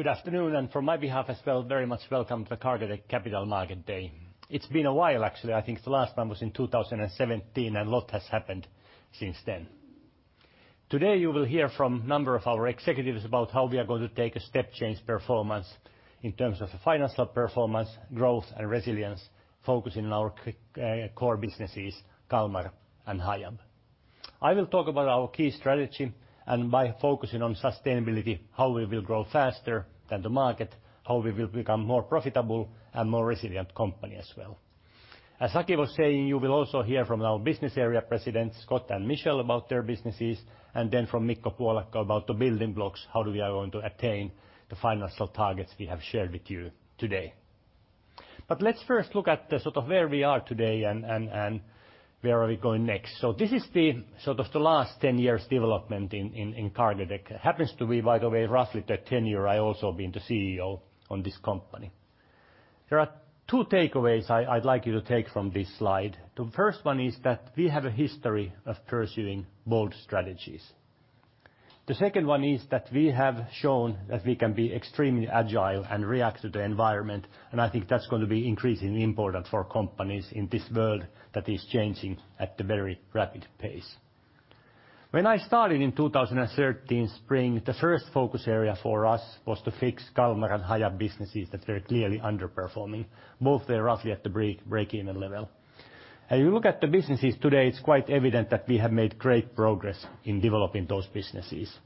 Good afternoon, and from my behalf as well, very much welcome to the Cargotec Capital Market Day. It's been a while, actually. I think the last one was in 2017, and a lot has happened since then. Today, you will hear from a number of our executives about how we are going to take a step-change performance in terms of financial performance, growth, and resilience, focusing on our core businesses, Kalmar and Hiab. I will talk about our key strategy, and by focusing on sustainability, how we will grow faster than the market, how we will become more profitable and more resilient company as well. As Aki was saying, you will also hear from our business area presidents, Scott and Michel, about their businesses, and then from Mikko Puolakka about the building blocks, how we are going to attain the financial targets we have shared with you today. Let's first look at, sort of, where we are today and where we are going next. This is the, sort of, last 10 years' development in Cargotec. Happens to be, by the way, roughly the tenure I also been the CEO on this company. There are two takeaways I'd like you to take from this slide. The first one is that we have a history of pursuing bold strategies. The second one is that we have shown that we can be extremely agile and react to the environment, and I think that's gonna be increasingly important for companies in this world that is changing at a very rapid pace. When I started in 2013 spring, the first focus area for us was to fix Kalmar and Hiab businesses that were clearly underperforming. Both were roughly at the break-even level. If you look at the businesses today, it's quite evident that we have made great progress in developing those businesses.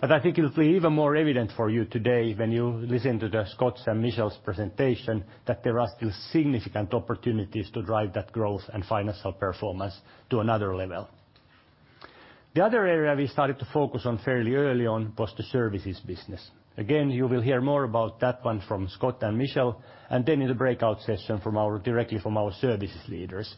I think it will be even more evident for you today when you listen to Scott's and Michel's presentation that there are still significant opportunities to drive that growth and financial performance to another level. The other area we started to focus on fairly early on was the services business. Again, you will hear more about that one from Scott and Michel, and then in the breakout session directly from our services leaders.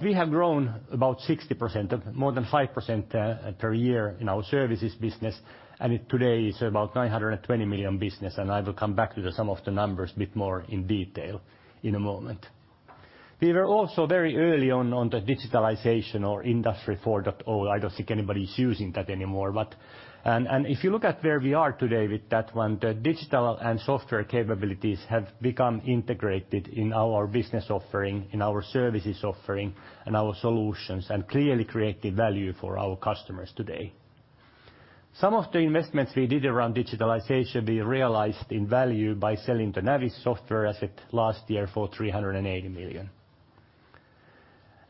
We have grown about 60%, more than 5% per year in our services business, and it today is about 920 million business, and I will come back to some of the numbers bit more in detail in a moment. We were also very early on the digitalization or Industry 4.0. I don't think anybody's using that anymore, but. If you look at where we are today with that one, the digital and software capabilities have become integrated in our business offering, in our services offering, and our solutions, and clearly creating value for our customers today. Some of the investments we did around digitalization we realized in value by selling the Navis software asset last year for 380 million.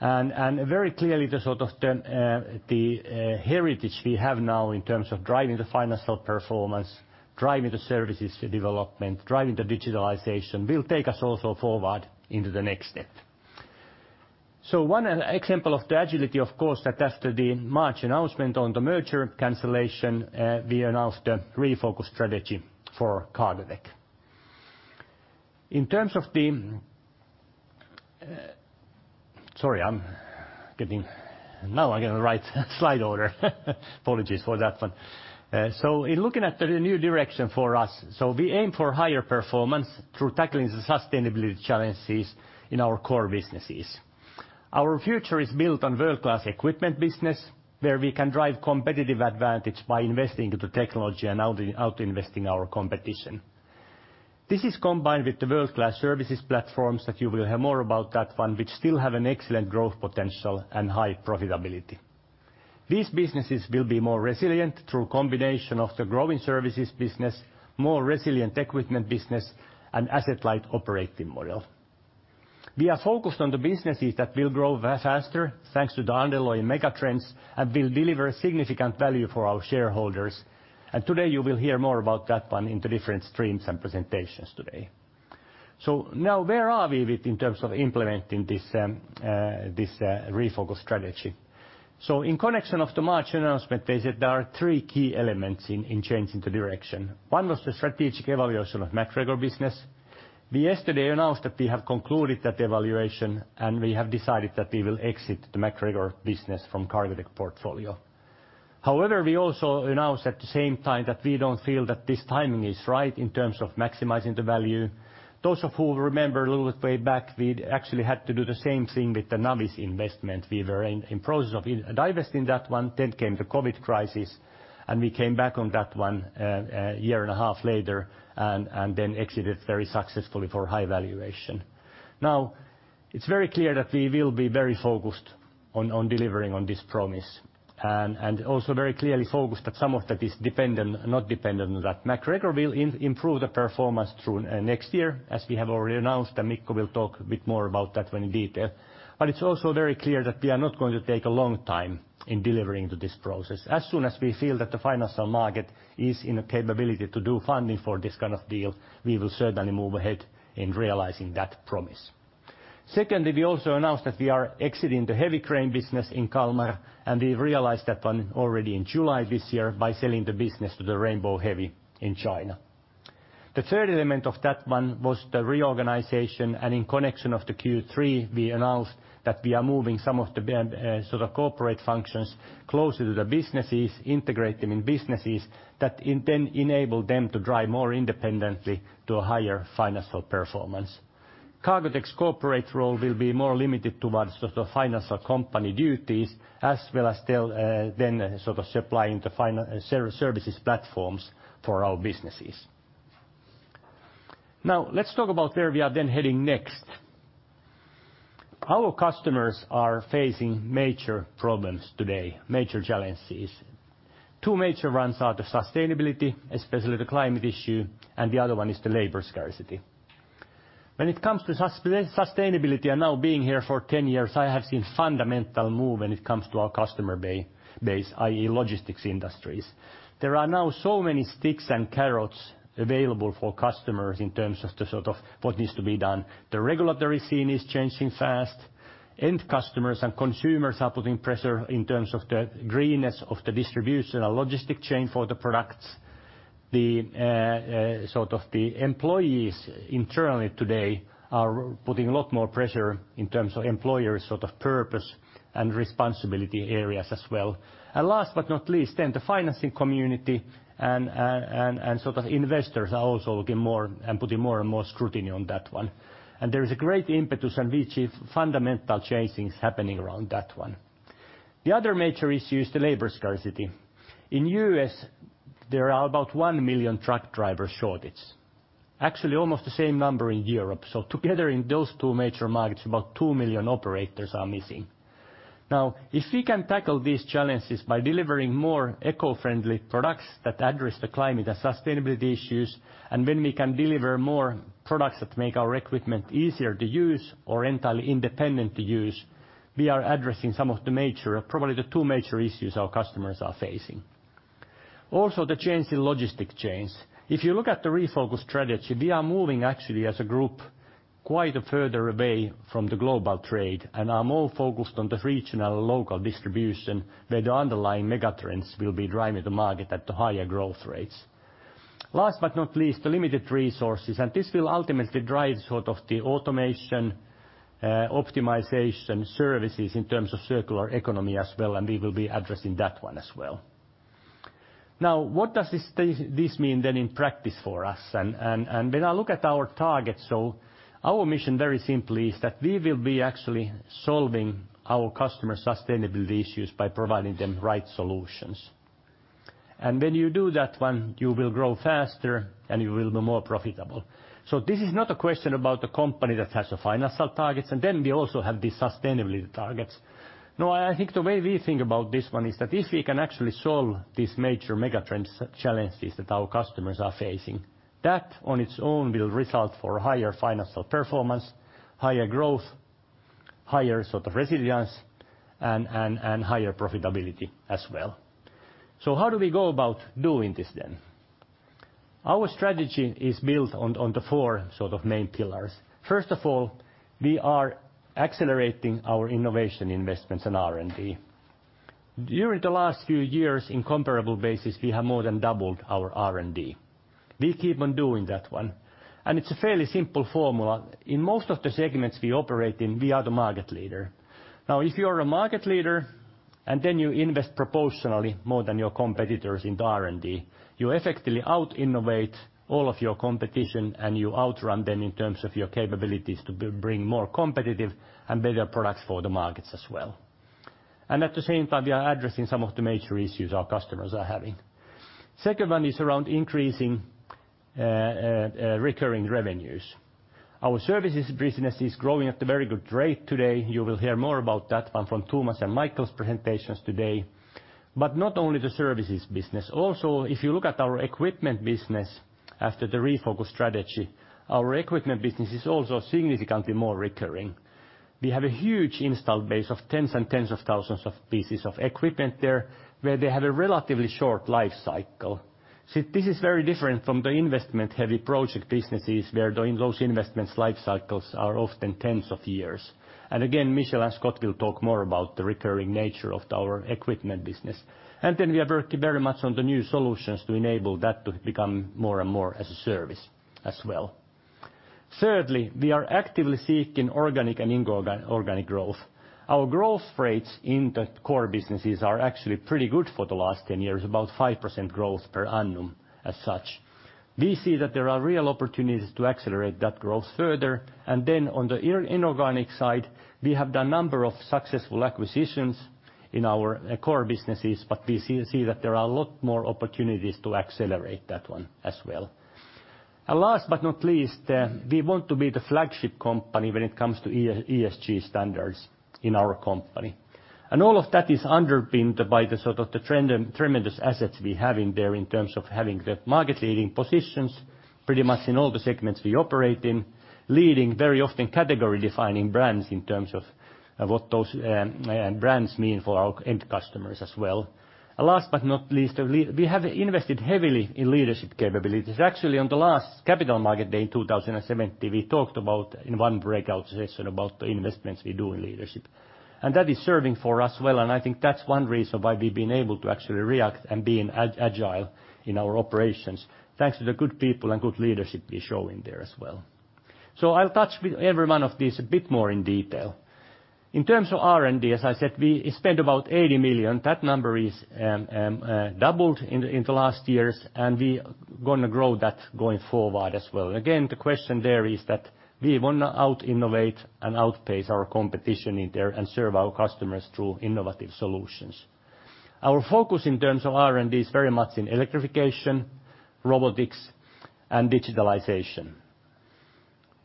Very clearly the heritage we have now in terms of driving the financial performance, driving the services development, driving the digitalization will take us also forward into the next step. One example of the agility, of course, that after the March announcement on the merger cancellation, we announced a refocused strategy for Cargotec. Sorry. Now I'm getting the right slide order. Apologies for that one. In looking at the new direction for us, we aim for higher performance through tackling the sustainability challenges in our core businesses. Our future is built on world-class equipment business, where we can drive competitive advantage by investing into technology and outinvesting our competition. This is combined with the world-class services platforms that you will hear more about that one, which still have an excellent growth potential and high profitability. These businesses will be more resilient through a combination of the growing services business, more resilient equipment business, and asset-light operating model. We are focused on the businesses that will grow faster thanks to the underlying megatrends and will deliver significant value for our shareholders, and today you will hear more about that one in the different streams and presentations today. Now, where are we within in terms of implementing this refocus strategy? In connection with the March announcement, they said there are three key elements in changing the direction. One was the strategic evaluation of MacGregor business. We yesterday announced that we have concluded that evaluation, and we have decided that we will exit the MacGregor business from Cargotec portfolio. However, we also announced at the same time that we don't feel that this timing is right in terms of maximizing the value. Those of you who remember a little way back, we'd actually had to do the same thing with the Navis investment. We were in process of divesting that one. COVID crisis came, and we came back on that one a year and a half later and then exited very successfully for high valuation. Now, it's very clear that we will be very focused on delivering on this promise and also very clearly focused that some of that is not dependent on that. MacGregor will improve the performance through next year, as we have already announced, and Mikko will talk a bit more about that one in detail. It's also very clear that we are not going to take a long time in delivering to this process. As soon as we feel that the financial market is in a position to do funding for this kind of deal, we will certainly move ahead in realizing that promise. Secondly, we also announced that we are exiting the heavy crane business in Kalmar, and we realized that one already in July this year by selling the business to the Rainbow Heavy Industries in China. The third element of that one was the reorganization, and in connection of the Q3, we announced that we are moving some of the sort of corporate functions closer to the businesses, integrating in businesses that it then enable them to drive more independently to a higher financial performance. Cargotec's corporate role will be more limited towards the financial company duties as well as still then sort of supplying the services platforms for our businesses. Now, let's talk about where we are then heading next. Our customers are facing major problems today, major challenges. Two major ones are the sustainability, especially the climate issue, and the other one is the labor scarcity. When it comes to sustainability, and now being here for ten years, I have seen fundamental move when it comes to our customer base, i.e. logistics industries. There are now so many sticks and carrots available for customers in terms of the, sort of, what needs to be done. The regulatory scene is changing fast. End customers and consumers are putting pressure in terms of the greenness of the distribution and logistic chain for the products. The sort of the employees internally today are putting a lot more pressure in terms of employer's, sort of, purpose and responsibility areas as well. Last but not least, the financing community and sort of investors are also looking more and putting more and more scrutiny on that one. There is a great impetus on which is fundamental changes happening around that one. The other major issue is the labor scarcity. In the U.S., there are about 1 million truck driver shortage, actually almost the same number in Europe. Together in those two major markets, about 2 million operators are missing. Now, if we can tackle these challenges by delivering more eco-friendly products that address the climate and sustainability issues, and when we can deliver more products that make our equipment easier to use or entirely independent to use, we are addressing some of the major, probably the two major issues our customers are facing. Also, the change in logistics chains. If you look at the refocus strategy, we are moving actually as a group quite a further away from the global trade and are more focused on the regional, local distribution, where the underlying megatrends will be driving the market at the higher growth rates. Last but not least, the limited resources, and this will ultimately drive sort of the automation, optimization services in terms of circular economy as well, and we will be addressing that one as well. Now, what does this mean then in practice for us? When I look at our targets, so our mission very simply is that we will be actually solving our customer sustainability issues by providing them right solutions. When you do that one, you will grow faster, and you will be more profitable. This is not a question about the company that has the financial targets, and then we also have the sustainability targets. No, I think the way we think about this one is that if we can actually solve these major megatrends challenges that our customers are facing, that on its own will result in higher financial performance, higher growth, higher sort of resilience, and higher profitability as well. How do we go about doing this then? Our strategy is built on the four sort of main pillars. First of all, we are accelerating our innovation investments in R&D. During the last few years on a comparable basis, we have more than doubled our R&D. We keep on doing that one, and it's a fairly simple formula. In most of the segments we operate in, we are the market leader. Now, if you are a market leader, and then you invest proportionally more than your competitors into R&D, you effectively out-innovate all of your competition, and you outrun them in terms of your capabilities to bring more competitive and better products for the markets as well. At the same time, we are addressing some of the major issues our customers are having. Second one is around increasing recurring revenues. Our services business is growing at a very good rate today. You will hear more about that one from Thomas and Michaël's presentations today. Not only the services business. Also, if you look at our equipment business after the refocus strategy, our equipment business is also significantly more recurring. We have a huge installed base of tens and tens of thousands of pieces of equipment there, where they have a relatively short life cycle. This is very different from the investment-heavy project businesses where those investments' life cycles are often tens of years. Again, Michel and Scott will talk more about the recurring nature of our equipment business. We are working very much on the new solutions to enable that to become more and more as a service as well. Thirdly, we are actively seeking organic and inorganic growth. Our growth rates in the core businesses are actually pretty good for the last 10 years, about 5% growth per annum as such. We see that there are real opportunities to accelerate that growth further, and then on the inorganic side, we have done a number of successful acquisitions in our core businesses, but we see that there are a lot more opportunities to accelerate that one as well. Last but not least, we want to be the flagship company when it comes to ESG standards in our company. All of that is underpinned by the sort of the tremendous assets we have in there in terms of having the market-leading positions pretty much in all the segments we operate in, leading very often category-defining brands in terms of, what those, brands mean for our end customers as well. Last but not least, we have invested heavily in leadership capabilities. Actually, on the last capital market day in 2017, we talked about in one breakout session about the investments we do in leadership. That is serving for us well, and I think that's one reason why we've been able to actually react and being agile in our operations, thanks to the good people and good leadership we're showing there as well. I'll touch with every one of these a bit more in detail. In terms of R&D, as I said, we spend about 80 million. That number is doubled in the last years, and we gonna grow that going forward as well. Again, the question there is that we wanna out-innovate and outpace our competition in there and serve our customers through innovative solutions. Our focus in terms of R&D is very much in electrification, robotics, and digitalization.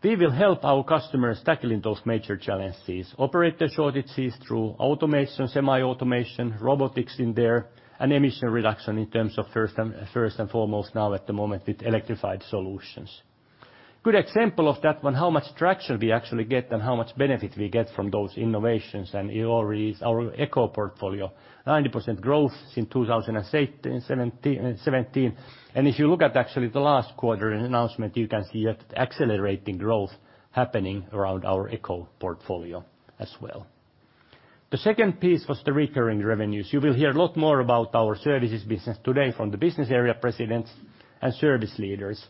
We will help our customers tackling those major challenges, operator shortages through automation, semi-automation, robotics in there, and emission reduction in terms of first and foremost now at the moment with electrified solutions. Good example of that one, how much traction we actually get and how much benefit we get from those innovations and you've already our eco portfolio, 90% growth in 2017. If you look at actually the last quarter announcement, you can see that accelerating growth happening around our eco portfolio as well. The second piece was the recurring revenues. You will hear a lot more about our services business today from the business area presidents and service leaders.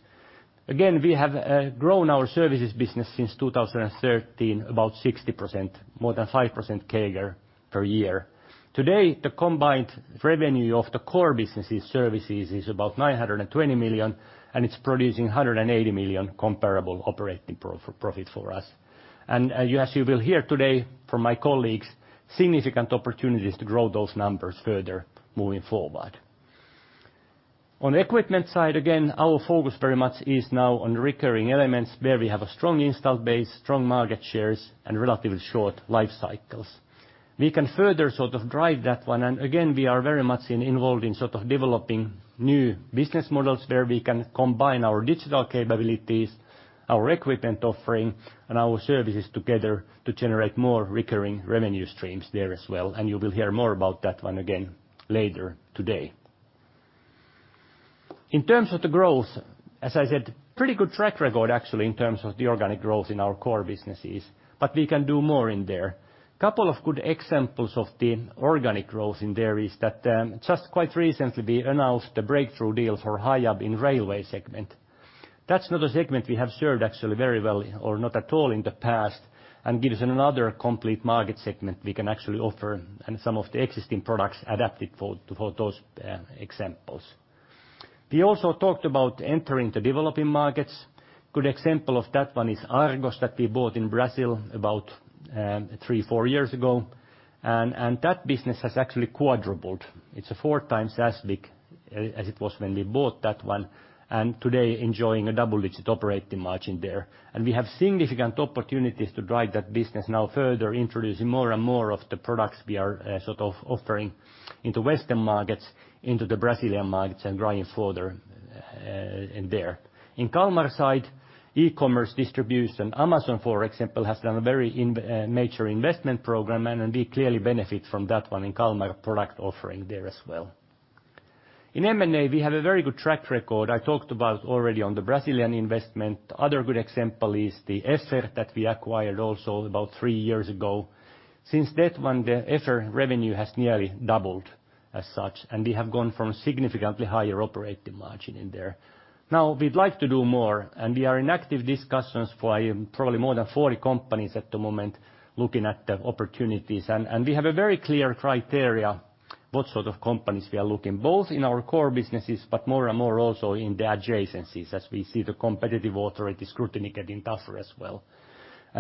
Again, we have grown our services business since 2013 about 60%, more than 5% CAGR per year. Today, the combined revenue of the core businesses services is about 920 million, and it's producing 180 million comparable operating profit for us. As you will hear today from my colleagues, significant opportunities to grow those numbers further moving forward. On the equipment side, again, our focus very much is now on recurring elements where we have a strong installed base, strong market shares, and relatively short life cycles. We can further sort of drive that one. Again, we are very much involved in sort of developing new business models where we can combine our digital capabilities, our equipment offering, and our services together to generate more recurring revenue streams there as well. You will hear more about that one again later today. In terms of the growth, as I said, pretty good track record actually in terms of the organic growth in our core businesses, but we can do more in there. Couple of good examples of the organic growth in there is that just quite recently we announced a breakthrough deal for Hiab in railway segment. That's not a segment we have served actually very well or not at all in the past and gives another complete market segment we can actually offer and some of the existing products adapted for those examples. We also talked about entering the developing markets. Good example of that one is Argos that we bought in Brazil about three, four years ago. That business has actually quadrupled. It's 4x as big as it was when we bought that one, and today enjoying a double-digit operating margin there. We have significant opportunities to drive that business now further, introducing more and more of the products we are sort of offering into Western markets, into the Brazilian markets and growing further in there. In Kalmar side, e-commerce distribution. Amazon, for example, has done a very major investment program, and we clearly benefit from that one in Kalmar product offering there as well. In M&A, we have a very good track record I talked about already on the Brazilian investment. Other good example is the EFFER that we acquired also about three years ago. Since that one, the EFFER revenue has nearly doubled as such, and we have gone from significantly higher operating margin in there. Now, we'd like to do more, and we are in active discussions for probably more than 40 companies at the moment looking at the opportunities. We have a very clear criteria what sort of companies we are looking, both in our core businesses, but more and more also in the adjacencies as we see the competitive authority scrutiny getting tougher as well.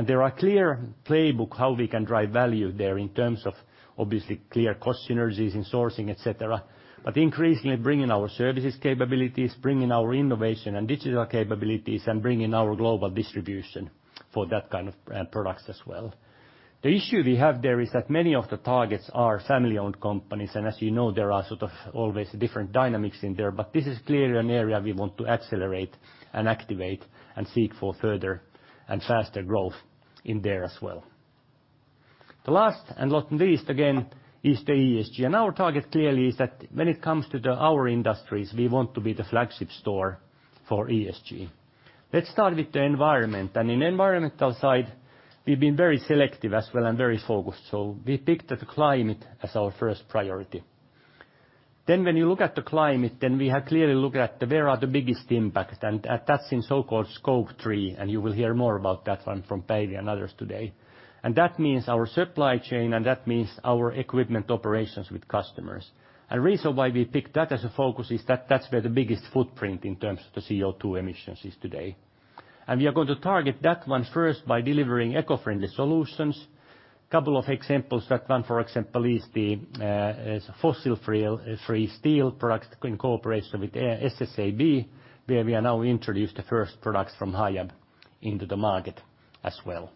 There are clear playbook how we can drive value there in terms of obviously clear cost synergies in sourcing, et cetera, but increasingly bringing our services capabilities, bringing our innovation and digital capabilities, and bringing our global distribution for that kind of products as well. The issue we have there is that many of the targets are family-owned companies, and as you know, there are sort of always different dynamics in there, but this is clearly an area we want to accelerate and activate and seek for further and faster growth in there as well. The last and not least, again, is the ESG. Our target clearly is that when it comes to our industries, we want to be the flagship store for ESG. Let's start with the environment. In environmental side, we've been very selective as well and very focused. We picked the climate as our first priority. When you look at the climate, then we have clearly looked at where are the biggest impacts, and that's in so-called Scope 3, and you will hear more about that one from Päivi Koivisto and others today. That means our supply chain, and that means our equipment operations with customers. Reason why we picked that as a focus is that that's where the biggest footprint in terms of the CO2 emissions is today. We are going to target that one first by delivering eco-friendly solutions. Couple of examples, that one for example is the fossil-free steel products in cooperation with SSAB, where we are now introduced the first products from Hiab into the market as well.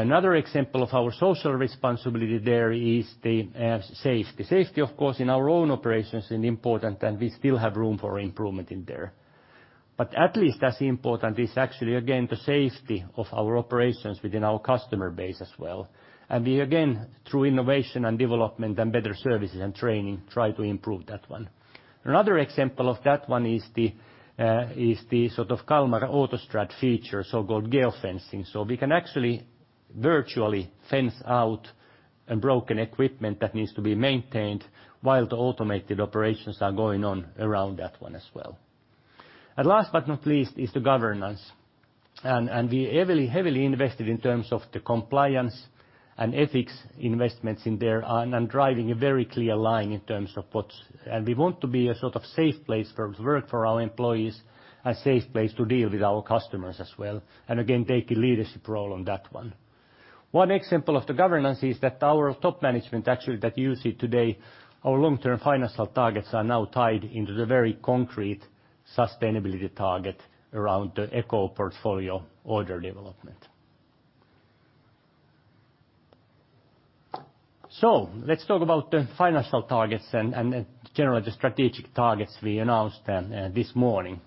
Another example of our social responsibility there is the safety. Safety, of course, in our own operations is important, and we still have room for improvement in there. But at least as important is actually again the safety of our operations within our customer base as well. We again, through innovation and development and better services and training, try to improve that one. Another example of that one is the sort of Kalmar AutoStrad feature, so-called geofencing. We can actually virtually fence out a broken equipment that needs to be maintained while the automated operations are going on around that one as well. Last but not least is the governance. We heavily invested in terms of the compliance and ethics investments in there and driving a very clear line in terms of what's and we want to be a sort of safe place for work for our employees, a safe place to deal with our customers as well, and again, take a leadership role on that one. One example of the governance is that our top management actually that you see today, our long-term financial targets are now tied into the very concrete sustainability target around the eco portfolio order development. Let's talk about the financial targets and and general strategic targets we announced this morning.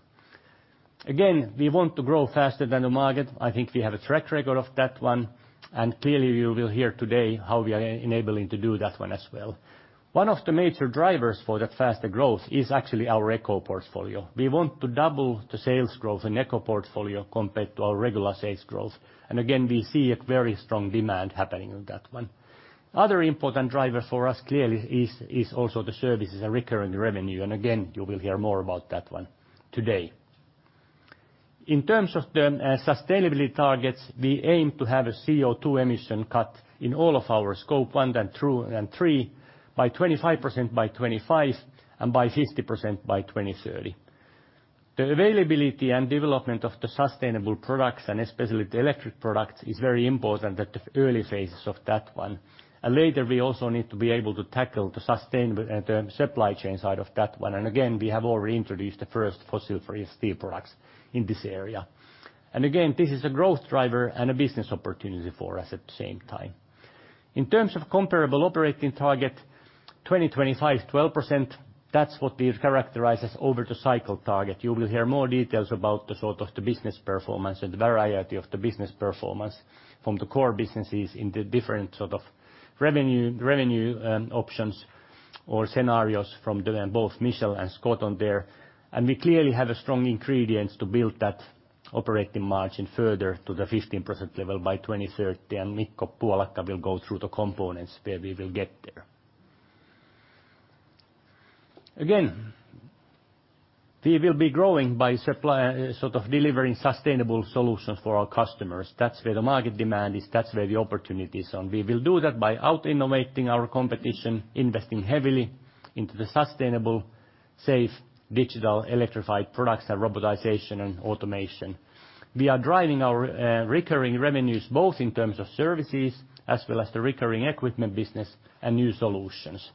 Again, we want to grow faster than the market. I think we have a track record of that one. Clearly you will hear today how we are enabling to do that one as well. One of the major drivers for that faster growth is actually our eco portfolio. We want to double the sales growth in eco portfolio compared to our regular sales growth. Again, we see a very strong demand happening on that one. Other important driver for us clearly is also the services and recurring revenue. You will hear more about that one today. In terms of the sustainability targets, we aim to have a CO2 emission cut in all of our Scope 1 and 2 and 3 by 25% by 2025, and by 50% by 2030. The availability and development of the sustainable products, and especially the electric products, is very important at the early phases of that one. Later, we also need to be able to tackle the supply chain side of that one. We have already introduced the first fossil-free steel products in this area. This is a growth driver and a business opportunity for us at the same time. In terms of comparable operating target, 2025 is 12%, that's what we characterize as over the cycle target. You will hear more details about the sort of the business performance and the variety of the business performance from the core businesses in the different sort of revenue options or scenarios from both Michel and Scott there. We clearly have a strong ingredients to build that operating margin further to the 15% level by 2030, and Mikko Puolakka will go through the components where we will get there. We will be growing by supplying sort of delivering sustainable solutions for our customers. That's where the market demand is. That's where the opportunity is. We will do that by out-innovating our competition, investing heavily into the sustainable, safe, digital electrified products, and robotization and automation. We are driving our recurring revenues, both in terms of services as well as the recurring equipment business and new solutions.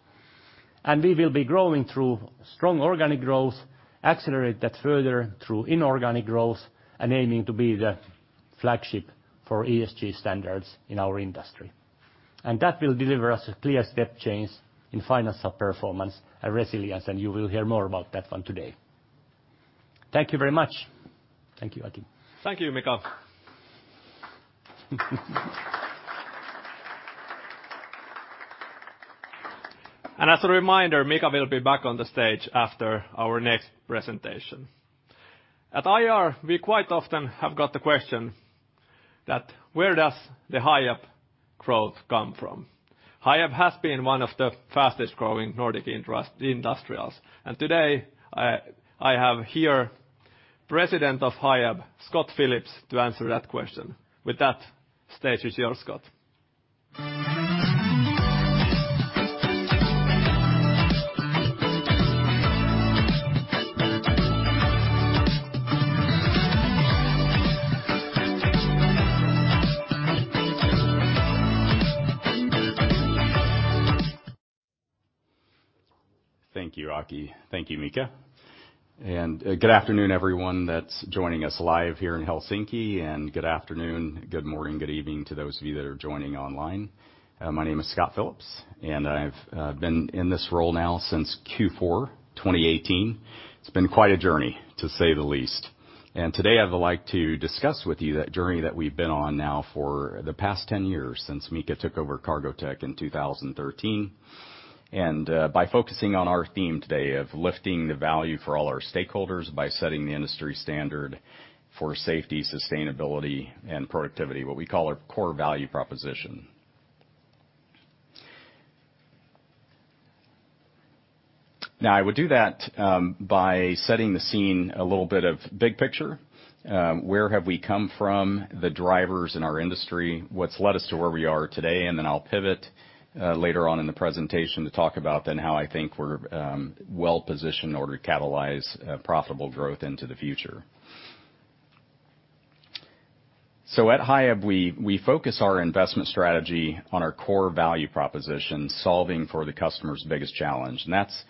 We will be growing through strong organic growth, accelerate that further through inorganic growth, and aiming to be the flagship for ESG standards in our industry. That will deliver us a clear step change in financial performance and resilience, and you will hear more about that one today. Thank you very much. Thank you, Aki. Thank you, Mika. As a reminder, Mika will be back on the stage after our next presentation. At IR, we quite often have got the question that where does the Hiab growth come from? Hiab has been one of the fastest growing Nordic industrials. Today, I have here President of Hiab, Scott Phillips, to answer that question. With that, stage is yours, Scott. Thank you, Aki. Thank you, Mika. Good afternoon everyone that's joining us live here in Helsinki, and good afternoon, good morning, good evening to those of you that are joining online. My name is Scott Phillips, and I've been in this role now since Q4 2018. It's been quite a journey, to say the least. Today I would like to discuss with you that journey that we've been on now for the past 10 years since Mika took over Cargotec in 2013. By focusing on our theme today of lifting the value for all our stakeholders by setting the industry standard for safety, sustainability and productivity, what we call our core value proposition. Now, I would do that by setting the scene a little bit of big picture, where have we come from, the drivers in our industry, what's led us to where we are today, and then I'll pivot later on in the presentation to talk about then how I think we're well positioned in order to catalyze profitable growth into the future. At Hiab, we focus our investment strategy on our core value proposition, solving for the customer's biggest challenge. That's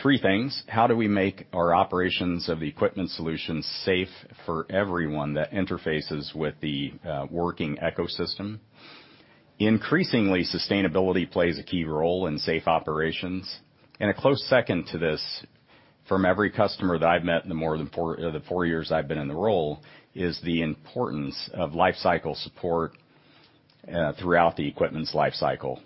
three things. How do we make our operations of equipment solutions safe for everyone that interfaces with the working ecosystem? Increasingly, sustainability plays a key role in safe operations. A close second to this from every customer that I've met in the four years I've been in the role is the importance of lifecycle support throughout the equipment's lifecycle.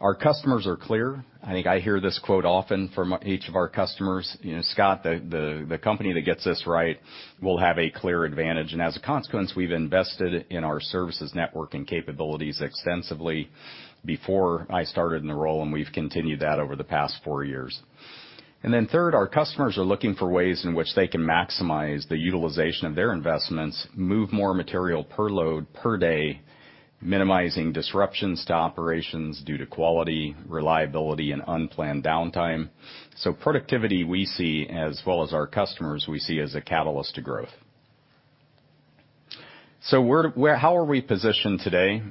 Our customers are clear. I think I hear this quote often from each of our customers. You know, Scott, the company that gets this right will have a clear advantage. As a consequence, we've invested in our services networking capabilities extensively before I started in the role, and we've continued that over the past four years. Then third, our customers are looking for ways in which they can maximize the utilization of their investments, move more material per load per day, minimizing disruptions to operations due to quality, reliability and unplanned downtime. Productivity we see, as well as our customers, we see as a catalyst to growth. How are we positioned today?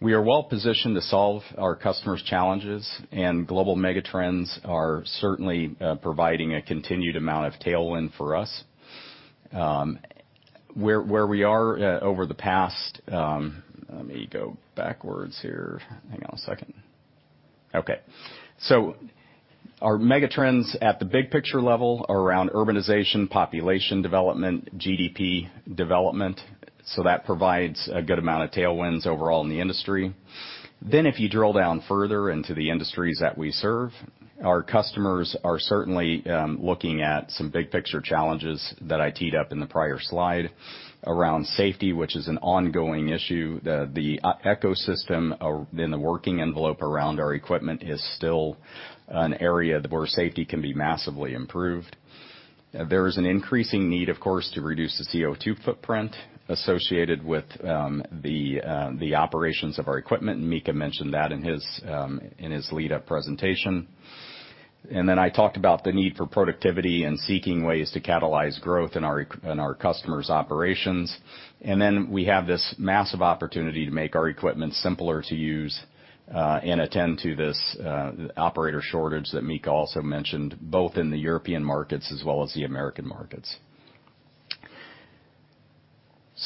We are well positioned to solve our customers' challenges, and global megatrends are certainly providing a continued amount of tailwind for us. Our megatrends at the big picture level are around urbanization, population development, GDP development, so that provides a good amount of tailwinds overall in the industry. Then if you drill down further into the industries that we serve, our customers are certainly looking at some big picture challenges that I teed up in the prior slide around safety, which is an ongoing issue. The ecosystem in the working envelope around our equipment is still an area where safety can be massively improved. There is an increasing need, of course, to reduce the CO2 footprint associated with the operations of our equipment, and Mika mentioned that in his lead-up presentation. I talked about the need for productivity and seeking ways to catalyze growth in our customers' operations. We have this massive opportunity to make our equipment simpler to use and attend to this operator shortage that Mika also mentioned, both in the European markets as well as the American markets.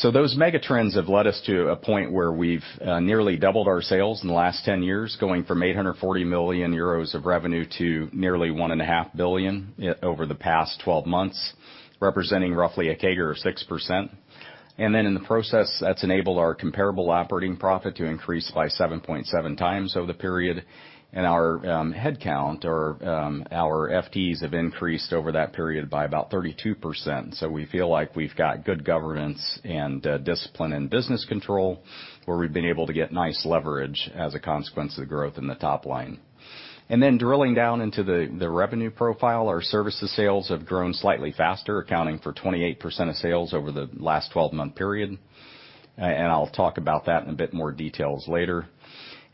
Those megatrends have led us to a point where we've nearly doubled our sales in the last 10 years, going from 840 million euros of revenue to nearly 1.5 billion over the past 12 months, representing roughly a CAGR of 6%. Then in the process, that's enabled our comparable operating profit to increase by 7.7x over the period. Our headcount or our FTEs have increased over that period by about 32%. We feel like we've got good governance and discipline and business control, where we've been able to get nice leverage as a consequence of growth in the top line. Drilling down into the revenue profile, our services sales have grown slightly faster, accounting for 28% of sales over the last 12-month period, and I'll talk about that in a bit more detail later.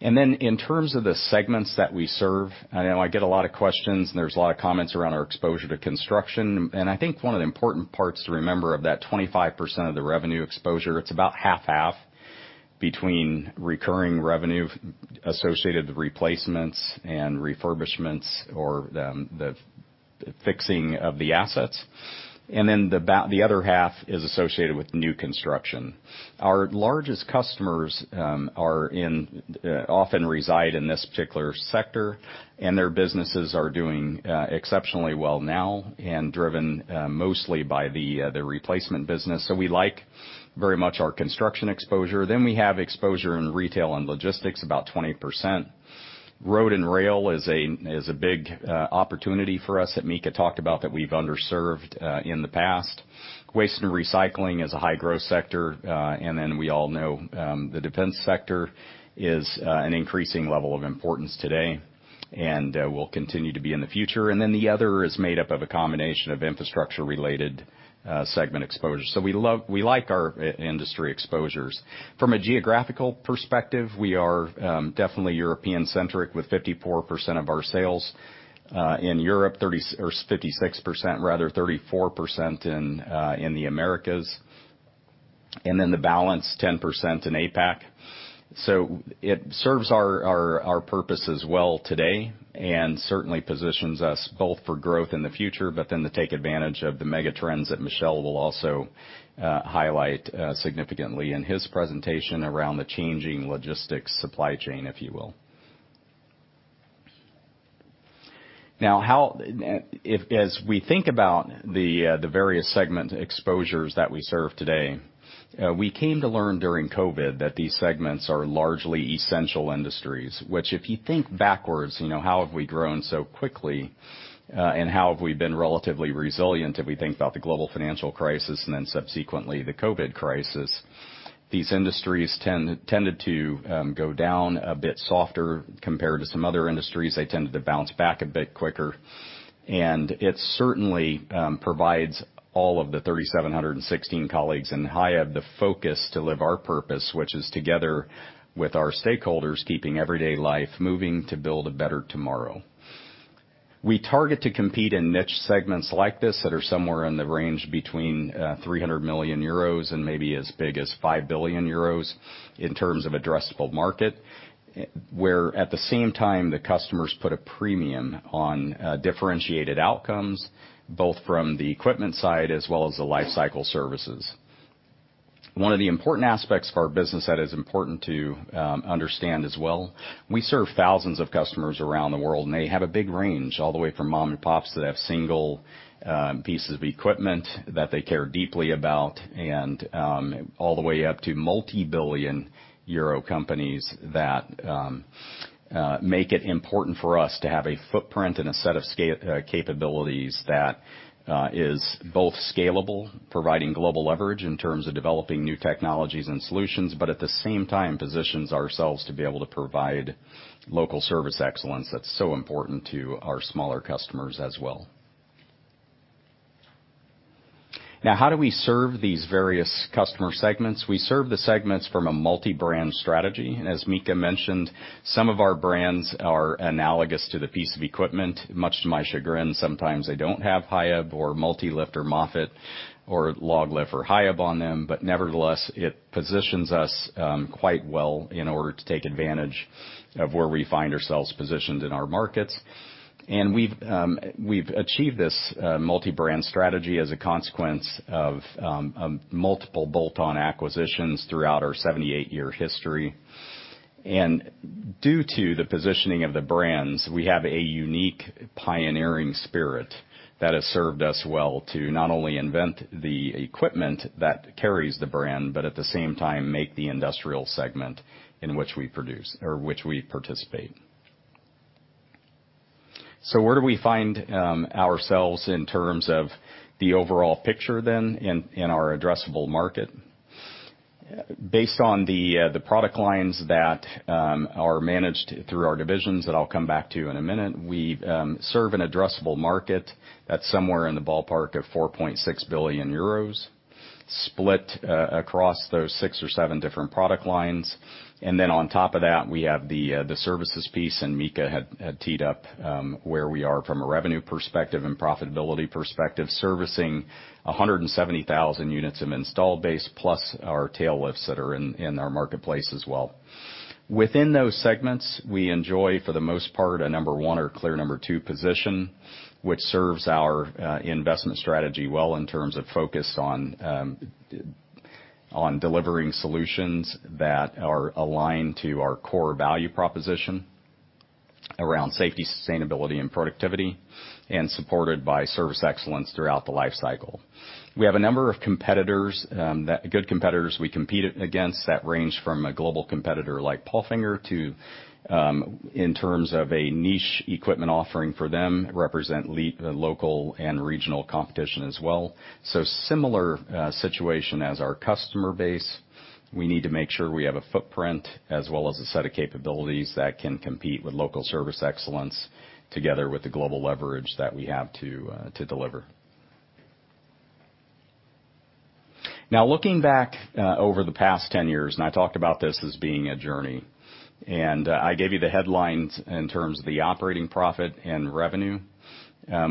In terms of the segments that we serve, I know I get a lot of questions, and there's a lot of comments around our exposure to construction. I think one of the important parts to remember of that 25% of the revenue exposure, it's about half/half between recurring revenue associated with replacements and refurbishments or the fixing of the assets, and then the other half is associated with new construction. Our largest customers are in, often reside in this particular sector, and their businesses are doing exceptionally well now and driven mostly by the replacement business. We like very much our construction exposure. We have exposure in retail and logistics, about 20%. Road and rail is a big opportunity for us that Mika talked about that we've underserved in the past. Waste and recycling is a high-growth sector, and we all know the defense sector is an increasing level of importance today and will continue to be in the future. The other is made up of a combination of infrastructure-related segment exposure. We like our industry exposures. From a geographical perspective, we are definitely European-centric with 54% of our sales in Europe, or 56% rather, 34% in the Americas, and the balance, 10% in APAC. It serves our purpose as well today and certainly positions us both for growth in the future, but then to take advantage of the megatrends that Michel will also highlight significantly in his presentation around the changing logistics supply chain, if you will. Now, as we think about the various segment exposures that we serve today, we came to learn during COVID that these segments are largely essential industries, which if you think backwards, you know, how have we grown so quickly, and how have we been relatively resilient if we think about the global financial crisis and then subsequently the COVID crisis? These industries tended to go down a bit softer compared to some other industries. They tended to bounce back a bit quicker. It certainly provides all of the 3,716 colleagues in Hiab the focus to live our purpose, which is together with our stakeholders, keeping everyday life moving to build a better tomorrow. We target to compete in niche segments like this that are somewhere in the range between 300 million euros and maybe as big as 5 billion euros in terms of addressable market, where at the same time, the customers put a premium on differentiated outcomes, both from the equipment side as well as the lifecycle services. One of the important aspects of our business that is important to understand as well, we serve thousands of customers around the world, and they have a big range, all the way from mom and pops that have single pieces of equipment that they care deeply about and all the way up to multi-billion euros companies that make it important for us to have a footprint and a set of capabilities that is both scalable, providing global leverage in terms of developing new technologies and solutions, but at the same time, positions ourselves to be able to provide local service excellence that's so important to our smaller customers as well. Now, how do we serve these various customer segments? We serve the segments from a multi-brand strategy. As Mika mentioned, some of our brands are analogous to the piece of equipment. Much to my chagrin, sometimes they don't have HIAB or MULTILIFT or MOFFETT or LOGLIFT or HIAB on them, but nevertheless, it positions us quite well in order to take advantage of where we find ourselves positioned in our markets. We've achieved this multi-brand strategy as a consequence of multiple bolt-on acquisitions throughout our 78-year history. Due to the positioning of the brands, we have a unique pioneering spirit that has served us well to not only invent the equipment that carries the brand, but at the same time, make the industrial segment in which we produce or which we participate. Where do we find ourselves in terms of the overall picture then in our addressable market? Based on the product lines that are managed through our divisions that I'll come back to in a minute, we serve an addressable market that's somewhere in the ballpark of 4.6 billion euros split across those six or seven different product lines. On top of that, we have the services piece, and Mika had teed up where we are from a revenue perspective and profitability perspective, servicing 170,000 units of installed base plus our tail lifts that are in our marketplace as well. Within those segments, we enjoy, for the most part, a number one or clear number two position, which serves our investment strategy well in terms of focus on delivering solutions that are aligned to our core value proposition around safety, sustainability, and productivity, and supported by service excellence throughout the lifecycle. We have a number of competitors, good competitors we compete against that range from a global competitor like Palfinger to, in terms of a niche equipment offering for them, represent local and regional competition as well. Similar situation as our customer base. We need to make sure we have a footprint as well as a set of capabilities that can compete with local service excellence together with the global leverage that we have to deliver. Now, looking back over the past 10 years, and I talked about this as being a journey, and I gave you the headlines in terms of the operating profit and revenue.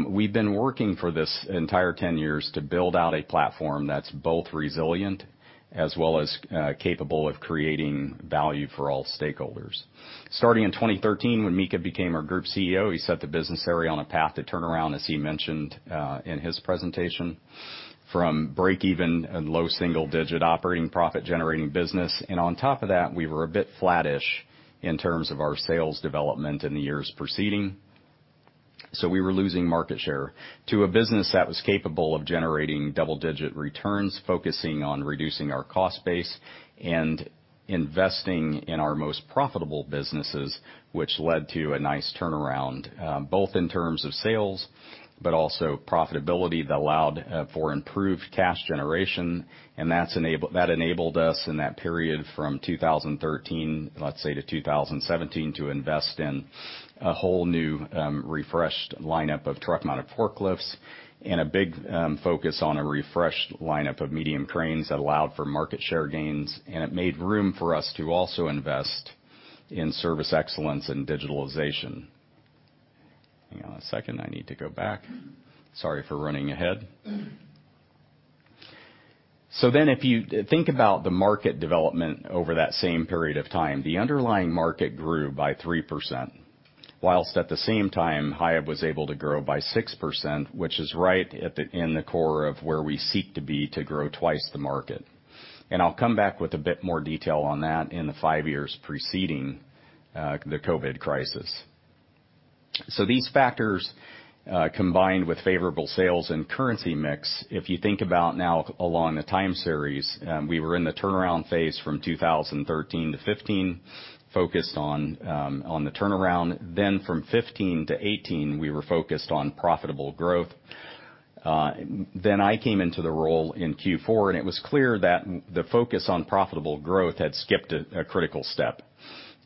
We've been working for this entire 10 years to build out a platform that's both resilient as well as capable of creating value for all stakeholders. Starting in 2013, when Mika became our group CEO, he set the business area on a path to turnaround, as he mentioned in his presentation, from break even and low single-digit operating profit-generating business. On top of that, we were a bit flattish in terms of our sales development in the years preceding. We were losing market share to a business that was capable of generating double-digit returns, focusing on reducing our cost base and investing in our most profitable businesses, which led to a nice turnaround, both in terms of sales, but also profitability that allowed for improved cash generation. That enabled us in that period from 2013, let's say, to 2017 to invest in a whole new refreshed lineup of truck mounted forklifts and a big focus on a refreshed lineup of medium cranes that allowed for market share gains, and it made room for us to also invest in service excellence and digitalization. Hang on a second. I need to go back. Sorry for running ahead. If you think about the market development over that same period of time, the underlying market grew by 3%, while at the same time, Hiab was able to grow by 6%, which is right in the core of where we seek to be to grow twice the market. I'll come back with a bit more detail on that in the five years preceding the COVID crisis. These factors combined with favorable sales and currency mix, if you think about now along the time series, we were in the turnaround phase from 2013 to 2015, focused on the turnaround. From 2015 to 2018, we were focused on profitable growth. I came into the role in Q4, and it was clear that the focus on profitable growth had skipped a critical step.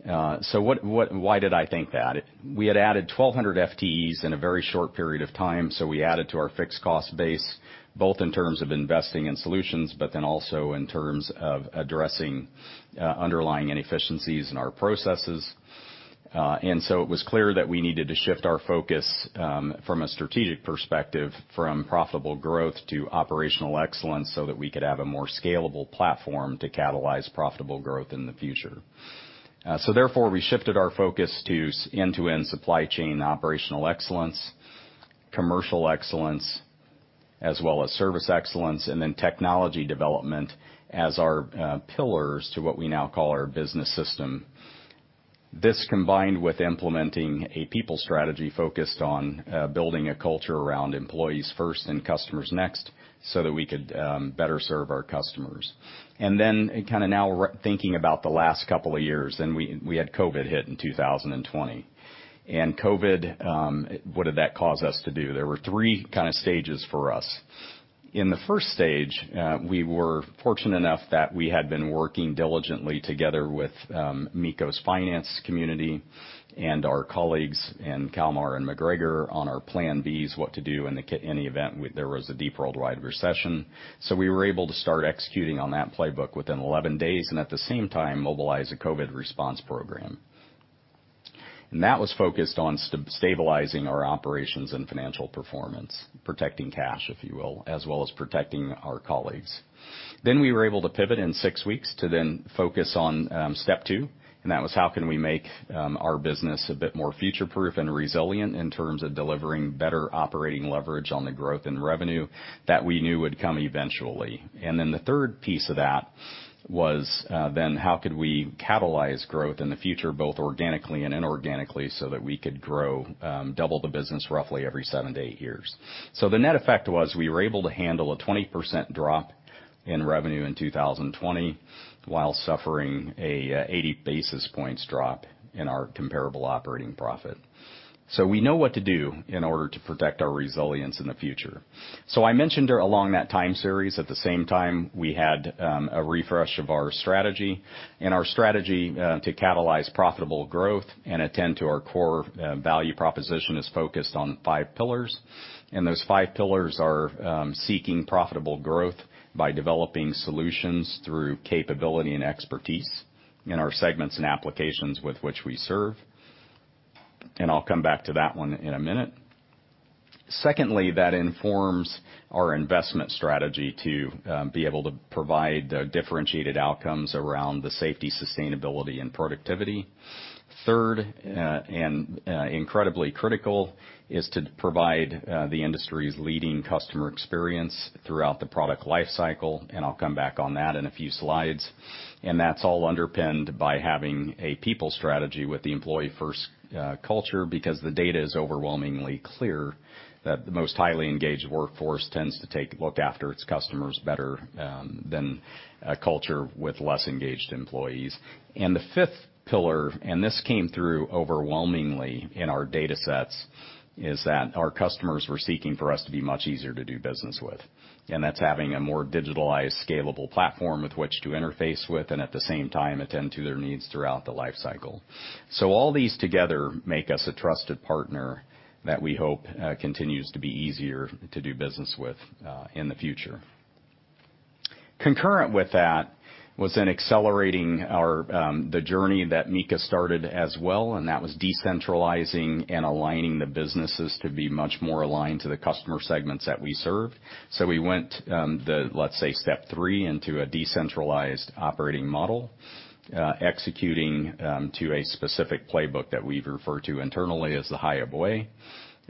Why did I think that? We had added 1,200 FTEs in a very short period of time, so we added to our fixed cost base, both in terms of investing in solutions, but then also in terms of addressing underlying inefficiencies in our processes. It was clear that we needed to shift our focus from a strategic perspective from profitable growth to operational excellence so that we could have a more scalable platform to catalyze profitable growth in the future. Therefore, we shifted our focus to end-to-end supply chain operational excellence, commercial excellence, as well as service excellence, and then technology development as our pillars to what we now call our business system. This combined with implementing a people strategy focused on building a culture around employees first and customers next so that we could better serve our customers. Then kind of now we're thinking about the last couple of years, and we had COVID hit in 2020. COVID, what did that cause us to do? There were three kind of stages for us. In the first stage, we were fortunate enough that we had been working diligently together with Mikko's finance community and our colleagues in Kalmar and MacGregor on our plan Bs, what to do in the event there was a deep worldwide recession. We were able to start executing on that playbook within 11 days and at the same time mobilize a COVID response program. That was focused on stabilizing our operations and financial performance, protecting cash, if you will, as well as protecting our colleagues. We were able to pivot in six weeks to focus on step two, and that was how can we make our business a bit more future-proof and resilient in terms of delivering better operating leverage on the growth and revenue that we knew would come eventually. The third piece of that was how could we catalyze growth in the future, both organically and inorganically, so that we could grow double the business roughly every seven to eight years. The net effect was we were able to handle a 20% drop in revenue in 2020 while suffering a 80 basis points drop in our comparable operating profit. We know what to do in order to protect our resilience in the future. I mentioned along that time series, at the same time, we had a refresh of our strategy, and our strategy to catalyze profitable growth and attend to our core value proposition is focused on five pillars. Those five pillars are seeking profitable growth by developing solutions through capability and expertise in our segments and applications with which we serve. I'll come back to that one in a minute. Secondly, that informs our investment strategy to be able to provide differentiated outcomes around the safety, sustainability, and productivity. Third, and incredibly critical is to provide the industry's leading customer experience throughout the product life cycle, and I'll come back on that in a few slides. That's all underpinned by having a people strategy with the employee first culture, because the data is overwhelmingly clear that the most highly engaged workforce tends to look after its customers better than a culture with less engaged employees. The fifth pillar, and this came through overwhelmingly in our datasets, is that our customers were seeking for us to be much easier to do business with. That's having a more digitalized, scalable platform with which to interface with and at the same time attend to their needs throughout the life cycle. All these together make us a trusted partner that we hope continues to be easier to do business with in the future. Concurrent with that was then accelerating our journey that Mika started as well, and that was decentralizing and aligning the businesses to be much more aligned to the customer segments that we serve. We went, let's say, step three into a decentralized operating model, executing to a specific playbook that we refer to internally as the Hiab Way.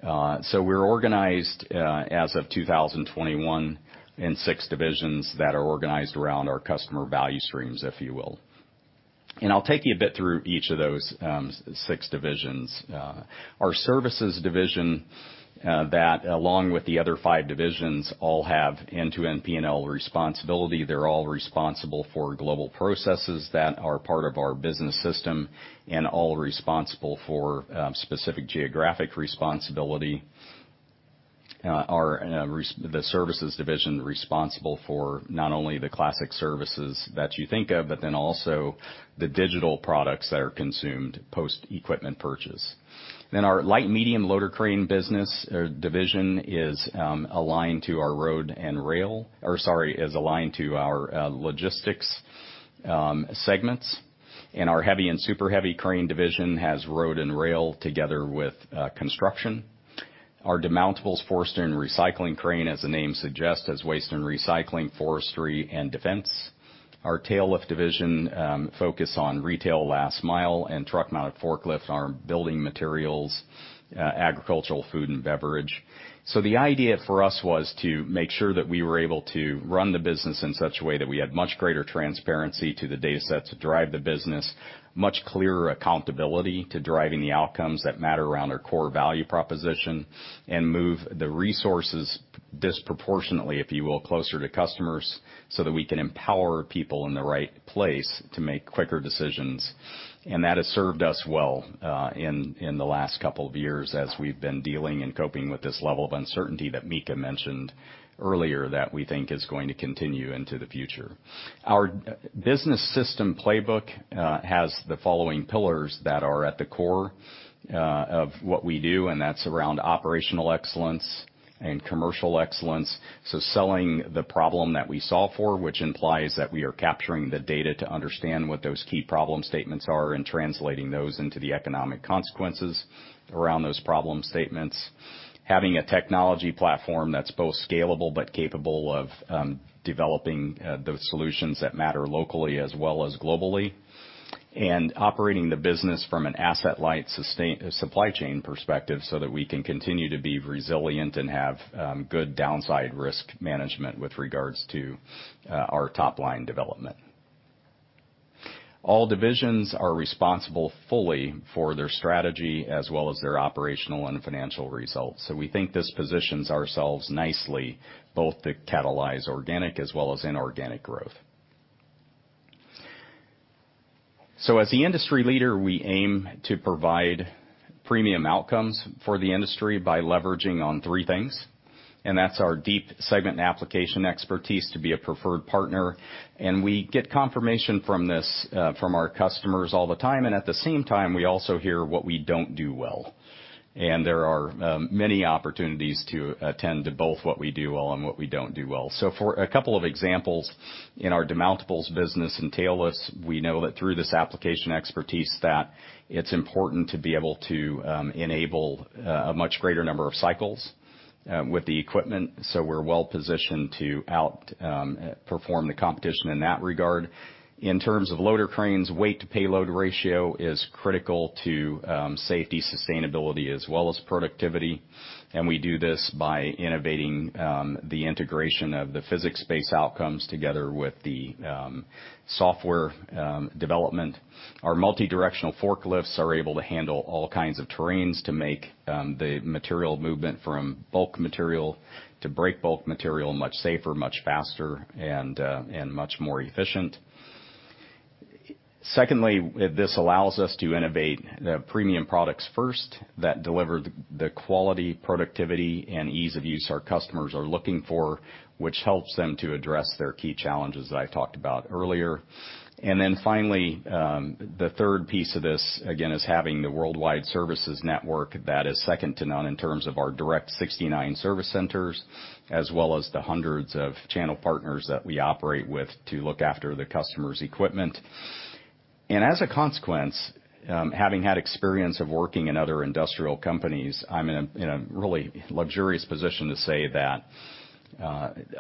We're organized as of 2021 in six divisions that are organized around our customer value streams, if you will. I'll take you a bit through each of those six divisions. Our services division, that along with the other five divisions, all have end-to-end P&L responsibility. They're all responsible for global processes that are part of our business system and all responsible for specific geographic responsibility. The services division responsible for not only the classic services that you think of, but also the digital products that are consumed post-equipment purchase. Our light medium loader crane business division is aligned to our logistics segments. Our heavy and super heavy crane division has road and rail together with construction. Our demountables forestry and recycling crane, as the name suggests, has waste and recycling, forestry and defense. Our tail lift division focus on retail last mile and truck mounted forklifts, our building materials, agricultural, food, and beverage. The idea for us was to make sure that we were able to run the business in such a way that we had much greater transparency to the datasets to drive the business, much clearer accountability to driving the outcomes that matter around our core value proposition, and move the resources disproportionately, if you will, closer to customers so that we can empower people in the right place to make quicker decisions. That has served us well in the last couple of years as we've been dealing and coping with this level of uncertainty that Mika mentioned earlier that we think is going to continue into the future. Our business system playbook has the following pillars that are at the core of what we do, and that's around operational excellence and commercial excellence. Selling the problem that we solve for, which implies that we are capturing the data to understand what those key problem statements are and translating those into the economic consequences around those problem statements. Having a technology platform that's both scalable but capable of developing those solutions that matter locally as well as globally. Operating the business from an asset-light supply chain perspective so that we can continue to be resilient and have good downside risk management with regards to our top-line development. All divisions are responsible fully for their strategy as well as their operational and financial results. We think this positions ourselves nicely both to catalyze organic as well as inorganic growth. As the industry leader, we aim to provide premium outcomes for the industry by leveraging on three things, and that's our deep segment application expertise to be a preferred partner. We get confirmation from this from our customers all the time. At the same time, we also hear what we don't do well. There are many opportunities to attend to both what we do well and what we don't do well. For a couple of examples, in our demountables business and tail lifts, we know that through this application expertise that it's important to be able to enable a much greater number of cycles with the equipment, we're well positioned to outperform the competition in that regard. In terms of loader cranes, weight to payload ratio is critical to safety, sustainability, as well as productivity. We do this by innovating the integration of the physics-based outcomes together with the software development. Our multidirectional forklifts are able to handle all kinds of terrains to make the material movement from bulk material to break bulk material much safer, much faster, and much more efficient. Secondly, this allows us to innovate the premium products first that deliver the quality, productivity, and ease of use our customers are looking for, which helps them to address their key challenges that I talked about earlier. Finally, the third piece of this, again, is having the worldwide services network that is second to none in terms of our direct 69 service centers, as well as the hundreds of channel partners that we operate with to look after the customer's equipment. As a consequence, having had experience of working in other industrial companies, I'm in a really luxurious position to say that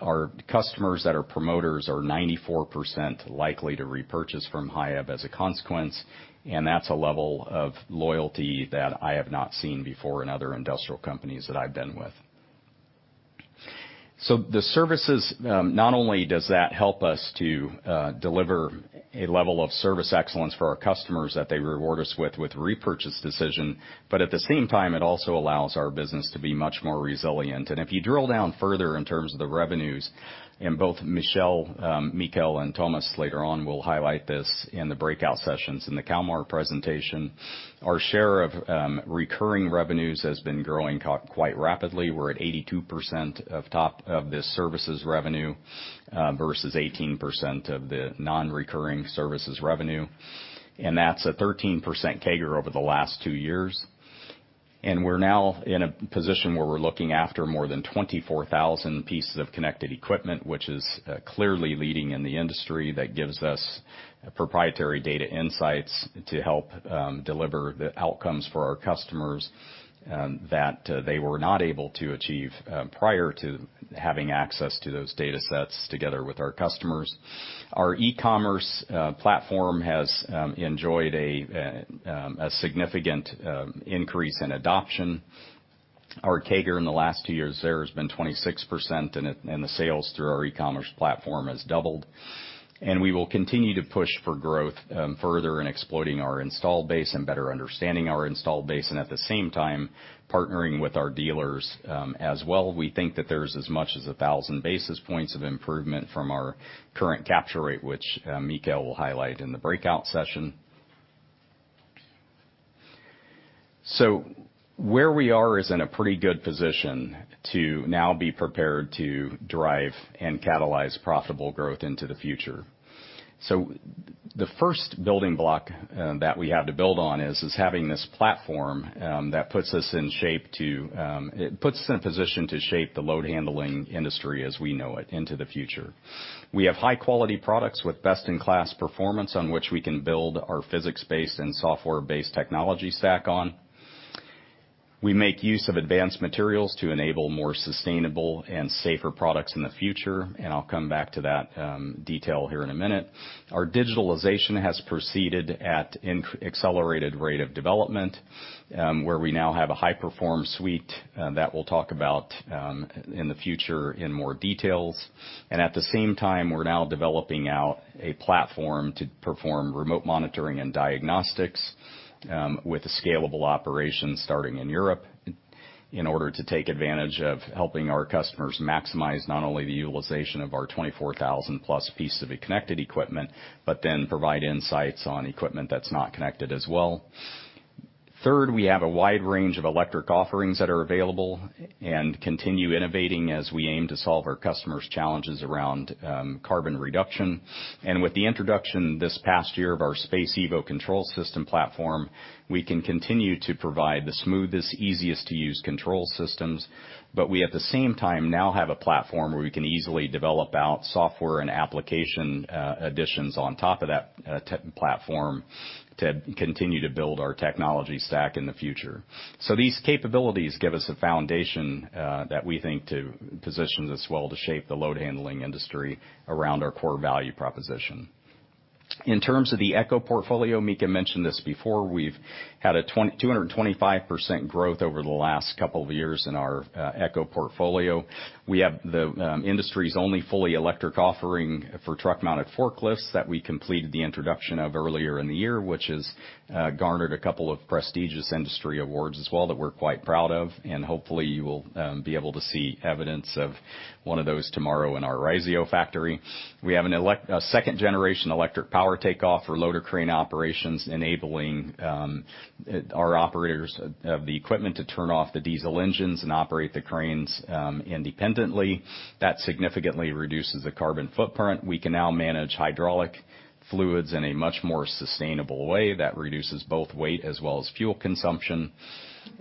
our customers that are promoters are 94% likely to repurchase from Hiab as a consequence, and that's a level of loyalty that I have not seen before in other industrial companies that I've been with. The services not only does that help us to deliver a level of service excellence for our customers that they reward us with repurchase decision, but at the same time, it also allows our business to be much more resilient. If you drill down further in terms of the revenues, and both Michel, Michaël, and Thomas later on will highlight this in the breakout sessions in the Kalmar presentation, our share of recurring revenues has been growing quite rapidly. We're at 82% of the services revenue versus 18% of the non-recurring services revenue, and that's a 13% CAGR over the last two years. We're now in a position where we're looking after more than 24,000 pieces of connected equipment, which is clearly leading in the industry. That gives us proprietary data insights to help deliver the outcomes for our customers that they were not able to achieve prior to having access to those datasets together with our customers. Our e-commerce platform has enjoyed a significant increase in adoption. Our CAGR in the last two years there has been 26%, and the sales through our e-commerce platform has doubled. We will continue to push for growth further in exploiting our installed base and better understanding our installed base, and at the same time, partnering with our dealers as well. We think that there's as much as 1,000 basis points of improvement from our current capture rate, which Michaël will highlight in the breakout session. Where we are is in a pretty good position to now be prepared to drive and catalyze profitable growth into the future. The first building block that we have to build on is having this platform that puts us in a position to shape the load handling industry as we know it into the future. We have high-quality products with best-in-class performance on which we can build our physics-based and software-based technology stack on. We make use of advanced materials to enable more sustainable and safer products in the future, and I'll come back to that detail here in a minute. Our digitalization has proceeded at accelerated rate of development, where we now have a HiPerform suite that we'll talk about in the future in more details. At the same time, we're now developing out a platform to perform remote monitoring and diagnostics, with a scalable operation starting in Europe in order to take advantage of helping our customers maximize not only the utilization of our 24,000+ pieces of connected equipment, but then provide insights on equipment that's not connected as well. Third, we have a wide range of electric offerings that are available and continue innovating as we aim to solve our customers' challenges around carbon reduction. With the introduction this past year of our SPACEevo control system platform, we can continue to provide the smoothest, easiest-to-use control systems. We, at the same time, now have a platform where we can easily develop out software and application additions on top of that platform to continue to build our technology stack in the future. These capabilities give us a foundation that we think positions us well to shape the load handling industry around our core value proposition. In terms of the eco portfolio, Mika mentioned this before, we've had a 225% growth over the last couple of years in our eco portfolio. We have the industry's only fully electric offering for truck-mounted forklifts that we completed the introduction of earlier in the year, which has garnered a couple of prestigious industry awards as well that we're quite proud of, and hopefully you will be able to see evidence of one of those tomorrow in our Raisio factory. We have a second-generation electric power takeoff for loader crane operations, enabling our operators of the equipment to turn off the diesel engines and operate the cranes independently. That significantly reduces the carbon footprint. We can now manage hydraulic fluids in a much more sustainable way that reduces both weight as well as fuel consumption.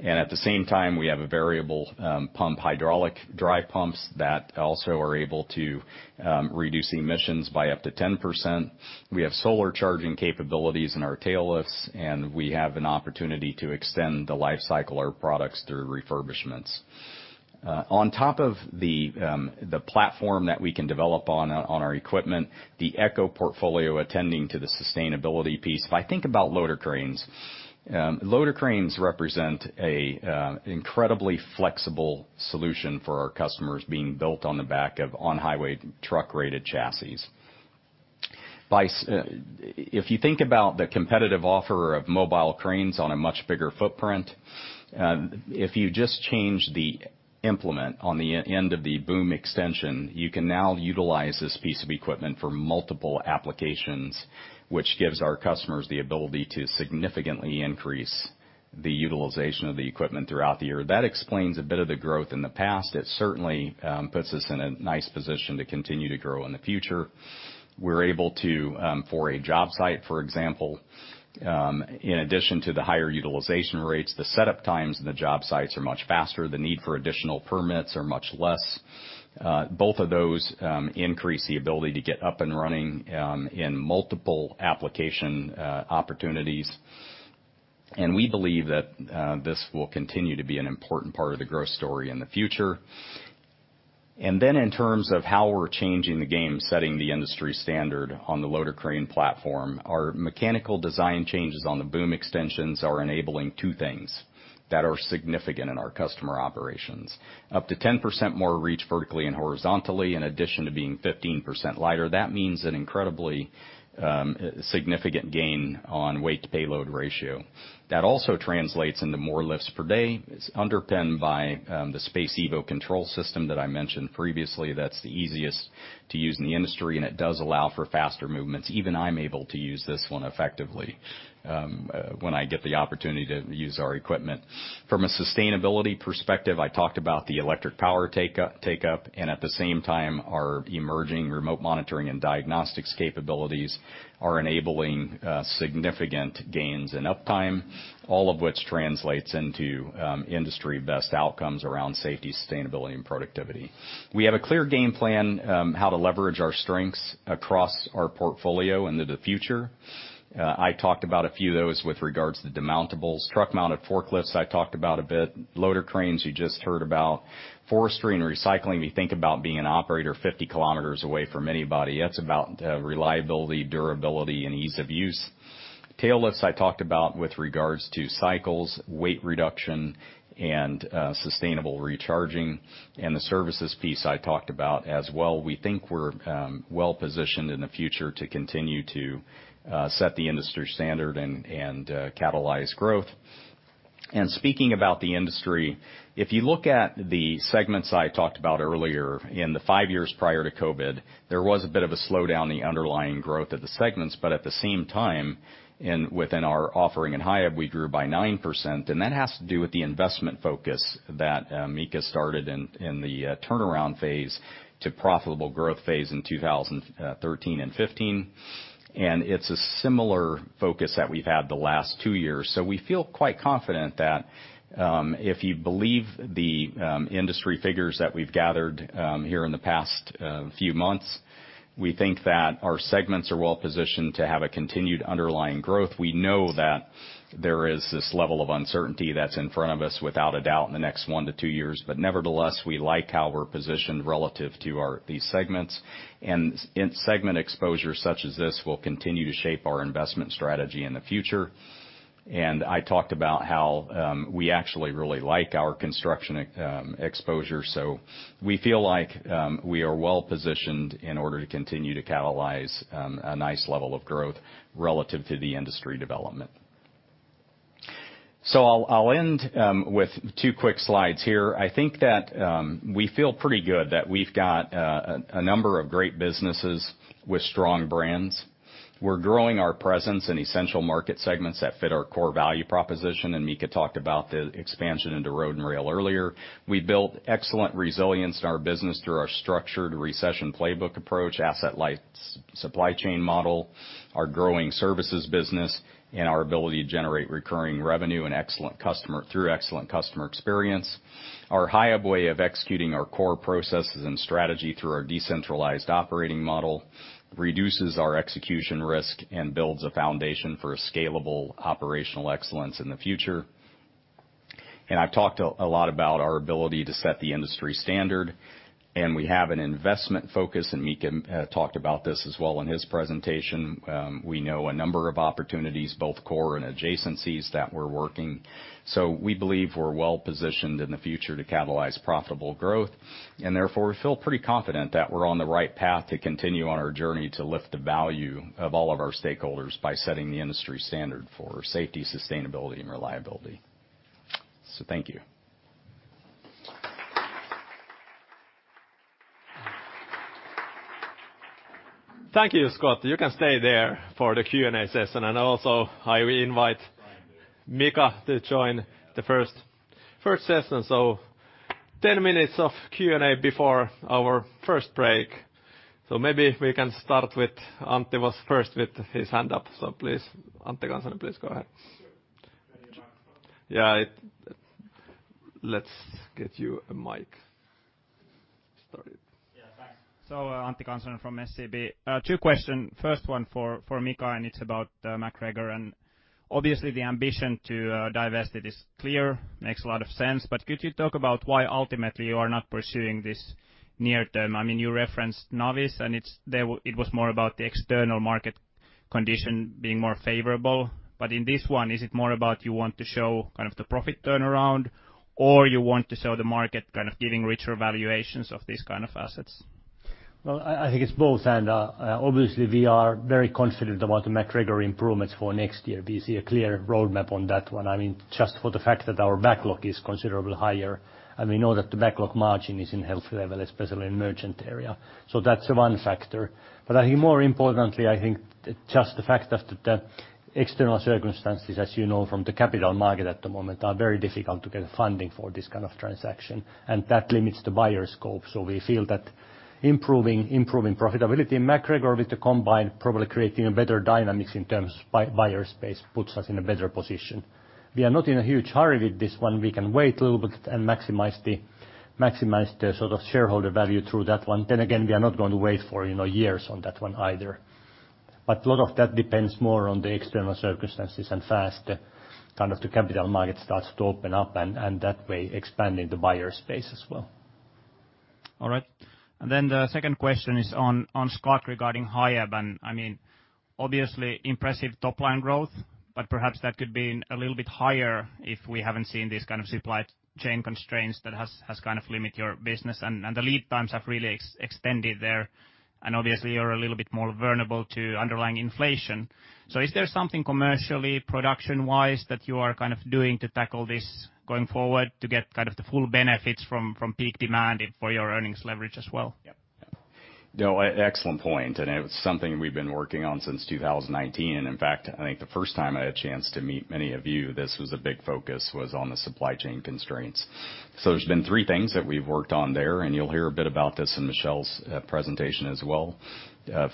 At the same time, we have a variable pump, hydraulic drive pumps that also are able to reduce emissions by up to 10%. We have solar charging capabilities in our tail lifts, and we have an opportunity to extend the life cycle of products through refurbishments. On top of the platform that we can develop on our equipment, the eco portfolio attending to the sustainability piece. If I think about loader cranes, loader cranes represent an incredibly flexible solution for our customers being built on the back of on-highway truck-rated chassis. If you think about the competitive offer of mobile cranes on a much bigger footprint, if you just change the implement on the end of the boom extension, you can now utilize this piece of equipment for multiple applications, which gives our customers the ability to significantly increase the utilization of the equipment throughout the year. That explains a bit of the growth in the past. It certainly puts us in a nice position to continue to grow in the future. We're able to for a job site, for example, in addition to the higher utilization rates, the setup times in the job sites are much faster. The need for additional permits are much less. Both of those increase the ability to get up and running in multiple application opportunities. We believe that this will continue to be an important part of the growth story in the future. In terms of how we're changing the game, setting the industry standard on the loader crane platform, our mechanical design changes on the boom extensions are enabling two things that are significant in our customer operations. Up to 10% more reach vertically and horizontally, in addition to being 15% lighter. That means an incredibly significant gain on weight to payload ratio. That also translates into more lifts per day. It's underpinned by the SPACEevo control system that I mentioned previously. That's the easiest to use in the industry, and it does allow for faster movements. Even I'm able to use this one effectively when I get the opportunity to use our equipment. From a sustainability perspective, I talked about the electric power takeoff, and at the same time our emerging remote monitoring and diagnostics capabilities are enabling significant gains in uptime, all of which translates into industry best outcomes around safety, sustainability, and productivity. We have a clear game plan how to leverage our strengths across our portfolio into the future. I talked about a few of those with regards to demountables. Truck-mounted forklifts, I talked about a bit. Loader cranes, you just heard about. Forestry and recycling, we think about being an operator 50 km away from anybody. That's about reliability, durability and ease of use. Tail lifts I talked about with regards to cycles, weight reduction and sustainable recharging. The services piece I talked about as well. We think we're well-positioned in the future to continue to set the industry standard and catalyze growth. Speaking about the industry, if you look at the segments I talked about earlier, in the five years prior to COVID, there was a bit of a slowdown in the underlying growth of the segments. At the same time, within our offering in Hiab, we grew by 9%, and that has to do with the investment focus that Mika started in the turnaround phase to profitable growth phase in 2013 and 2015. It's a similar focus that we've had the last two years. We feel quite confident that, if you believe the industry figures that we've gathered here in the past few months, we think that our segments are well positioned to have a continued underlying growth. We know that there is this level of uncertainty that's in front of us, without a doubt in the next one to two years. Nevertheless, we like how we're positioned relative to these segments. Segment exposure such as this will continue to shape our investment strategy in the future. I talked about how we actually really like our construction exposure, so we feel like we are well-positioned in order to continue to catalyze a nice level of growth relative to the industry development. I'll end with two quick slides here. I think that we feel pretty good that we've got a number of great businesses with strong brands. We're growing our presence in essential market segments that fit our core value proposition, and Mika talked about the expansion into road and rail earlier. We built excellent resilience in our business through our structured recession playbook approach, asset-light supply chain model, our growing services business, and our ability to generate recurring revenue and excellent customer experience. Our Hiab way of executing our core processes and strategy through our decentralized operating model reduces our execution risk and builds a foundation for a scalable operational excellence in the future. I've talked a lot about our ability to set the industry standard, and we have an investment focus, and Mika talked about this as well in his presentation. We know a number of opportunities, both core and adjacencies that we're working. We believe we're well-positioned in the future to catalyze profitable growth. Therefore, we feel pretty confident that we're on the right path to continue on our journey to lift the value of all of our stakeholders by setting the industry standard for safety, sustainability, and reliability. Thank you. Thank you, Scott. You can stay there for the Q&A session. I will invite Mika to join the first session. 10 minutes of Q&A before our first break. Maybe we can start with Antti was first with his hand up. Please, Antti Kansanen, please go ahead. Sure. Where are your mics for me? Let's get you a mic started. Yeah. Thanks. Antti Kansanen from SEB. Two questions, first one for Mika, and it's about MacGregor. Obviously the ambition to divest it is clear, makes a lot of sense. Could you talk about why ultimately you are not pursuing this near term? I mean, you referenced Navis, and it was more about the external market condition being more favorable. In this one, is it more about you want to show kind of the profit turnaround, or you want to show the market kind of giving richer valuations of these kind of assets? Well, I think it's both. Obviously, we are very confident about the MacGregor improvements for next year. We see a clear roadmap on that one. I mean, just for the fact that our backlog is considerably higher, and we know that the backlog margin is in healthy level, especially in merchant area. That's one factor. I think more importantly, I think just the fact that external circumstances, as you know from the capital market at the moment, are very difficult to get funding for this kind of transaction, and that limits the buyer scope. We feel that improving profitability in MacGregor with the combination probably creating a better dynamics in terms of buyer space puts us in a better position. We are not in a huge hurry with this one. We can wait a little bit and maximize the sort of shareholder value through that one. Again, we are not going to wait for, you know, years on that one either. A lot of that depends more on the external circumstances and how fast, kind of, the capital market starts to open up and that way expanding the buyer space as well. All right. Then the second question is on Scott regarding Hiab. I mean, obviously impressive top line growth, but perhaps that could be a little bit higher if we haven't seen these kind of supply chain constraints that has kind of limit your business. The lead times have really extended there. Obviously, you're a little bit more vulnerable to underlying inflation. Is there something commercially production-wise that you are kind of doing to tackle this going forward to get kind of the full benefits from peak demand for your earnings leverage as well? Yep. No, excellent point, and it was something we've been working on since 2018. In fact, I think the first time I had a chance to meet many of you, this was a big focus, was on the supply chain constraints. There's been three things that we've worked on there, and you'll hear a bit about this in Michel's presentation as well.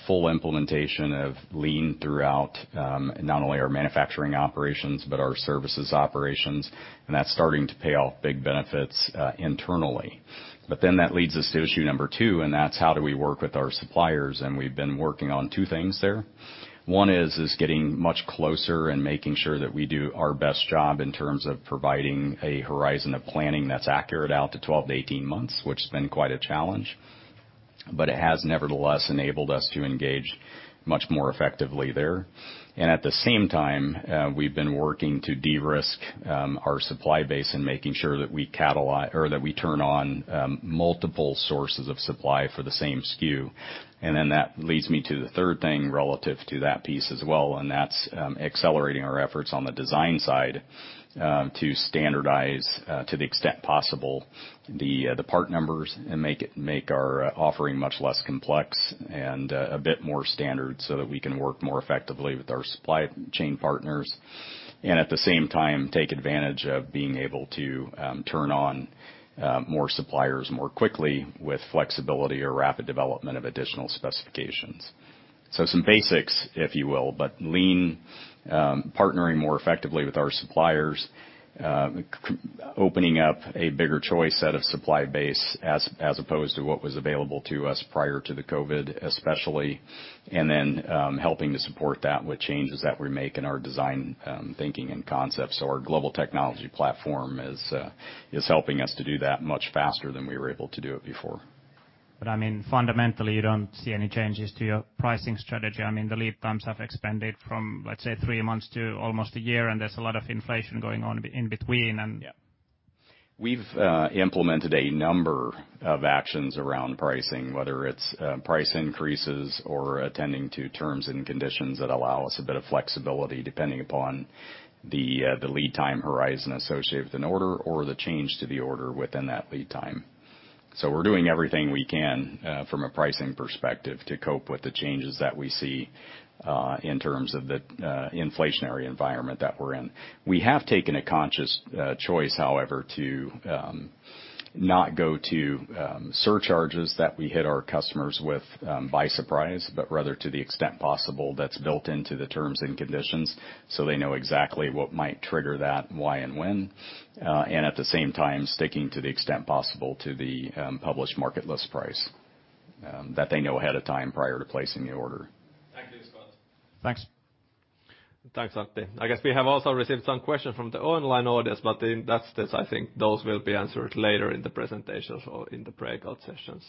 Full implementation of Lean throughout, not only our manufacturing operations, but our services operations, and that's starting to pay off big benefits, internally. That leads us to issue number two, and that's how do we work with our suppliers? We've been working on two things there. One is getting much closer and making sure that we do our best job in terms of providing a horizon of planning that's accurate out to 12-18 months, which has been quite a challenge. It has nevertheless enabled us to engage much more effectively there. At the same time, we've been working to de-risk our supply base and making sure that we turn on multiple sources of supply for the same SKU. Then that leads me to the third thing relative to that piece as well, and that's accelerating our efforts on the design side to standardize to the extent possible the part numbers and make our offering much less complex and a bit more standard so that we can work more effectively with our supply chain partners. At the same time, take advantage of being able to turn on more suppliers more quickly with flexibility or rapid development of additional specifications. Some basics, if you will, but Lean partnering more effectively with our suppliers, opening up a bigger choice set of supply base as opposed to what was available to us prior to the COVID especially. Helping to support that with changes that we make in our design thinking, and concepts. Our global technology platform is helping us to do that much faster than we were able to do it before. I mean, fundamentally, you don't see any changes to your pricing strategy. I mean, the lead times have expanded from, let's say, three months to almost a year, and there's a lot of inflation going on in between. Yeah. We've implemented a number of actions around pricing, whether it's price increases or attending to terms and conditions that allow us a bit of flexibility depending upon the lead time horizon associated with an order or the change to the order within that lead time. We're doing everything we can from a pricing perspective to cope with the changes that we see in terms of the inflationary environment that we're in. We have taken a conscious choice, however, to not go to surcharges that we hit our customers with by surprise, but rather to the extent possible that's built into the terms and conditions so they know exactly what might trigger that, why, and when. At the same time, sticking to the extent possible to the published market list price that they know ahead of time prior to placing the order. Thanks. Thanks, Antti. I guess we have also received some questions from the online audience, but in that case, I think those will be answered later in the presentations or in the breakout sessions.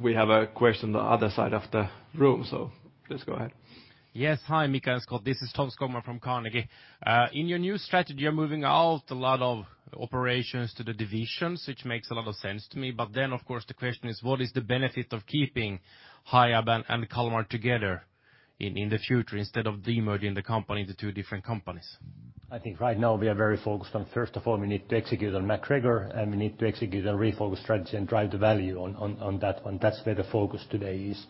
We have a question on the other side of the room, so please go ahead. Yes. Hi, Mika and Scott. This is Tom Skogman from Carnegie. In your new strategy, you're moving out a lot of operations to the divisions, which makes a lot of sense to me. Of course, the question is what is the benefit of keeping Hiab and Kalmar together in the future instead of demerging the company into two different companies? I think right now we are very focused on, first of all, we need to execute on MacGregor, and we need to execute on LeanFocus strategy and drive the value on that one. That's where the focus today is.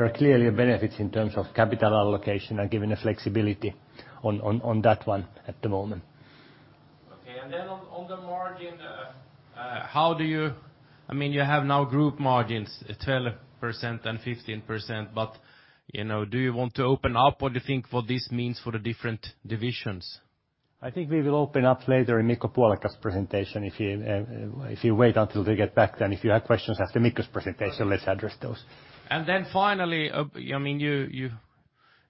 There are clearly benefits in terms of capital allocation and given the flexibility on that one at the moment. Okay. On the margin, how do you I mean, you have now group margins at 12% and 15%, but you know, do you want to open up what you think this means for the different divisions? I think we will open up later in Mikko Puolakka's presentation. If you wait until they get back then, if you have questions after Mikko's presentation. All right. Let's address those. Finally, I mean,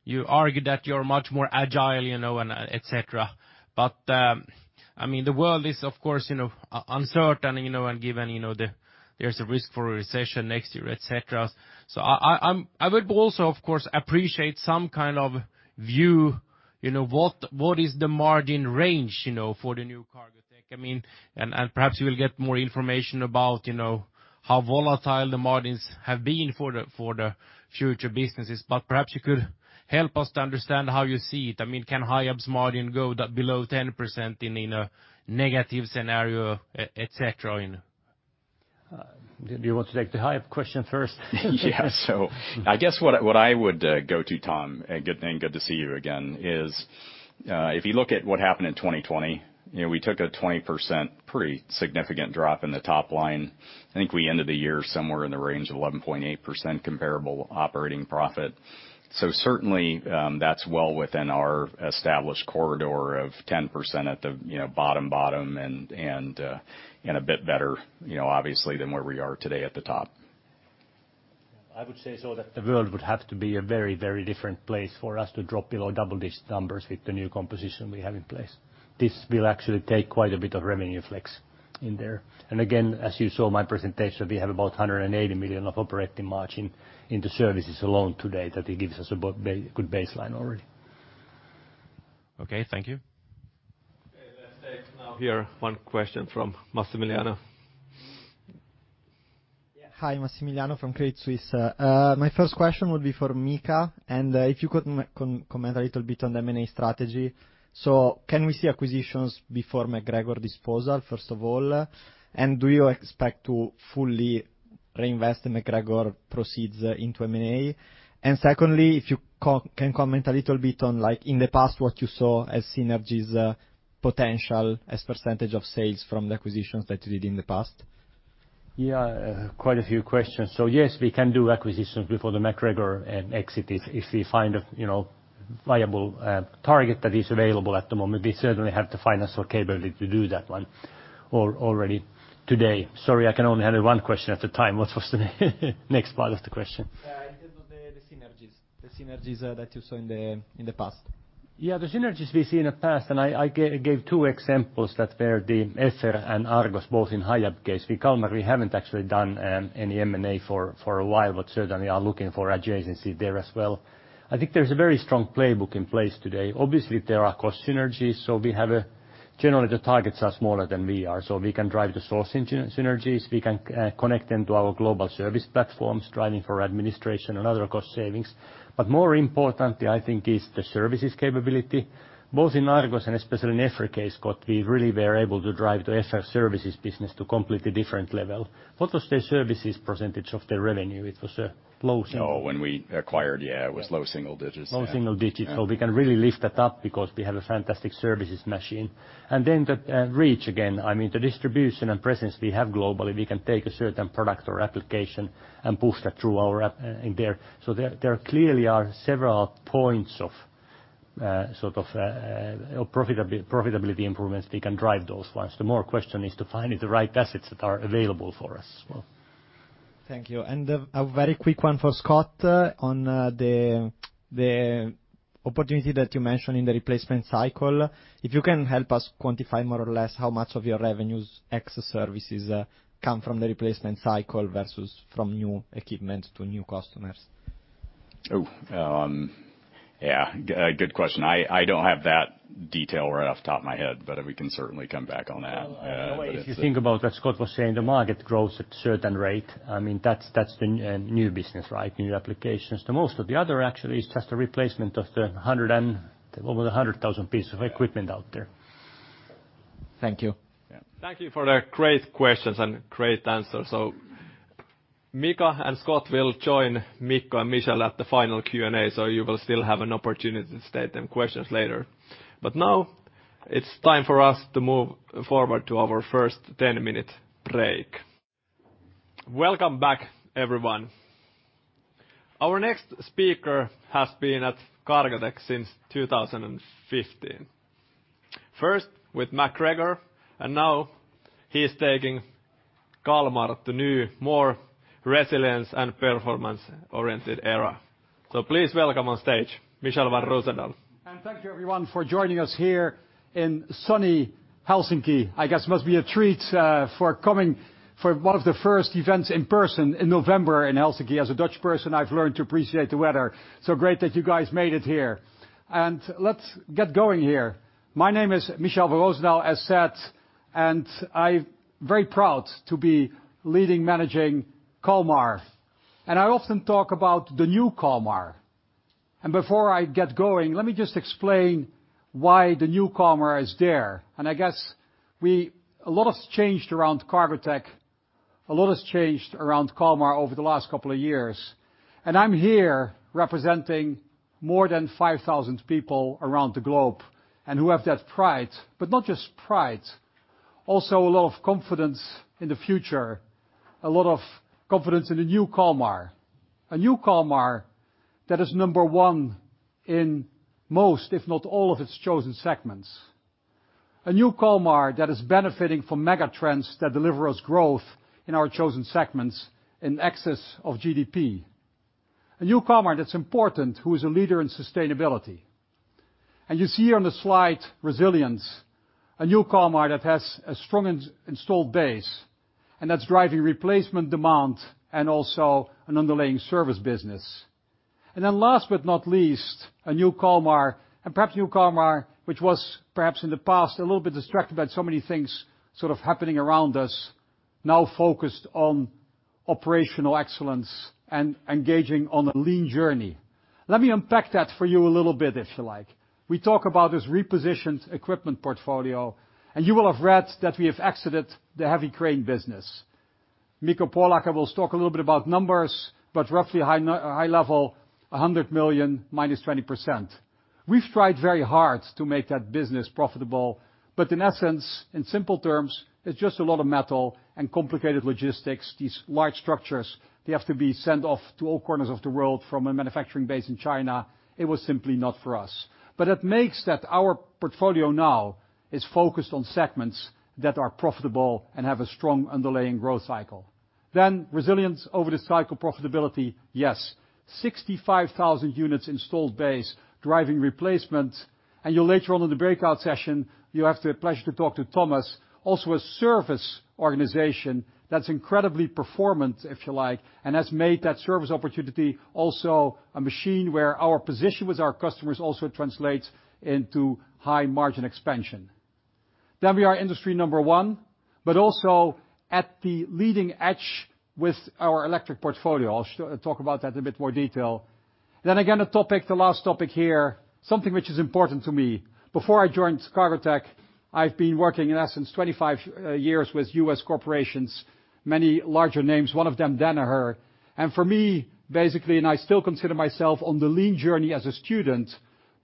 you argue that you're much more agile, you know, and et cetera. I mean, the world is, of course, you know, uncertain, you know, and given, you know, the, there's a risk for a recession next year, et cetera. I would also, of course, appreciate some kind of view, you know, what is the margin range, you know, for the new Cargotec? I mean, and perhaps you will get more information about, you know, how volatile the margins have been for the, for the future businesses. Perhaps you could help us to understand how you see it. I mean, can Hiab's margin go below 10% in a negative scenario, et cetera, you know? Do you want to take the Hiab question first? Yeah, I guess what I would go to, Tom, and good to see you again, is if you look at what happened in 2020, you know, we took a 20% pretty significant drop in the top line. I think we ended the year somewhere in the range of 11.8% comparable operating profit. Certainly, that's well within our established corridor of 10% at the, you know, bottom and a bit better, you know, obviously than where we are today at the top. I would say so that the world would have to be a very, very different place for us to drop below double-digit numbers with the new composition we have in place. This will actually take quite a bit of revenue flex in there. Again, as you saw in my presentation, we have about 180 million of operating margin into services alone today that it gives us a good baseline already. Okay, thank you. Okay. Let's take now here one question from Massimiliano. Yeah. Hi, Massimiliano from Credit Suisse. My first question would be for Mika, and if you could comment a little bit on the M&A strategy. Can we see acquisitions before MacGregor disposal, first of all? And do you expect to fully reinvest the MacGregor proceeds into M&A? And secondly, if you can comment a little bit on, like, in the past, what you saw as synergies potential as percentage of sales from the acquisitions that you did in the past. Yeah, quite a few questions. Yes, we can do acquisitions before the MacGregor exit if we find you know viable target that is available at the moment. We certainly have the finance or capability to do that one already today. Sorry, I can only handle one question at a time. What was the next part of the question? In terms of the synergies that you saw in the past. Yeah, the synergies we see in the past, and I gave two examples that were the EFFER and Argos both in Hiab case. With Kalmar, we haven't actually done any M&A for a while, but certainly are looking for adjacency there as well. I think there's a very strong playbook in place today. Obviously, there are cost synergies. Generally, the targets are smaller than we are, so we can drive the sourcing synergies. We can connect them to our global service platforms, driving for administration and other cost savings. More importantly, I think, is the services capability. Both in Argos and especially in EFFER case, Scott, we really were able to drive the EFFER services business to a completely different level. What was the services percentage of the revenue? It was low single- No. When we acquired, yeah, it was low single digits. Yeah. Low single digits. Yeah. We can really lift that up because we have a fantastic services machine. Then the reach again. I mean, the distribution and presence we have globally, we can take a certain product or application and push that through our network there. There clearly are several points of sort of profitability improvements. We can drive those ones. The main question is to find the right assets that are available for us as well. Thank you. A very quick one for Scott on the opportunity that you mentioned in the replacement cycle. If you can help us quantify more or less how much of your revenues ex services come from the replacement cycle versus from new equipment to new customers? Good question. I don't have that detail right off the top of my head, but we can certainly come back on that. Well, the way, if you think about that Scott was saying the market grows at certain rate. I mean, that's the new business, right? New applications. The most of the other actually is just a replacement of the over 100,000 pieces of equipment out there. Thank you. Yeah. Thank you for the great questions and great answers. Mika and Scott will join Mikko and Michel at the final Q&A, so you will still have an opportunity to ask them questions later. Now it's time for us to move forward to our first 10-minute break. Welcome back, everyone. Our next speaker has been at Cargotec since 2015. First with MacGregor, and now he's taking Kalmar to new, more resilient and performance-oriented era. Please welcome on stage, Michel van Roozendaal. Thank you everyone for joining us here in sunny Helsinki. I guess it must be a treat for coming for one of the first events in person in November in Helsinki. As a Dutch person, I've learned to appreciate the weather. Great that you guys made it here. Let's get going here. My name is Michel van Roozendaal, as said, and I'm very proud to be leading managing Kalmar. I often talk about the new Kalmar. Before I get going, let me just explain why the new Kalmar is there. I guess a lot has changed around Cargotec. A lot has changed around Kalmar over the last couple of years. I'm here representing more than 5,000 people around the globe who have that pride, but not just pride, also a lot of confidence in the future, a lot of confidence in the new Kalmar. A new Kalmar that is number one in most, if not all, of its chosen segments. A new Kalmar that is benefiting from mega trends that deliver us growth in our chosen segments in excess of GDP. A new Kalmar that's important, who is a leader in sustainability. You see on the slide, resilience, a new Kalmar that has a strong installed base, and that's driving replacement demand and also an underlying service business. Last but not least, a new Kalmar, which was perhaps in the past a little bit distracted by so many things sort of happening around us, now focused on operational excellence and engaging on a Lean journey. Let me unpack that for you a little bit, if you like. We talk about this repositioned equipment portfolio, and you will have read that we have exited the heavy crane business. Mikko Puolakka will talk a little bit about numbers, but roughly high level, 100 million minus 20%. We've tried very hard to make that business profitable, but in essence, in simple terms, it's just a lot of metal and complicated logistics. These large structures, they have to be sent off to all corners of the world from a manufacturing base in China. It was simply not for us. It means that our portfolio now is focused on segments that are profitable and have a strong underlying growth cycle. Resilience over the cycle profitability, yes, 65,000 units installed base driving replacement. You'll later on in the breakout session, you have the pleasure to talk to Thomas, also a service organization that's incredibly performant, if you like, and has made that service opportunity also a machine where our position with our customers also translates into high margin expansion. We are industry number one, but also at the leading edge with our eco portfolio. I'll talk about that in a bit more detail. Again, a topic, the last topic here, something which is important to me. Before I joined Cargotec, I've been working in essence 25 years with U.S. corporations, many larger names, one of them Danaher. For me, basically, and I still consider myself on the Lean journey as a student,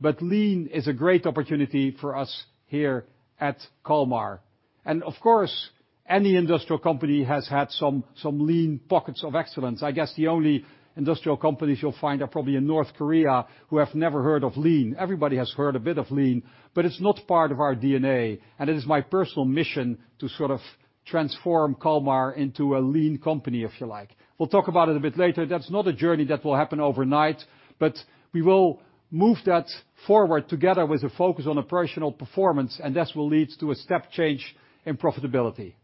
but Lean is a great opportunity for us here at Kalmar. Of course, any industrial company has had some Lean pockets of excellence. I guess the only industrial companies you'll find are probably in North Korea who have never heard of Lean. Everybody has heard a bit of Lean, but it's not part of our DNA. It is my personal mission to sort of transform Kalmar into a Lean company, if you like. We'll talk about it a bit later. That's not a journey that will happen overnight, but we will move that forward together with a focus on operational performance, and this will lead to a step change in profitability.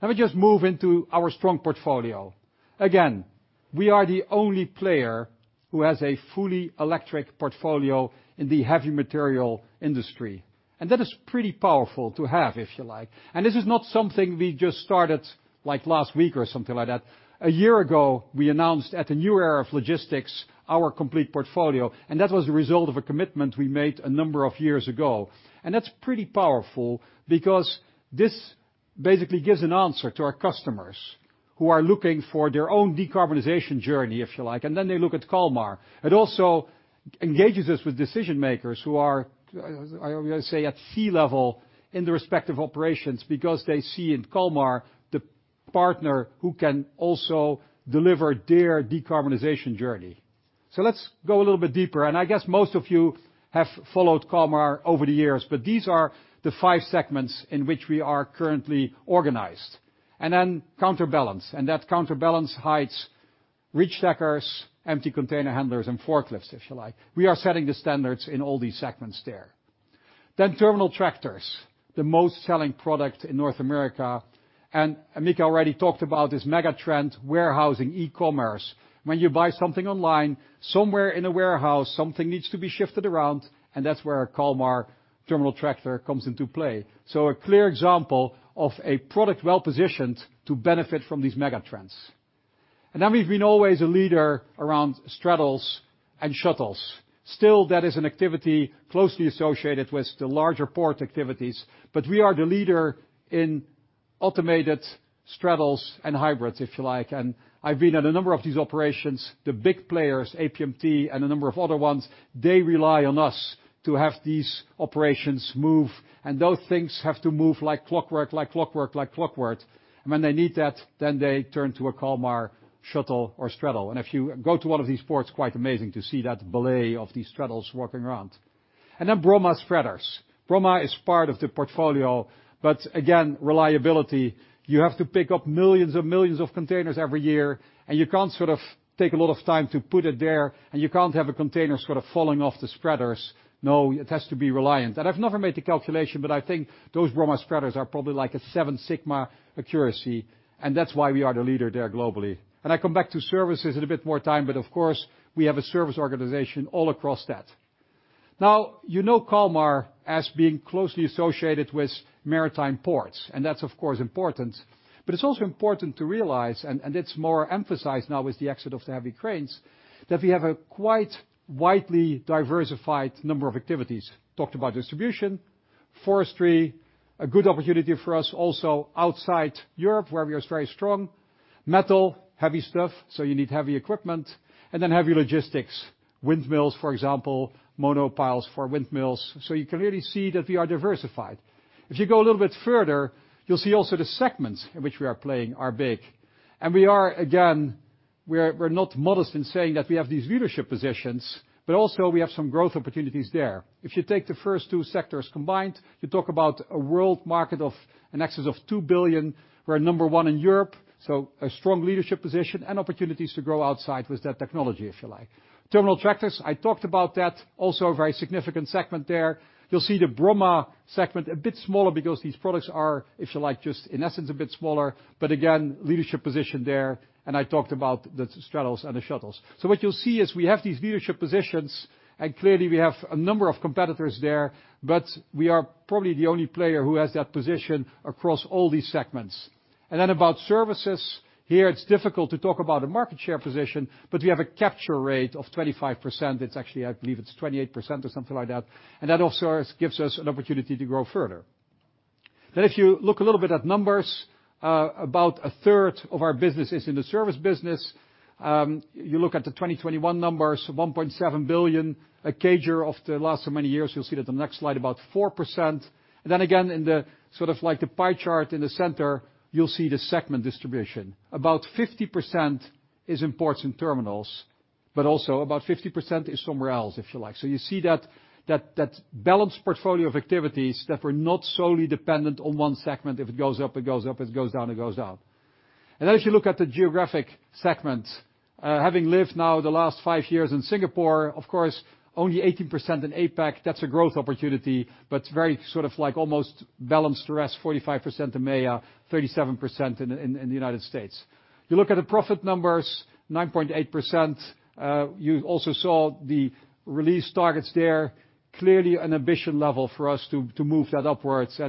Let me just move into our strong portfolio. Again, we are the only player who has a fully electric portfolio in the heavy material industry. That is pretty powerful to have, if you like. This is not something we just started, like last week or something like that. A year ago, we announced at the new era of logistics, our complete portfolio, and that was a result of a commitment we made a number of years ago. That's pretty powerful because this basically gives an answer to our customers who are looking for their own decarbonization journey, if you like, and then they look at Kalmar. It also engages us with decision-makers who are, I would say, at C-level in the respective operations because they see in Kalmar the partner who can also deliver their decarbonization journey. Let's go a little bit deeper. I guess most of you have followed Kalmar over the years, but these are the five segments in which we are currently organized. Counterbalance, and that counterbalance hides reach stackers, empty container handlers, and forklifts, if you like. We are setting the standards in all these segments there. Terminal tractors, the most selling product in North America. Mikko already talked about this mega trend, warehousing, e-commerce. When you buy something online, somewhere in a warehouse, something needs to be shifted around, and that's where Kalmar terminal tractor comes into play. A clear example of a product well-positioned to benefit from these mega trends. We've been always a leader around straddles and shuttles. Still, that is an activity closely associated with the larger port activities, but we are the leader in automated straddles and hybrids, if you like. I've been at a number of these operations, the big players, APMT and a number of other ones, they rely on us to have these operations move. Those things have to move like clockwork. When they need that, then they turn to a Kalmar shuttle or straddle. If you go to one of these ports, quite amazing to see that ballet of these straddles walking around. Then Bromma spreaders. Bromma is part of the portfolio, but again, reliability. You have to pick up millions and millions of containers every year, and you can't sort of take a lot of time to put it there, and you can't have a container sort of falling off the spreaders. No, it has to be reliable. I've never made the calculation, but I think those Bromma spreaders are probably like a seven sigma accuracy, and that's why we are the leader there globally. I come back to services in a bit more time, but of course, we have a service organization all across that. Now, you know Kalmar as being closely associated with maritime ports, and that's of course important. It's also important to realize, and it's more emphasized now with the exit of the heavy cranes, that we have a quite widely diversified number of activities. Talked about distribution. Forestry, a good opportunity for us also outside Europe, where we are very strong. Metal, heavy stuff, so you need heavy equipment. Then heavy logistics, windmills, for example, monopiles for windmills. You can really see that we are diversified. If you go a little bit further, you'll see also the segments in which we are playing are big. We are, again, we're not modest in saying that we have these leadership positions, but also we have some growth opportunities there. If you take the first two sectors combined, you talk about a world market of in excess of 2 billion. We're number one in Europe, so a strong leadership position and opportunities to grow outside with that technology, if you like. Terminal tractors, I talked about that. Also a very significant segment there. You'll see the Bromma segment, a bit smaller because these products are, if you like, just in essence a bit smaller. Again, leadership position there, and I talked about the straddles and the shuttles. What you'll see is we have these leadership positions, and clearly we have a number of competitors there, but we are probably the only player who has that position across all these segments. About services, here it's difficult to talk about a market share position, but we have a capture rate of 25%. It's actually, I believe it's 28% or something like that. And that also gives us an opportunity to grow further. If you look a little bit at numbers, about a third of our business is in the service business. You look at the 2021 numbers, 1.7 billion. A CAGR of the last so many years, you'll see that the next slide, about 4%. And then again, in the sort of like the pie chart in the center, you'll see the segment distribution. About 50% is in ports and terminals, but also about 50% is somewhere else, if you like. You see that balanced portfolio of activities that we're not solely dependent on one segment. If it goes up, it goes up. If it goes down, it goes down. As you look at the geographic segment, having lived now the last five years in Singapore, of course, only 18% in APAC. That's a growth opportunity, but very sort of like almost balanced risk, 45% EMEA, 37% in the United States. You look at the profit numbers, 9.8%. You also saw the release targets there. Clearly an ambition level for us to move that upwards.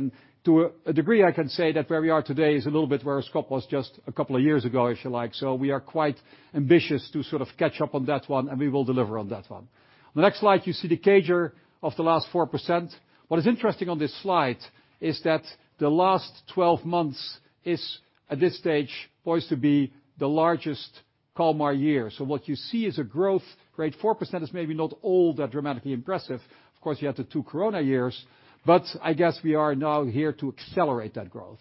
To a degree, I can say that where we are today is a little bit where Scott was just a couple of years ago, if you like. We are quite ambitious to sort of catch up on that one, and we will deliver on that one. On the next slide, you see the CAGR of the last 4%. What is interesting on this slide is that the last 12 months is, at this stage, poised to be the largest Kalmar year. What you see is a growth rate. 4% is maybe not all that dramatically impressive. Of course, you had the two Corona years, but I guess we are now here to accelerate that growth.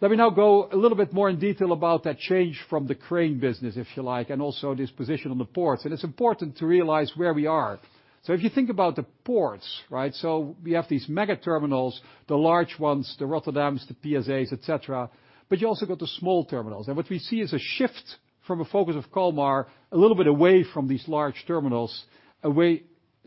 Let me now go a little bit more in detail about that change from the crane business, if you like, and also this position on the ports. It's important to realize where we are. If you think about the ports, right? We have these mega terminals, the large ones, the Rotterdams, the PSAs, et cetera. You also got the small terminals. What we see is a shift from a focus of Kalmar a little bit away from these large terminals, away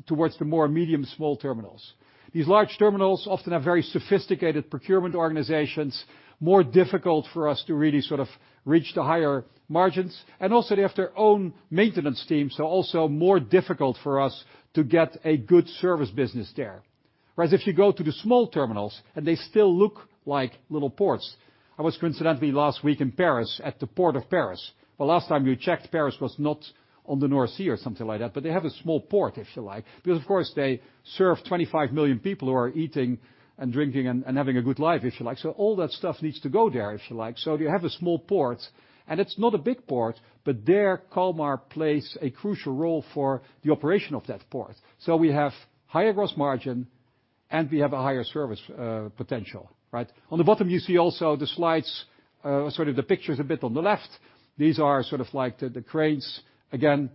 towards the more medium, small terminals. These large terminals often have very sophisticated procurement organizations, more difficult for us to really sort of reach the higher margins. Also they have their own maintenance teams, so also more difficult for us to get a good service business there. Whereas if you go to the small terminals and they still look like little ports. I was coincidentally last week in Paris at the Port of Paris. The last time you checked, Paris was not on the North Sea or something like that, but they have a small port, if you like. Because of course, they serve 25 million people who are eating and drinking and having a good life, if you like. All that stuff needs to go there, if you like. You have a small port, and it's not a big port, but there, Kalmar plays a crucial role for the operation of that port. We have higher gross margin, and we have a higher service potential, right? On the bottom, you see also the slides, sort of the pictures a bit on the left. These are sort of like the cranes. Again,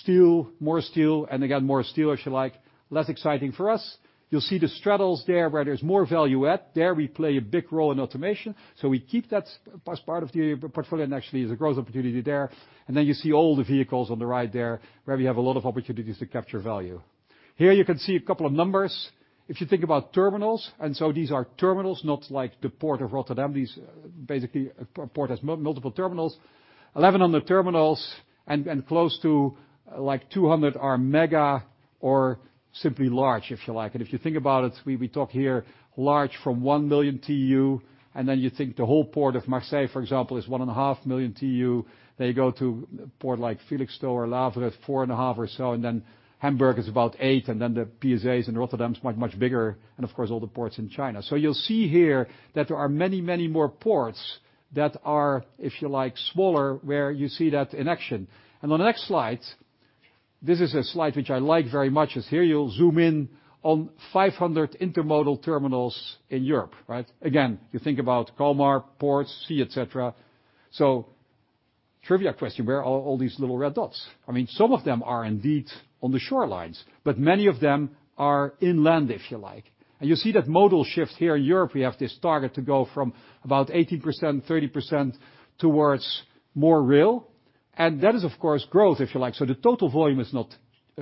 steel, more steel, and again, more steel, if you like. Less exciting for us. You'll see the straddles there where there's more value add. There we play a big role in automation. We keep that as part of the portfolio, and actually there's a growth opportunity there. You see all the vehicles on the right there, where we have a lot of opportunities to capture value. Here you can see a couple of numbers. If you think about terminals, these are terminals, not like the Port of Rotterdam. These basically a port has multiple terminals. 11 of the terminals and close to like 200 are mega or simply large, if you like. If you think about it, we talk here large from 1 million TEU, and then you think the whole Port of Marseille, for example, is 1.5 million TEU. You go to a port like Felixstowe or Le Havre, 4.5 million or so, and then Hamburg is about 8 million, and then the PSA's and Rotterdam is much, much bigger. Of course, all the ports in China. You'll see here that there are many, many more ports that are, if you like, smaller, where you see that in action. On the next slide, this is a slide which I like very much. As here you'll zoom in on 500 intermodal terminals in Europe, right? Again, you think about Kalmar, ports, sea, et cetera. Trivia question, where are all these little red dots? I mean, some of them are indeed on the shorelines, but many of them are inland, if you like. You see that modal shift here in Europe, we have this target to go from about 18%, 30% towards more rail. That is of course growth, if you like. The total volume is not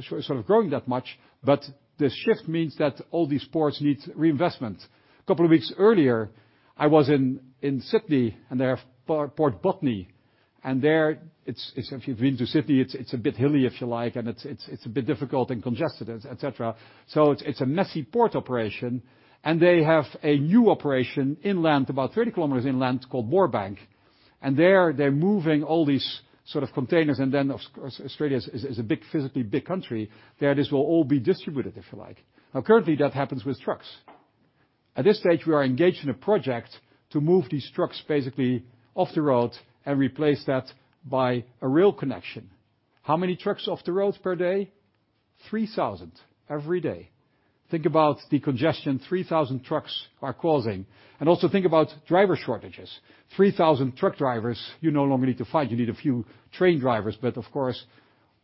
sort of growing that much, but the shift means that all these ports need reinvestment. Couple of weeks earlier, I was in Sydney and their Port Botany, and there it's if you've been to Sydney, it's a bit hilly if you like, and it's a bit difficult and congested, et cetera. It's a messy port operation. They have a new operation inland, about 30 km inland, called Moorebank. There, they're moving all these sort of containers and then of course Australia is a big physically big country. There, this will all be distributed, if you like. Currently that happens with trucks. At this stage, we are engaged in a project to move these trucks basically off the road and replace that by a rail connection. How many trucks off the road per day? 3,000 every day. Think about the congestion 3,000 trucks are causing. Also think about driver shortages. 3,000 truck drivers you no longer need to find. You need a few train drivers, but of course,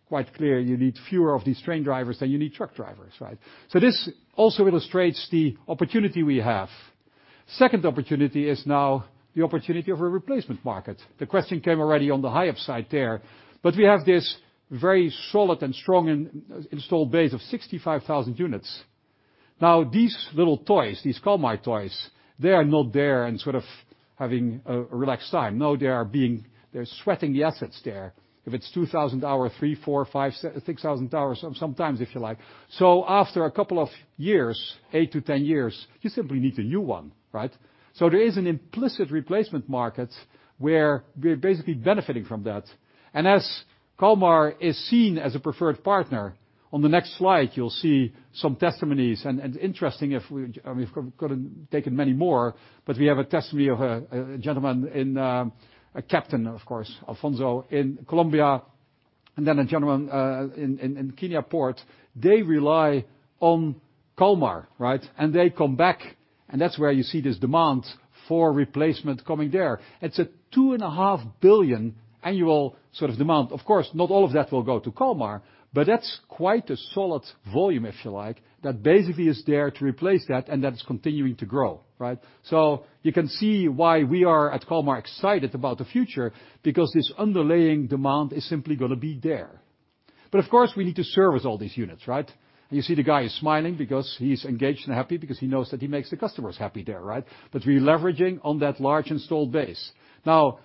quite clear you need fewer of these train drivers than you need truck drivers, right? This also illustrates the opportunity we have. Second opportunity is now the opportunity of a replacement market. The question came already on the Hiab side there, but we have this very solid and strong installed base of 65,000 units. Now, these little toys, these Kalmar toys, they are not there and sort of having a relaxed time. No, they are being. They're sweating the assets there. If it's 2,000 hours, 3,000, 4,000, 5,000, 6,000 hours, sometimes if you like. After a couple of years, eight to 10 years, you simply need a new one, right? There is an implicit replacement market where we're basically benefiting from that. As Kalmar is seen as a preferred partner, on the next slide, you'll see some testimonies and interesting. I mean, we could've taken many more, but we have a testimony of a gentleman, a captain, of course, Alfonso in Colombia, and then a gentleman in Kenya port. They rely on Kalmar, right? They come back, and that's where you see this demand for replacement coming there. It's a 2.5 billion annual sort of demand. Of course, not all of that will go to Kalmar, but that's quite a solid volume, if you like, that basically is there to replace that, and that's continuing to grow, right? You can see why we are at Kalmar excited about the future, because this underlying demand is simply gonna be there. Of course, we need to service all these units, right? You see the guy is smiling because he's engaged and happy because he knows that he makes the customers happy there, right? We're leveraging on that large installed base. Now,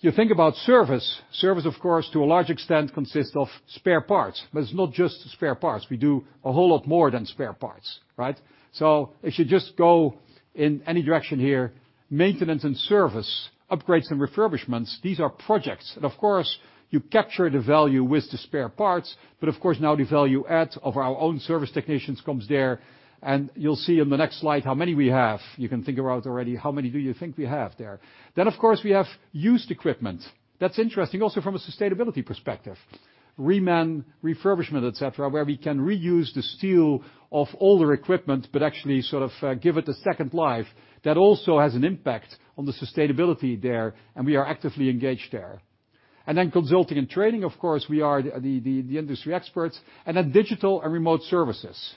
you think about service. Service of course, to a large extent, consists of spare parts, but it's not just spare parts. We do a whole lot more than spare parts, right? If you just go in any direction here, maintenance and service, upgrades and refurbishments, these are projects. Of course, you capture the value with the spare parts, but of course, now the value add of our own service technicians comes there, and you'll see in the next slide how many we have. You can figure out already how many do you think we have there. Of course, we have used equipment. That's interesting also from a sustainability perspective. Reman, refurbishment, et cetera, where we can reuse the steel of older equipment, but actually sort of give it a second life. That also has an impact on the sustainability there, and we are actively engaged there. Consulting and training, of course, we are the industry experts, and digital and remote services.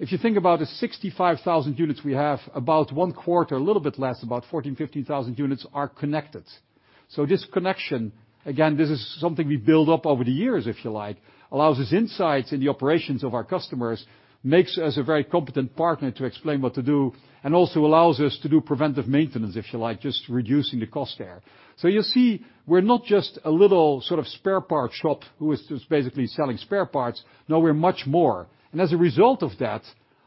If you think about the 65,000 units we have, about one quarter, a little bit less, about 14,000-15,000 units are connected. This connection, again, this is something we build up over the years, if you like, allows us insights in the operations of our customers, makes us a very competent partner to explain what to do, and also allows us to do preventive maintenance, if you like, just reducing the cost there. You see, we're not just a little sort of spare parts shop who is just basically selling spare parts. No, we're much more. As a result of that,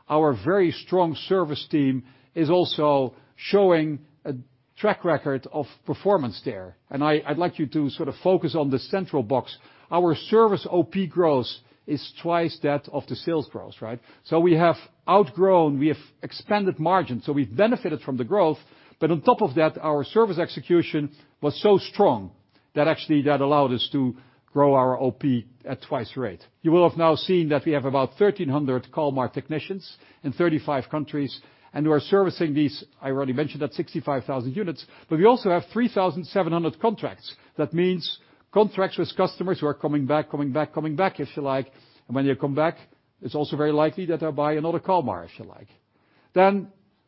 our very strong service team is also showing a track record of performance there. I'd like you to sort of focus on the central box. Our service OP growth is twice that of the sales growth, right? We have outgrown, we have expanded margins, so we've benefited from the growth. On top of that, our service execution was so strong that actually that allowed us to grow our OP at twice the rate. You will have now seen that we have about 1,300 Kalmar technicians in 35 countries, and we're servicing these, I already mentioned that 65,000 units, but we also have 3,700 contracts. That means contracts with customers who are coming back, coming back, coming back, if you like. When they come back, it's also very likely that they'll buy another Kalmar, if you like.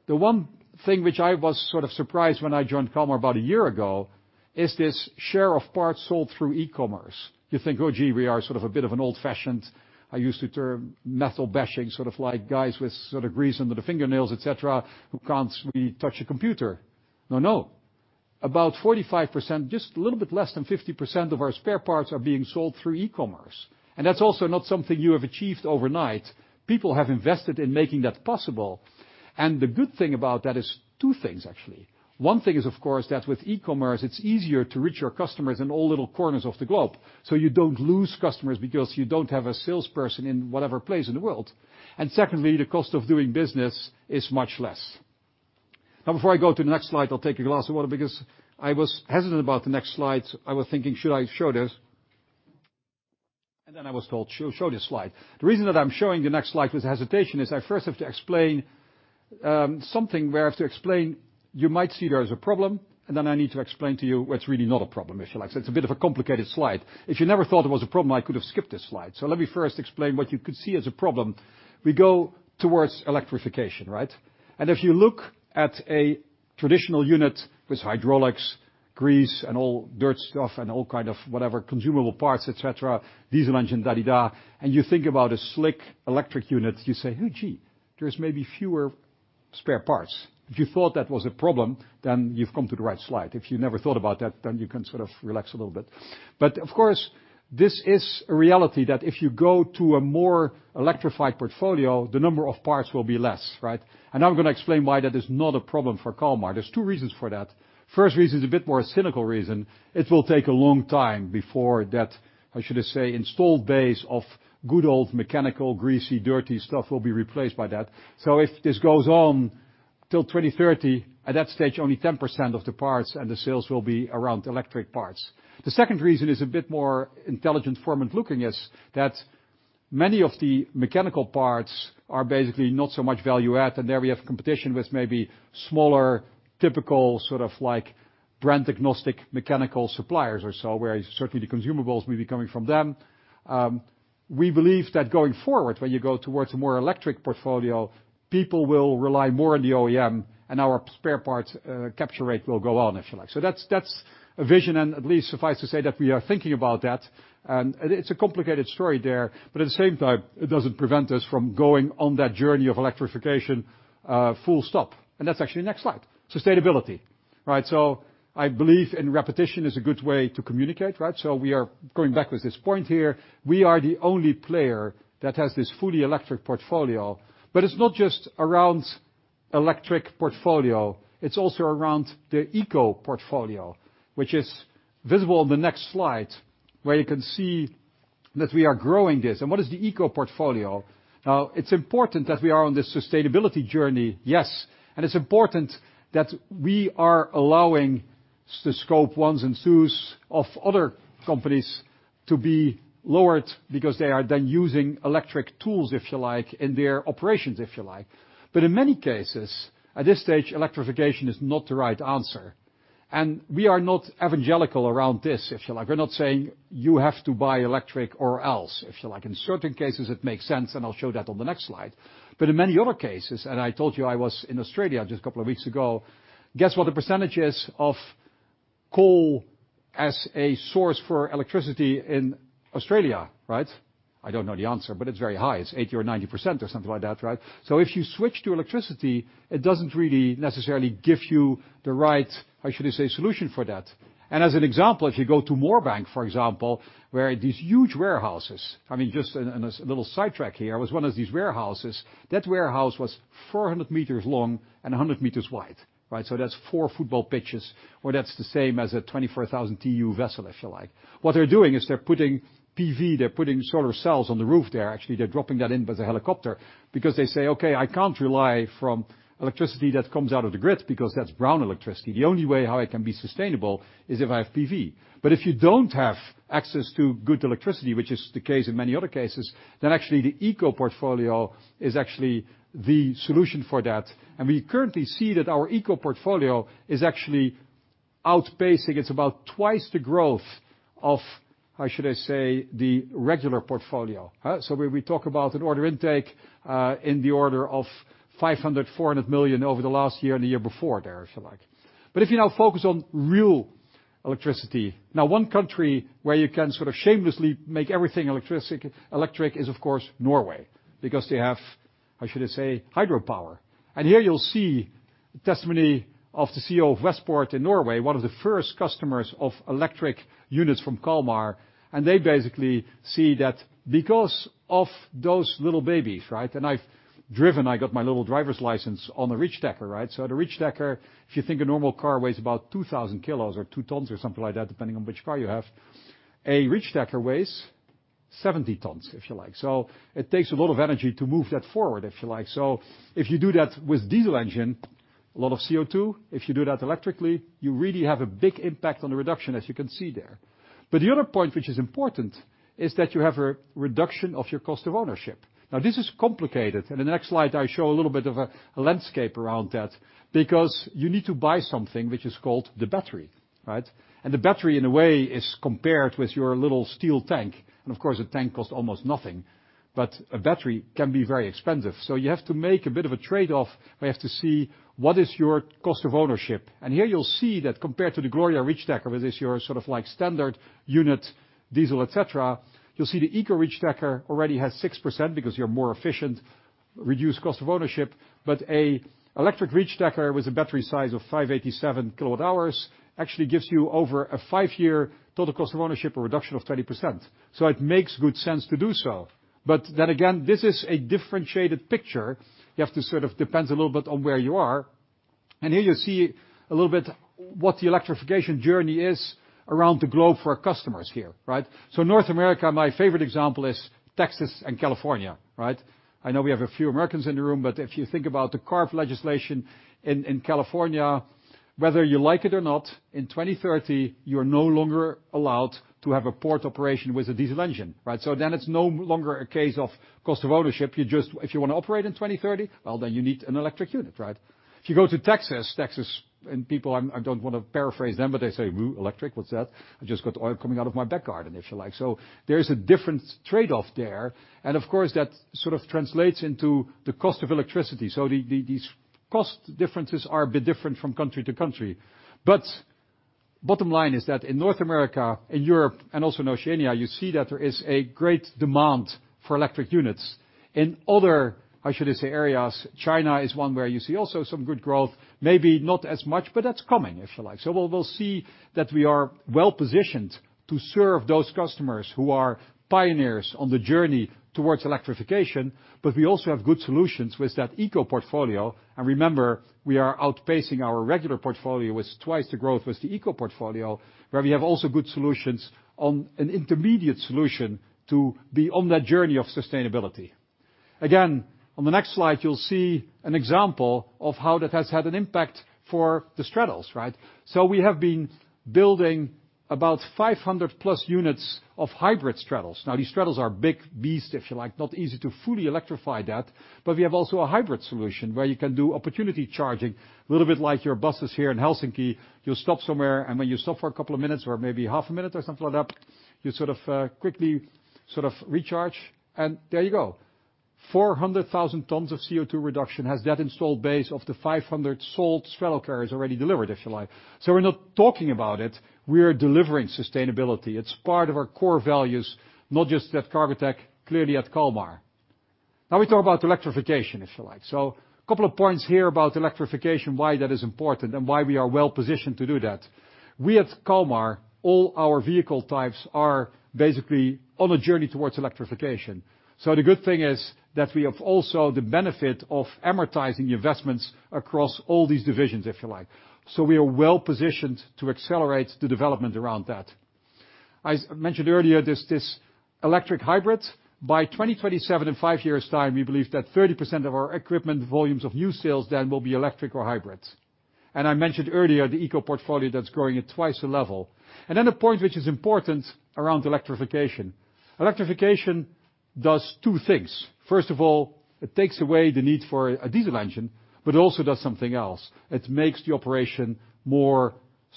The one thing which I was sort of surprised when I joined Kalmar about a year ago, is this share of parts sold through e-commerce. You think, oh, gee, we are sort of a bit of an old-fashioned, I used the term metal bashing, sort of like guys with sort of grease under their fingernails, et cetera, who can't really touch a computer. No, no. About 45%, just a little bit less than 50% of our spare parts are being sold through e-commerce. That's also not something you have achieved overnight. People have invested in making that possible. The good thing about that is two things actually. One thing is, of course, that with e-commerce, it's easier to reach your customers in all little corners of the globe, so you don't lose customers because you don't have a salesperson in whatever place in the world. Secondly, the cost of doing business is much less. Now, before I go to the next slide, I'll take a glass of water because I was hesitant about the next slide. I was thinking, should I show this? Then I was told, show, show this slide. The reason that I'm showing the next slide with hesitation is I first have to explain something where I have to explain you might see there as a problem, and then I need to explain to you what's really not a problem, if you like. It's a bit of a complicated slide. If you never thought it was a problem, I could have skipped this slide. Let me first explain what you could see as a problem. We go towards electrification, right? If you look at a traditional unit with hydraulics, grease and all dirt stuff and all kind of whatever consumable parts, et cetera, diesel engine, da-di-da, and you think about a slick electric unit, you say, oh, gee, there's maybe fewer spare parts. If you thought that was a problem, then you've come to the right slide. If you never thought about that, then you can sort of relax a little bit. Of course, this is a reality that if you go to a more electrified portfolio, the number of parts will be less, right? Now I'm gonna explain why that is not a problem for Kalmar. There's two reasons for that. First reason is a bit more a cynical reason. It will take a long time before that, how should I say, installed base of good old mechanical, greasy, dirty stuff will be replaced by that. If this goes on till 2030, at that stage, only 10% of the parts and the sales will be around electric parts. The second reason is a bit more intelligent forward-looking, that many of the mechanical parts are basically not so much value add, and there we have competition with maybe smaller, typical, sort of like brand agnostic mechanical suppliers or so, where certainly the consumables will be coming from them. We believe that going forward, when you go towards a more electric portfolio, people will rely more on the OEM and our spare parts capture rate will go on, if you like. That's a vision, and at least suffice to say that we are thinking about that. It's a complicated story there, but at the same time, it doesn't prevent us from going on that journey of electrification, full stop. That's actually the next slide. Sustainability. Right? I believe in repetition is a good way to communicate, right? We are going back with this point here. We are the only player that has this fully electric portfolio. But it's not just around electric portfolio, it's also around the eco portfolio, which is visible on the next slide, where you can see that we are growing this. What is the eco portfolio? Now, it's important that we are on this sustainability journey, yes. It's important that we are allowing the Scope 1s and 2s of other companies to be lowered because they are then using electric tools, if you like, in their operations, if you like. In many cases, at this stage, electrification is not the right answer. We are not evangelical around this, if you like. We're not saying, you have to buy electric or else, if you like. In certain cases it makes sense, and I'll show that on the next slide. In many other cases, and I told you I was in Australia just a couple of weeks ago, guess what the percentage is of coal as a source for electricity in Australia, right? I don't know the answer, but it's very high. It's 80% or 90% or something like that, right? If you switch to electricity, it doesn't really necessarily give you the right, how should I say, solution for that. As an example, if you go to Moorebank, for example, where these huge warehouses, I mean, just a little sidetrack here, was one of these warehouses. That warehouse was 400 m long and 100 m wide, right? That's four football pitches or that's the same as a 24,000 TEU vessel, if you like. What they're doing is they're putting PV, they're putting solar cells on the roof there. Actually, they're dropping that in with a helicopter because they say, okay, I can't rely on electricity that comes out of the grid because that's brown electricity. The only way how I can be sustainable is if I have PV. If you don't have access to good electricity, which is the case in many other cases, then actually the eco portfolio is actually the solution for that. We currently see that our eco portfolio is actually outpacing. It's about twice the growth of, how should I say, the regular portfolio. When we talk about an order intake in the order of 500 million, 400 million over the last year and the year before there, if you like. If you now focus on real electricity. One country where you can sort of shamelessly make everything electric is, of course, Norway, because they have, how should I say, hydropower. Here you'll see the testimony of the CEO of Westport in Norway, one of the first customers of electric units from Kalmar, and they basically see that because of those little babies, right? I've driven, I got my little driver's license on a reach stacker, right? The reach stacker, if you think a normal car weighs about 2,000 kg or 2 tons or something like that, depending on which car you have, weighs 70 tons, if you like. It takes a lot of energy to move that forward, if you like. If you do that with diesel engine, a lot of CO2. If you do that electrically, you really have a big impact on the reduction, as you can see there. But the other point which is important is that you have a reduction of your cost of ownership. Now, this is complicated. In the next slide, I show a little bit of a landscape around that because you need to buy something which is called the battery, right? And the battery, in a way, is compared with your little steel tank. Of course, the tank costs almost nothing, but a battery can be very expensive. You have to make a bit of a trade-off. We have to see what is your cost of ownership. Here you'll see that compared to the Gloria reachstacker, which is your sort of like standard unit, diesel, et cetera, you'll see the eco reachstacker already has 6% because you're more efficient, reduced cost of ownership. An electric reachstacker with a battery size of 587 kWh actually gives you over a five-year total cost of ownership, a reduction of 30%. It makes good sense to do so. Again, this is a differentiated picture. You have to sort of it depends a little bit on where you are. Here you see a little bit what the electrification journey is around the globe for our customers here, right? North America, my favorite example is Texas and California, right? I know we have a few Americans in the room, but if you think about the CARB legislation in California, whether you like it or not, in 2030, you're no longer allowed to have a port operation with a diesel engine, right? Then it's no longer a case of cost of ownership. You just. If you wanna operate in 2030, well, then you need an electric unit, right? If you go to Texas, and people, I don't wanna paraphrase them, but they say, electric? What's that? I've just got oil coming out of my backyard, if you like. There's a different trade-off there. Of course, that sort of translates into the cost of electricity. These cost differences are a bit different from country to country. Bottom line is that in North America, in Europe, and also in Oceania, you see that there is a great demand for electric units. In other, how should I say, areas, China is one where you see also some good growth, maybe not as much, but that's coming, if you like. we'll see that we are well-positioned to serve those customers who are pioneers on the journey towards electrification, but we also have good solutions with that eco portfolio. remember, we are outpacing our regular portfolio with twice the growth with the eco portfolio, where we have also good solutions on an intermediate solution to be on that journey of sustainability. Again, on the next slide, you'll see an example of how that has had an impact for the straddles, right? we have been building about 500+ units of hybrid straddles. Now, these straddles are big beasts, if you like, not easy to fully electrify that. But we have also a hybrid solution where you can do opportunity charging, a little bit like your buses here in Helsinki. You stop somewhere, and when you stop for a couple of minutes or maybe half a minute or something like that, you sort of quickly sort of recharge, and there you go. 400,000 tons of CO2 reduction has that installed base of the 500 sold straddle carriers already delivered, if you like. We're not talking about it, we're delivering sustainability. It's part of our core values, not just at Cargotec, clearly at Kalmar. Now we talk about electrification, if you like. A couple of points here about electrification, why that is important, and why we are well-positioned to do that. We at Kalmar, all our vehicle types are basically on a journey towards electrification. The good thing is that we have also the benefit of amortizing the investments across all these divisions, if you like. We are well-positioned to accelerate the development around that. I mentioned earlier this electric hybrid. By 2027, in five years' time, we believe that 30% of our equipment volumes of new sales then will be electric or hybrid. I mentioned earlier the eco portfolio that's growing at twice the level. The point which is important around electrification. Electrification does two things. First of all, it takes away the need for a diesel engine, but it also does something else. It makes the operation more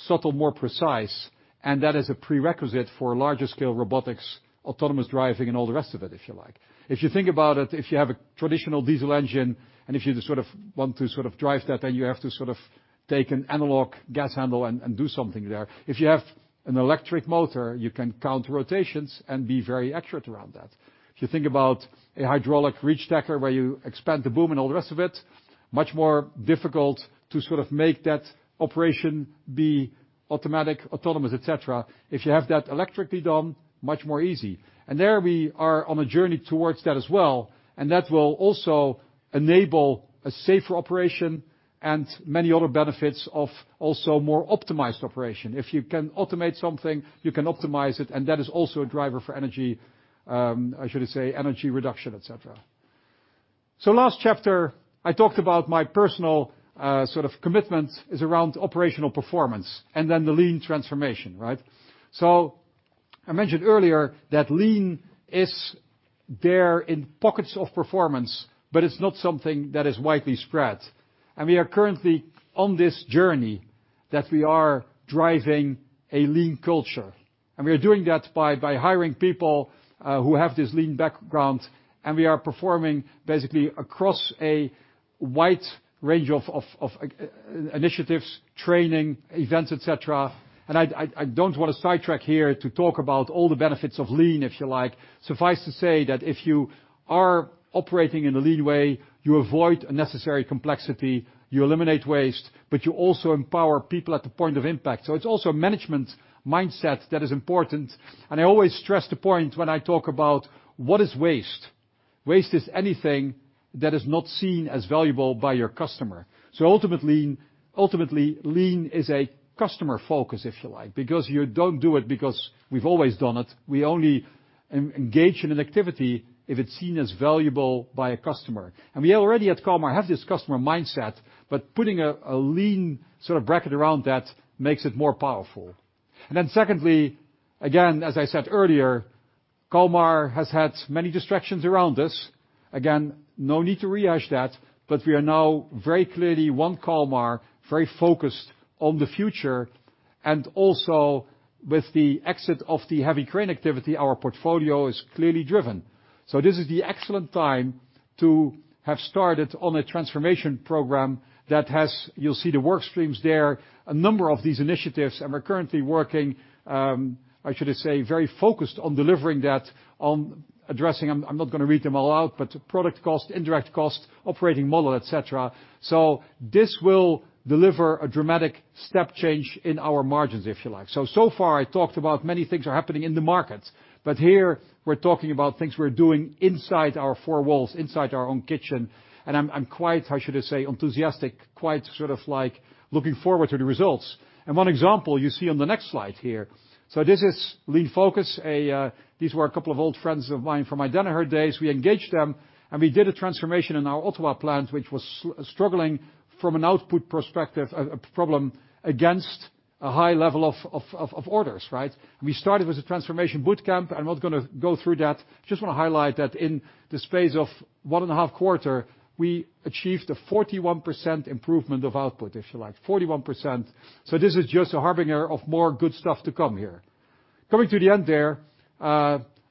subtle, more precise, and that is a prerequisite for larger scale robotics, autonomous driving, and all the rest of it, if you like. If you think about it, if you have a traditional diesel engine, and if you sort of want to sort of drive that, then you have to sort of take an analog gas handle and do something there. If you have an electric motor, you can count rotations and be very accurate around that. If you think about a hydraulic reach stacker, where you expand the boom and all the rest of it, much more difficult to sort of make that operation be automatic, autonomous, et cetera. If you have that electrically done, much more easy. There we are on a journey towards that as well, and that will also enable a safer operation and many other benefits of also more optimized operation. If you can automate something, you can optimize it, and that is also a driver for energy, how should I say, energy reduction, et cetera. Last chapter, I talked about my personal, sort of commitment is around operational performance and then the lean transformation, right? I mentioned earlier that lean is there in pockets of performance, but it's not something that is widely spread. We are currently on this journey that we are driving a lean culture, and we are doing that by hiring people who have this lean background, and we are performing basically across a wide range of initiatives, training, events, et cetera. I don't wanna sidetrack here to talk about all the benefits of lean, if you like. Suffice to say that if you are operating in a lean way, you avoid unnecessary complexity, you eliminate waste, but you also empower people at the point of impact. It's also a management mindset that is important. I always stress the point when I talk about what is waste. Waste is anything that is not seen as valuable by your customer. Ultimately, lean is a customer focus, if you like, because you don't do it because we've always done it. We only engage in an activity if it's seen as valuable by a customer. We already at Kalmar have this customer mindset, but putting a lean sort of bracket around that makes it more powerful. Secondly, again, as I said earlier, Kalmar has had many distractions around us. Again, no need to rehash that, but we are now very clearly one Kalmar, very focused on the future. Also, with the exit of the heavy crane activity, our portfolio is clearly driven. This is the excellent time to have started on a transformation program that has, you'll see the work streams there, a number of these initiatives, and we're currently working, I should say, very focused on delivering that, on addressing, I'm not gonna read them all out, but product cost, indirect cost, operating model, et cetera. This will deliver a dramatic step change in our margins, if you like. So far I talked about many things are happening in the markets, but here we're talking about things we're doing inside our four walls, inside our own kitchen, and I'm quite, how should I say, enthusiastic, quite sort of like looking forward to the results. One example you see on the next slide here. This is LeanFocus. These were a couple of old friends of mine from my Danaher days. We engaged them, and we did a transformation in our Ottawa plant, which was struggling from an output perspective, a problem against a high level of orders, right? We started with a transformation boot camp. I'm not gonna go through that. Just wanna highlight that in the space of one and a half quarter, we achieved a 41% improvement of output, if you like. 41%. This is just a harbinger of more good stuff to come here. Coming to the end there,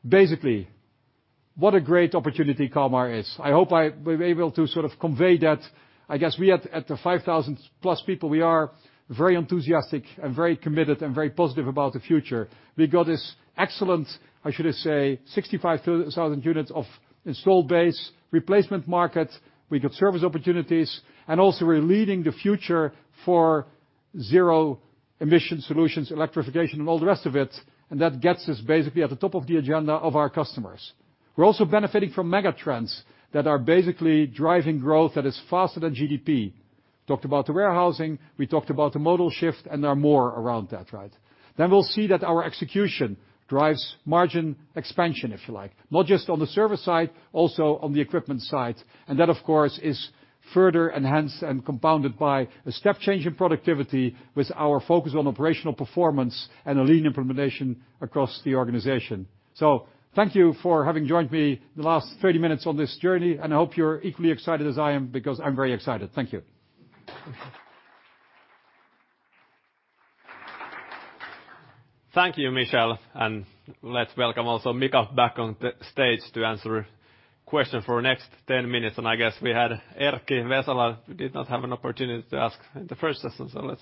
basically, what a great opportunity Kalmar is. I hope I were able to sort of convey that. I guess we at the 5,000+ people, we are very enthusiastic and very committed and very positive about the future. We got this excellent, I should say, 65,000 units of installed base replacement market. We got service opportunities, and also we're leading the future for zero emission solutions, electrification, and all the rest of it, and that gets us basically at the top of the agenda of our customers. We're also benefiting from mega trends that are basically driving growth that is faster than GDP. Talked about the warehousing, we talked about the modal shift, and there are more around that, right? We'll see that our execution drives margin expansion, if you like. Not just on the service side, also on the equipment side. That, of course, is further enhanced and compounded by a step change in productivity with our focus on operational performance and a Lean implementation across the organization. Thank you for having joined me the last 30 minutes on this journey, and I hope you're equally excited as I am, because I'm very excited. Thank you. Thank you, Michel, and let's welcome also Mika back on the stage to answer questions for the next 10 minutes. I guess we had Erkki Vesola, who did not have an opportunity to ask in the first session, so let's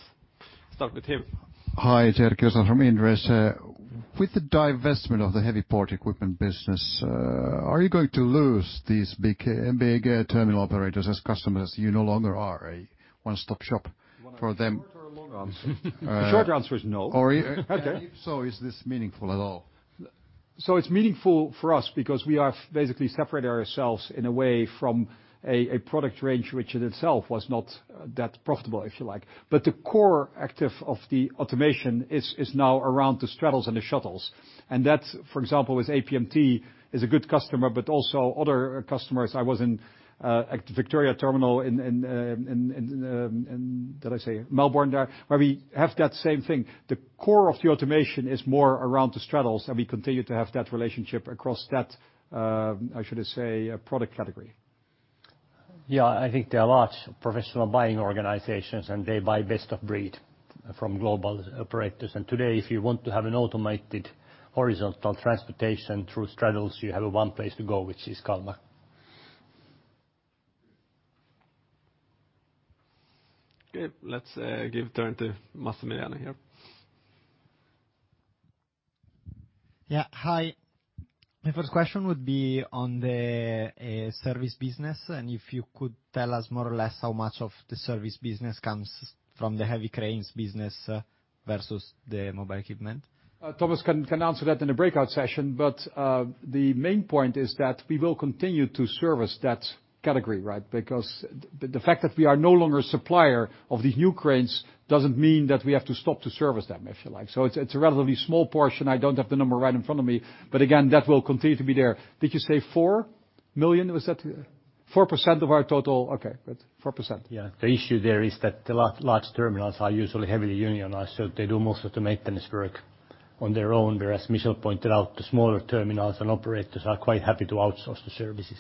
start with him. Hi, it's Erkki Vesola from Inderes. With the divestment of the heavy port equipment business, are you going to lose these big, big terminal operators as customers? You no longer are a one-stop shop for them. You want a short or long answer? The short answer is no. Or if- Okay. Is this meaningful at all? It's meaningful for us because we have basically separated ourselves in a way from a product range which in itself was not that profitable, if you like. The core activity of the automation is now around the straddles and the shuttles. That's, for example, with APMT is a good customer, but also other customers. I was at Victoria Terminal in Melbourne. Did I say Melbourne there? Where we have that same thing. The core of the automation is more around the straddles, and we continue to have that relationship across that, how should I say, product category. Yeah, I think there are large professional buying organizations, and they buy best of breed from global operators. Today, if you want to have an automated horizontal transportation through straddles, you have one place to go, which is Kalmar. Okay, let's give turn to Massimiliano here. Yeah, hi. My first question would be on the service business, and if you could tell us more or less how much of the service business comes from the heavy cranes business versus the mobile equipment. Thomas can answer that in a breakout session, but the main point is that we will continue to service that category, right? Because the fact that we are no longer a supplier of these new cranes doesn't mean that we have to stop to service them, if you like. It's a relatively small portion. I don't have the number right in front of me, but again, that will continue to be there. Did you say 4 million? Was that 4% of our total? Okay, good. 4%. Yeah. The issue there is that the large terminals are usually heavily unionized, so they do most of the maintenance work on their own, whereas Michel pointed out, the smaller terminals and operators are quite happy to outsource the services.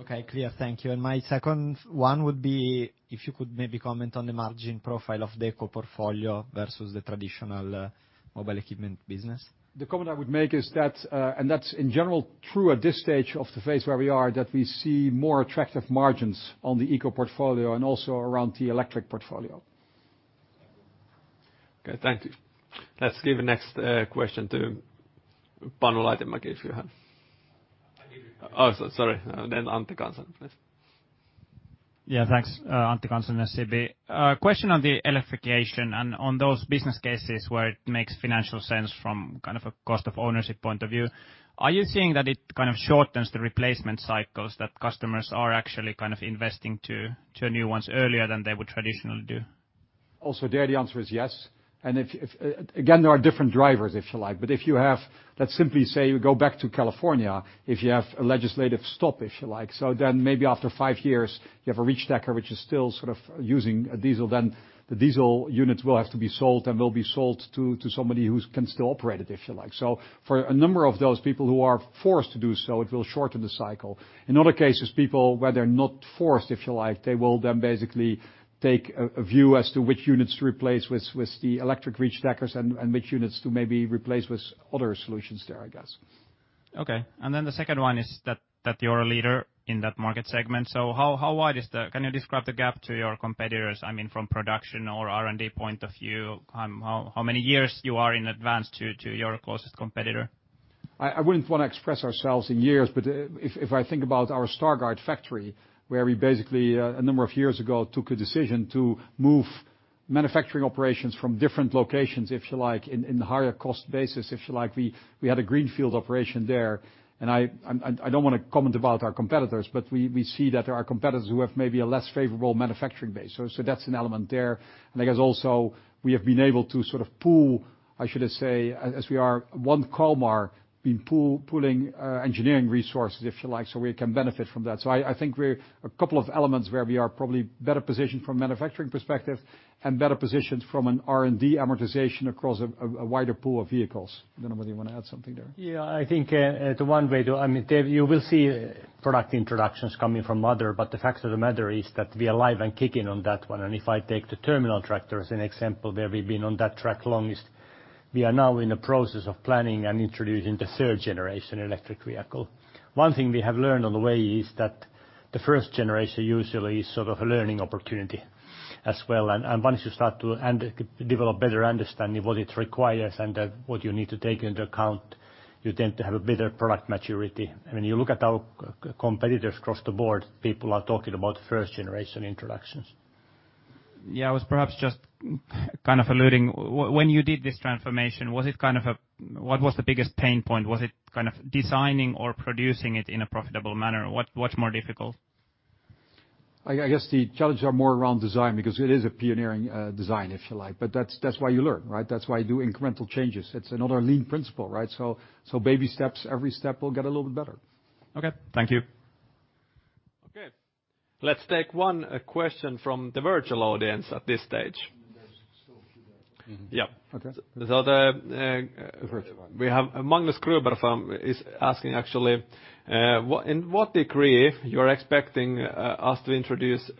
Okay, clear. Thank you. My second one would be if you could maybe comment on the margin profile of the eco portfolio versus the traditional mobile equipment business. The comment I would make is that, and that's in general true at this stage of the phase where we are, that we see more attractive margins on the eco portfolio and also around the electric portfolio. Okay, thank you. Let's give the next question to Panu Laitinen, if you have. I give you permission. Sorry. Antti Kansanen, please. Yeah, thanks. Antti Kansanen, SEB. Question on the electrification and on those business cases where it makes financial sense from kind of a cost of ownership point of view. Are you seeing that it kind of shortens the replacement cycles that customers are actually kind of investing to new ones earlier than they would traditionally do? Also, there, the answer is yes. Again, there are different drivers, if you like. If you have, let's simply say you go back to California, if you have a legislative stop, if you like. Maybe after five years, you have a reach stacker which is still sort of using a diesel, then the diesel units will have to be sold and will be sold to somebody who can still operate it, if you like. For a number of those people who are forced to do so, it will shorten the cycle. In other cases, people where they're not forced, if you like, they will then basically take a view as to which units to replace with the electric reach stackers and which units to maybe replace with other solutions there, I guess. Okay. The second one is that you're a leader in that market segment. How wide is the gap to your competitors? I mean, from production or R&D point of view? How many years you are in advance to your closest competitor? I wouldn't wanna express ourselves in years, but if I think about our Stargard factory, where we basically a number of years ago took a decision to move manufacturing operations from different locations, if you like, in higher cost basis, if you like. We had a greenfield operation there. I don't wanna comment about our competitors, but we see that there are competitors who have maybe a less favorable manufacturing base. That's an element there. I guess also we have been able to sort of pool, I should say, as we are one Kalmar, pooling engineering resources, if you like, so we can benefit from that. I think we're a couple of elements where we are probably better positioned from a manufacturing perspective and better positioned from an R&D amortization across a wider pool of vehicles. I don't know whether you wanna add something there. Yeah, I think the one way to I mean, Antti, you will see product introductions coming from others, but the fact of the matter is that we are alive and kicking on that one. If I take the terminal tractor as an example, where we've been on that track longest, we are now in the process of planning and introducing the 3rd generation electric vehicle. One thing we have learned on the way is that the first generation usually is sort of a learning opportunity as well. Once you start to understand and develop better understanding what it requires and what you need to take into account, you tend to have a better product maturity. I mean, you look at our competitors across the board, people are talking about 1st generation introductions. Yeah, I was perhaps just kind of alluding, when you did this transformation, was it kind of a what was the biggest pain point? Was it kind of designing or producing it in a profitable manner? What's more difficult? I guess the challenges are more around design because it is a pioneering design, if you like. That's why you learn, right? That's why you do incremental changes. It's another Lean principle, right? Baby steps, every step will get a little bit better. Okay. Thank you. Okay. Let's take one question from the virtual audience at this stage. Yeah. Okay. So the- Virtual one. We have Magnus Gruber asking, actually, to what degree you're expecting us to introduce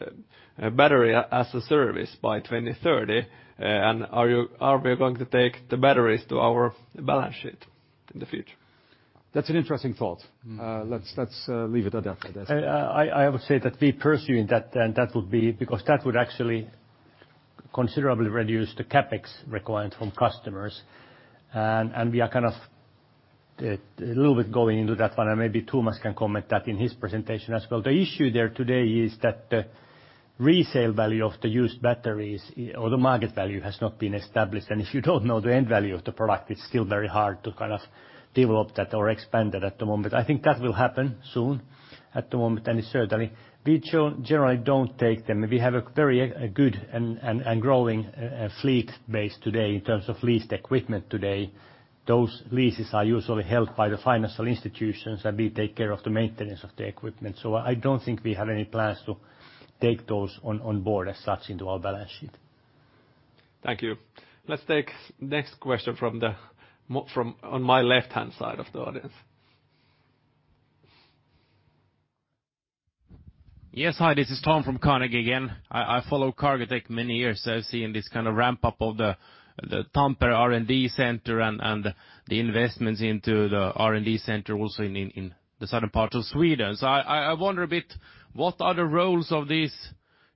battery as a service by 2030, and are we going to take the batteries onto our balance sheet in the future? That's an interesting thought. Mm-hmm. Let's leave it at that for this. I would say that we're pursuing that. That would actually considerably reduce the CapEx required from customers. We are kind of a little bit going into that one, and maybe Thomas can comment that in his presentation as well. The issue there today is that the resale value of the used batteries or the market value has not been established. If you don't know the end value of the product, it's still very hard to kind of develop that or expand that at the moment. I think that will happen soon at the moment. Certainly, we generally don't take them. We have a very good and growing fleet base today in terms of leased equipment today. Those leases are usually held by the financial institutions, and we take care of the maintenance of the equipment. I don't think we have any plans to take those on board as such into our balance sheet. Thank you. Let's take next question from on my left-hand side of the audience. Yes. Hi, this is Tom from Carnegie again. I follow Cargotec many years, so seeing this kind of ramp-up of the Tampere R&D center and the investments into the R&D center also in the southern part of Sweden. I wonder a bit, what are the roles of these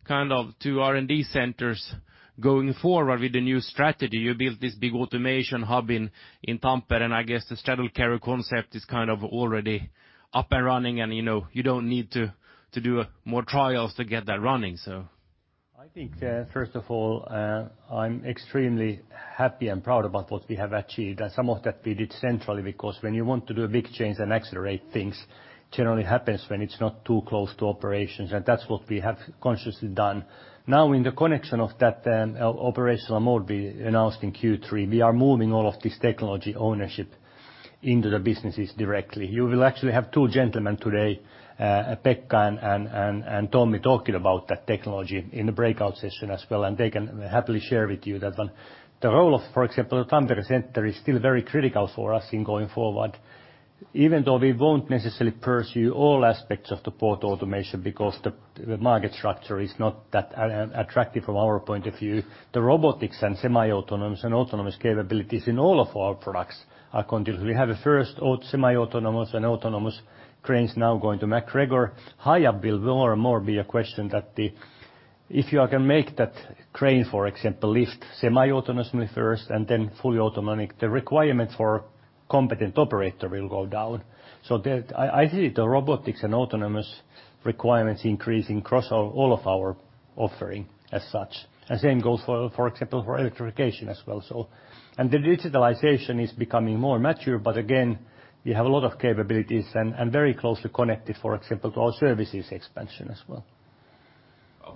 kind of two R&D centers going forward with the new strategy? You build this big automation hub in Tampere, and I guess the straddle carrier concept is kind of already up and running, and, you know, you don't need to do more trials to get that running, so. I think, first of all, I'm extremely happy and proud about what we have achieved. Some of that we did centrally, because when you want to do a big change and accelerate things, generally happens when it's not too close to operations, and that's what we have consciously done. Now, in the connection of that, operational mode we announced in Q3, we are moving all of this technology ownership into the businesses directly. You will actually have two gentlemen today, Pekka and Tommi, talking about that technology in the breakout session as well, and they can happily share with you that one. The role of, for example, the Tampere center is still very critical for us in going forward. Even though we won't necessarily pursue all aspects of the port automation because the market structure is not that attractive from our point of view, the robotics and semi-autonomous and autonomous capabilities in all of our products are continuous. We have a first semi-autonomous and autonomous cranes now going to MacGregor. Hiab will more and more be a question that if you are gonna make that crane, for example, lift semi-autonomously first and then fully automatic, the requirement for competent operator will go down. I see the robotics and autonomous requirements increasing across all of our offering as such. The same goes for example for electrification as well. The digitalization is becoming more mature, but again, we have a lot of capabilities and very closely connected, for example, to our services expansion as well.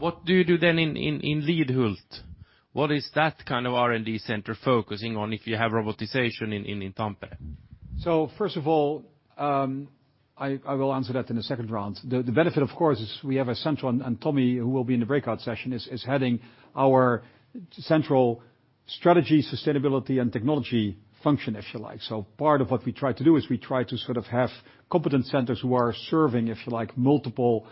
What do you do then in Lidhult? What is that kind of R&D center focusing on if you have robotization in Tampere? First of all, I will answer that in the second round. The benefit, of course, is we have a central, and Tommi, who will be in the breakout session, is heading our central strategy, sustainability, and technology function, if you like. Part of what we try to do is we try to sort of have competence centers who are serving, if you like, multiple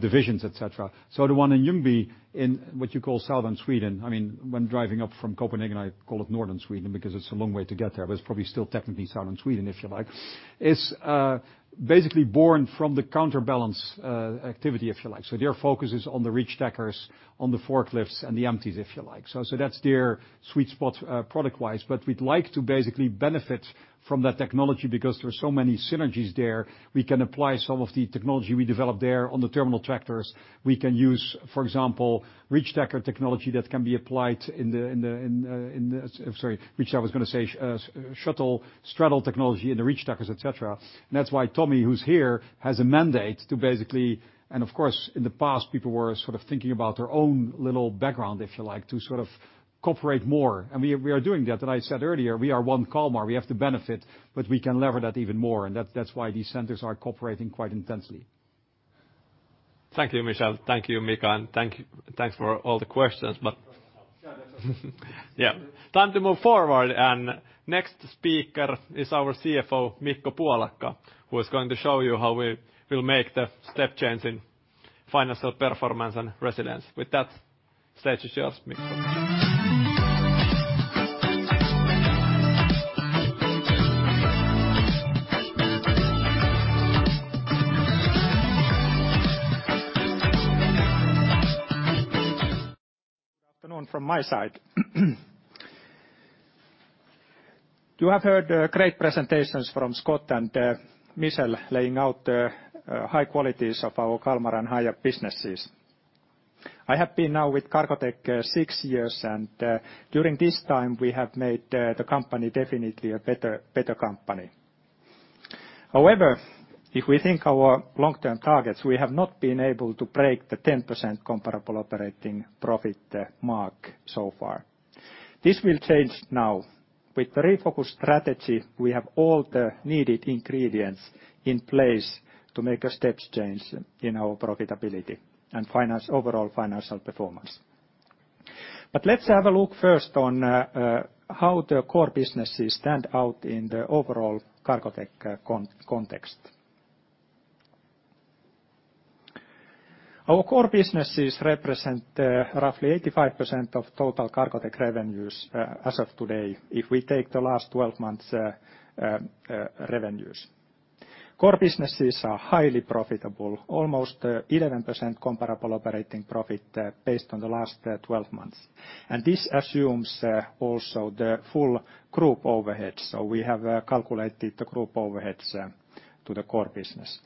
divisions, et cetera. The one in Lidhult, in what you call southern Sweden, I mean, when driving up from Copenhagen, I call it northern Sweden because it's a long way to get there, but it's probably still technically southern Sweden, if you like. It's basically born from the counterbalance activity, if you like. Their focus is on the reachstackers, on the forklifts, and the empties, if you like. That's their sweet spot, product-wise. We'd like to basically benefit from that technology because there are so many synergies there. We can apply some of the technology we develop there on the terminal tractors. We can use, for example, reach stacker technology that can be applied in the shuttle, straddle technology in the reach stackers, et cetera. That's why Tommi, who's here, has a mandate to basically, and of course, in the past, people were sort of thinking about their own little backyard, if you like, to sort of cooperate more, and we are doing that. I said earlier, we are one Kalmar, we have to benefit, but we can leverage that even more, and that's why these centers are cooperating quite intensely. Thank you, Michel. Thank you, Mika. Thank you. Thanks for all the questions. Yeah. Time to move forward. Next speaker is our CFO, Mikko Puolakka, who is going to show you how we will make the step change in financial performance and resilience. With that, stage is yours, Mikko. Good afternoon from my side. You have heard great presentations from Scott and Michel laying out the high qualities of our Kalmar and Hiab businesses. I have been now with Cargotec six years, and during this time we have made the company definitely a better company. However, if we think our long-term targets, we have not been able to break the 10% comparable operating profit mark so far. This will change now. With the refocused strategy, we have all the needed ingredients in place to make a steps change in our profitability and finance overall financial performance. Let's have a look first on how the core businesses stand out in the overall Cargotec context. Our core businesses represent roughly 85% of total Cargotec revenues as of today, if we take the last 12 months revenues. Core businesses are highly profitable, almost 11% comparable operating profit based on the last 12 months. This assumes also the full group overheads. We have calculated the group overheads to the core business.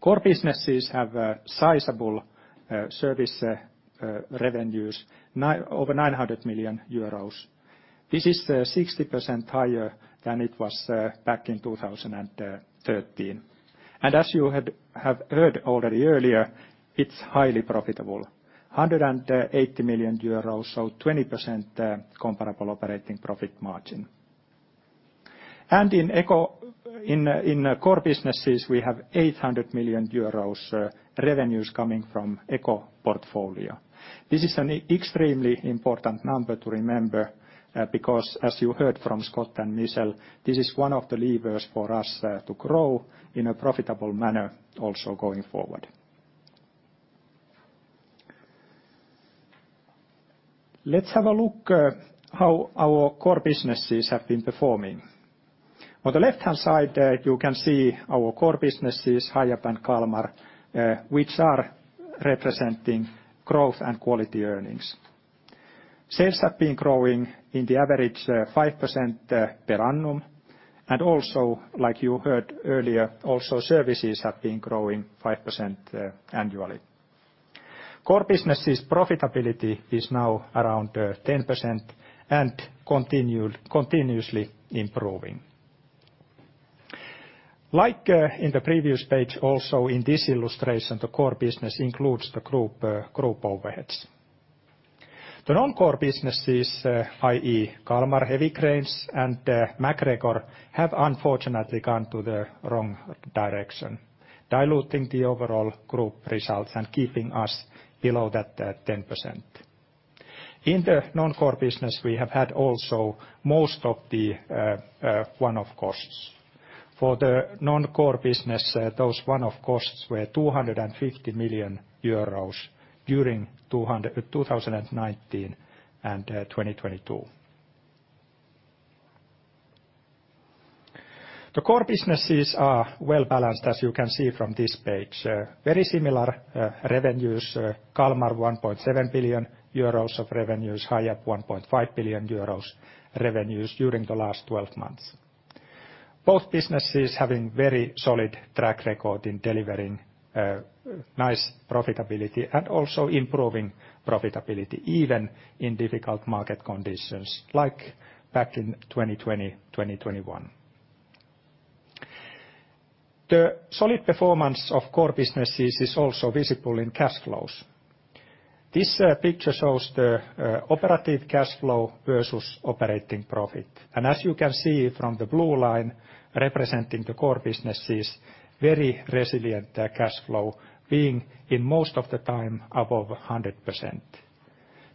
Core businesses have a sizable service revenues over 900 million euros. This is 60% higher than it was back in 2013. As you have heard already earlier, it's highly profitable, 180 million euros, so 20% comparable operating profit margin. In core businesses, we have 800 million euros revenues coming from eco portfolio. This is an extremely important number to remember, because as you heard from Scott and Michel, this is one of the levers for us to grow in a profitable manner also going forward. Let's have a look how our core businesses have been performing. On the left-hand side, you can see our core businesses, Hiab and Kalmar, which are representing growth and quality earnings. Sales have been growing in the average 5% per annum. Like you heard earlier, also services have been growing 5% annually. Core business's profitability is now around 10% and continuously improving. Like in the previous page, also in this illustration, the core business includes the group group overheads. The non-core businesses, i.e. Kalmar Heavy Cranes and MacGregor have unfortunately gone to the wrong direction, diluting the overall group results and keeping us below that 10%. In the non-core business, we have had also most of the one-off costs. For the non-core business, those one-off costs were 250 million euros during 2019 and 2022. The core businesses are well-balanced, as you can see from this page. Very similar revenues. Kalmar, 1.7 billion euros of revenues. Hiab, 1.5 billion euros revenues during the last 12 months. Both businesses having very solid track record in delivering nice profitability and also improving profitability, even in difficult market conditions, like back in 2020, 2021. The solid performance of core businesses is also visible in cash flows. This picture shows the operating cash flow versus operating profit. As you can see from the blue line representing the core businesses, very resilient cash flow being in most of the time above 100%.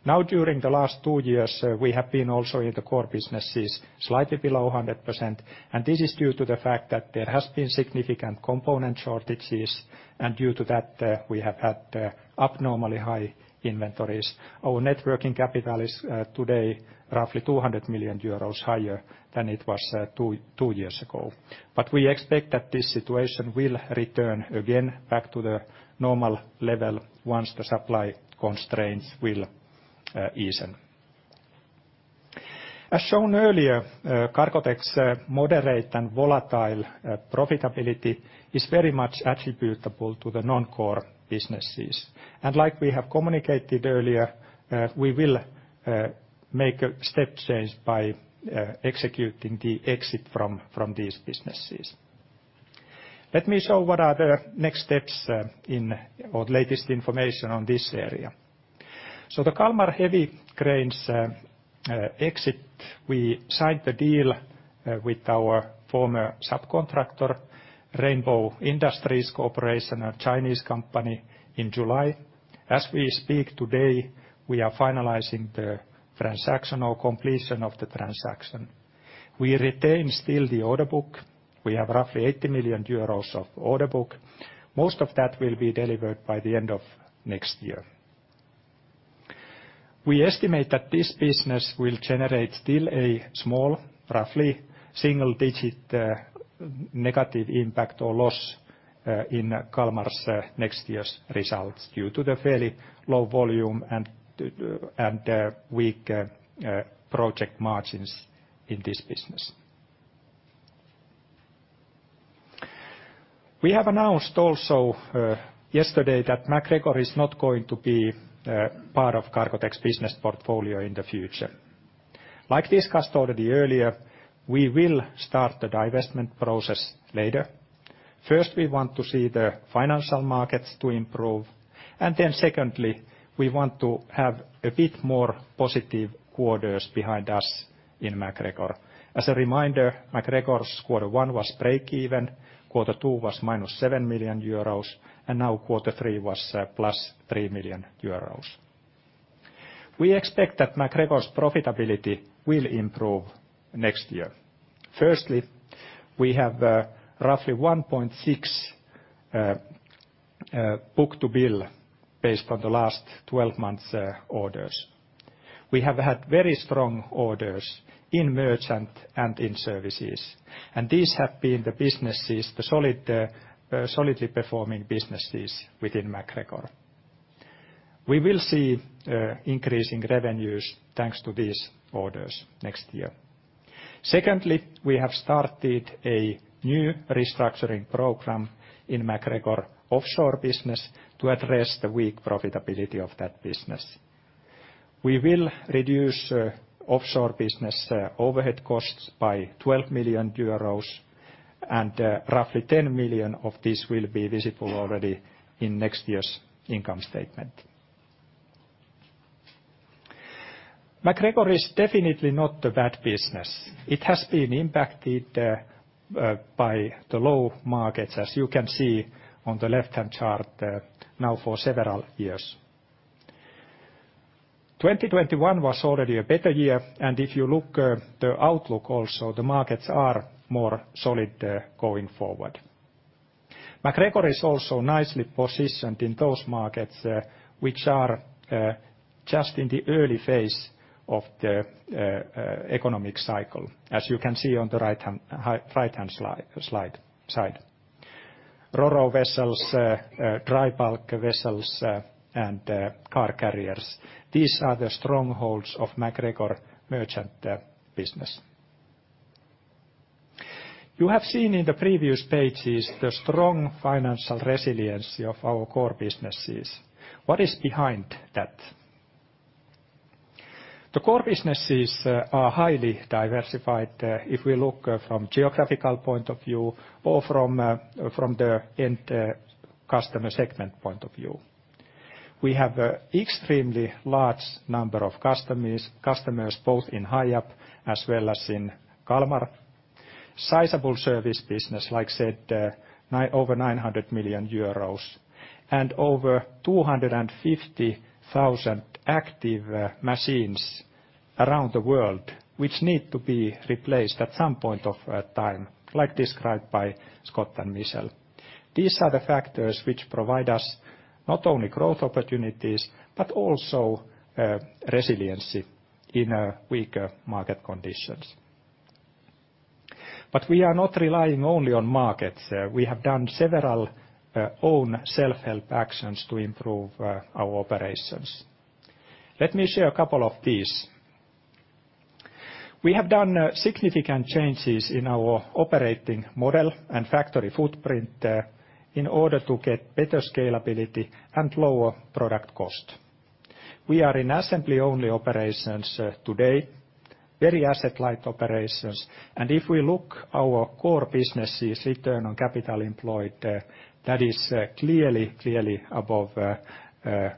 Now, during the last two years, we have been also in the core businesses slightly below 100%, and this is due to the fact that there has been significant component shortages, and due to that, we have had abnormally high inventories. Our net working capital is today roughly 200 million euros higher than it was two years ago. We expect that this situation will return again back to the normal level once the supply constraints will ease. As shown earlier, Cargotec's moderate and volatile profitability is very much attributable to the non-core businesses. Like we have communicated earlier, we will make a step change by executing the exit from these businesses. Let me show what are the next steps in our latest information on this area. The Kalmar Heavy Cranes exit, we signed the deal with our former subcontractor, Rainbow Heavy Industries, a Chinese company, in July. As we speak today, we are finalizing the transaction or completion of the transaction. We retain still the order book. We have roughly 80 million euros of order book. Most of that will be delivered by the end of next year. We estimate that this business will generate still a small, roughly single digit negative impact or loss in Kalmar's next year's results due to the fairly low volume and weak project margins in this business. We have announced also yesterday that MacGregor is not going to be part of Cargotec's business portfolio in the future. Like discussed already earlier, we will start the divestment process later. First, we want to see the financial markets to improve, and then secondly, we want to have a bit more positive quarters behind us in MacGregor. As a reminder, MacGregor's quarter one was break even, quarter two was -7 million euros, and now quarter three was +3 million euros. We expect that MacGregor's profitability will improve next year. Firstly, we have roughly 1.6 book-to-bill based on the last 12 months' orders. We have had very strong orders in merchant and in services, and these have been the businesses, the solid solidly performing businesses within MacGregor. We will see increasing revenues thanks to these orders next year. Secondly, we have started a new restructuring program in MacGregor offshore business to address the weak profitability of that business. We will reduce offshore business overhead costs by 12 million euros and roughly 10 million of this will be visible already in next year's income statement. MacGregor is definitely not a bad business. It has been impacted by the low markets, as you can see on the left-hand chart, now for several years. 2021 was already a better year, and if you look the outlook also, the markets are more solid going forward. MacGregor is also nicely positioned in those markets, which are just in the early phase of the economic cycle, as you can see on the right-hand side. RoRo vessels, dry bulk vessels, and car carriers, these are the strongholds of MacGregor merchant business. You have seen in the previous pages the strong financial resiliency of our core businesses. What is behind that? The core businesses are highly diversified, if we look from geographical point of view or from the end customer segment point of view. We have an extremely large number of customers both in Hiab as well as in Kalmar. Sizable service business, as said, over 900 million euros, and over 250,000 active machines around the world which need to be replaced at some point of time, as described by Scott and Michel. These are the factors which provide us not only growth opportunities but also resiliency in weaker market conditions. We are not relying only on markets. We have done several own self-help actions to improve our operations. Let me share a couple of these. We have done significant changes in our operating model and factory footprint in order to get better scalability and lower product cost. We are in assembly-only operations today, very asset-light operations, and if we look at our core businesses' return on capital employed, that is clearly above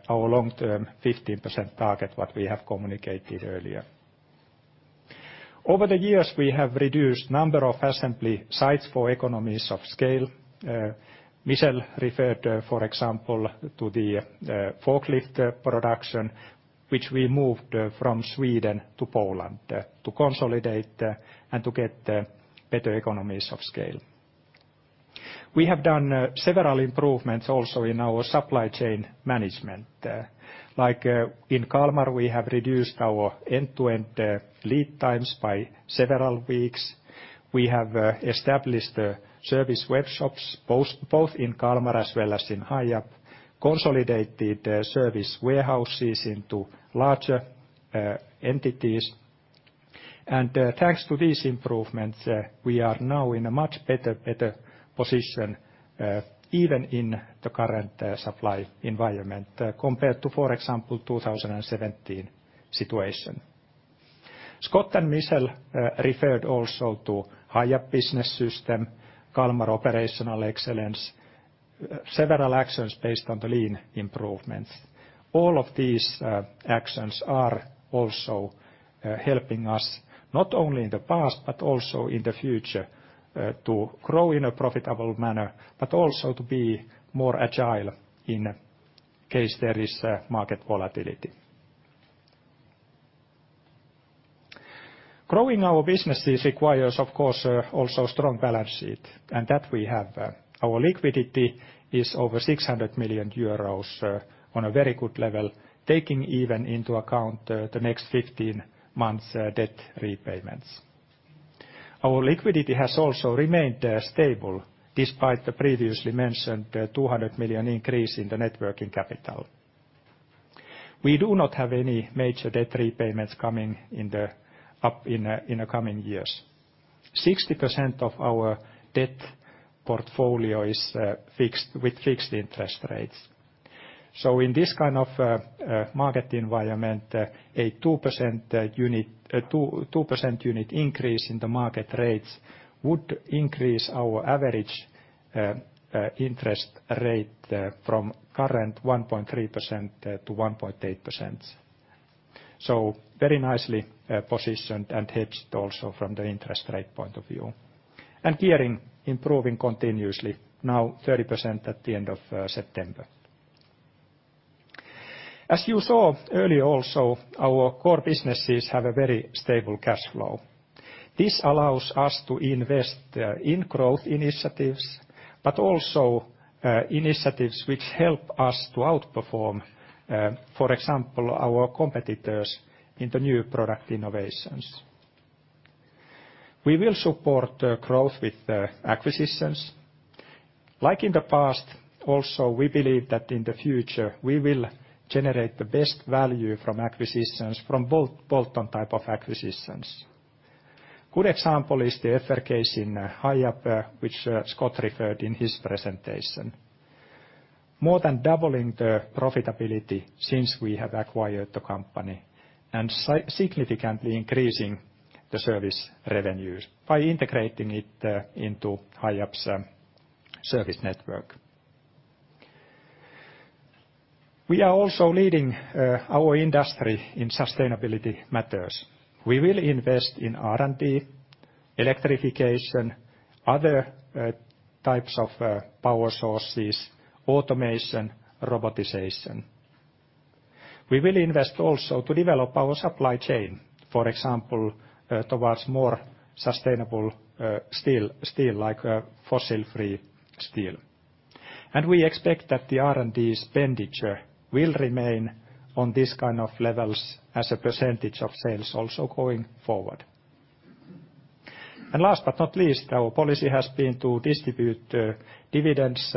our long-term 15% target, what we have communicated earlier. Over the years, we have reduced number of assembly sites for economies of scale. Michel referred, for example, to the forklift production which we moved from Sweden to Poland to consolidate and to get better economies of scale. We have done several improvements also in our supply chain management. Like, in Kalmar, we have reduced our end-to-end lead times by several weeks. We have established the service workshops both in Kalmar as well as in Hiab. Consolidated service warehouses into larger entities. Thanks to these improvements, we are now in a much better position, even in the current supply environment, compared to, for example, 2017 situation. Scott and Michel referred also to Hiab Business System, Kalmar Operational Excellence, several actions based on the Lean improvements. All of these actions are also helping us, not only in the past, but also in the future, to grow in a profitable manner, but also to be more agile in case there is a market volatility. Growing our businesses requires, of course, also strong balance sheet, and that we have. Our liquidity is over 600 million euros on a very good level, taking even into account the next 15 months debt repayments. Our liquidity has also remained stable despite the previously mentioned 200 million increase in the net working capital. We do not have any major debt repayments coming up in the coming years. 60% of our debt portfolio is fixed, with fixed interest rates. In this kind of market environment, a t2 percentage point increase in the market rates would increase our average interest rate from current 1.3% to 1.8%. Very nicely positioned and hedged also from the interest rate point of view. Gearing improving continuously, now 30% at the end of September. As you saw earlier also, our core businesses have a very stable cash flow. This allows us to invest in growth initiatives, but also initiatives which help us to outperform, for example, our competitors in the new product innovations. We will support growth with acquisitions. Like in the past also, we believe that in the future we will generate the best value from acquisitions from both bolt-on type of acquisitions. Good example is the FRK case in Hiab, which Scott referred in his presentation. More than doubling the profitability since we have acquired the company and significantly increasing the service revenues by integrating it into Hiab's service network. We are also leading our industry in sustainability matters. We will invest in R&D, electrification, other, types of, power sources, automation, robotization. We will invest also to develop our supply chain, for example, towards more sustainable, steel like, fossil-free steel. We expect that the R&D's expenditure will remain on this kind of levels as a percentage of sales also going forward. Last but not least, our policy has been to distribute, dividends,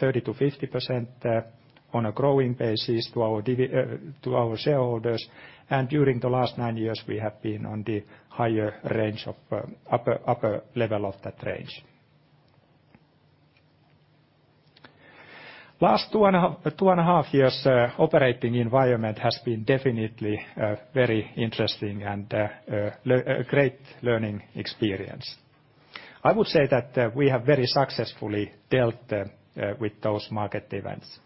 30%-50%, on a growing basis to our shareholders. During the last nine years, we have been on the higher range of, upper level of that range. Last two and a half years, operating environment has been definitely, very interesting and, a great learning experience. I would say that we have very successfully dealt with those market events.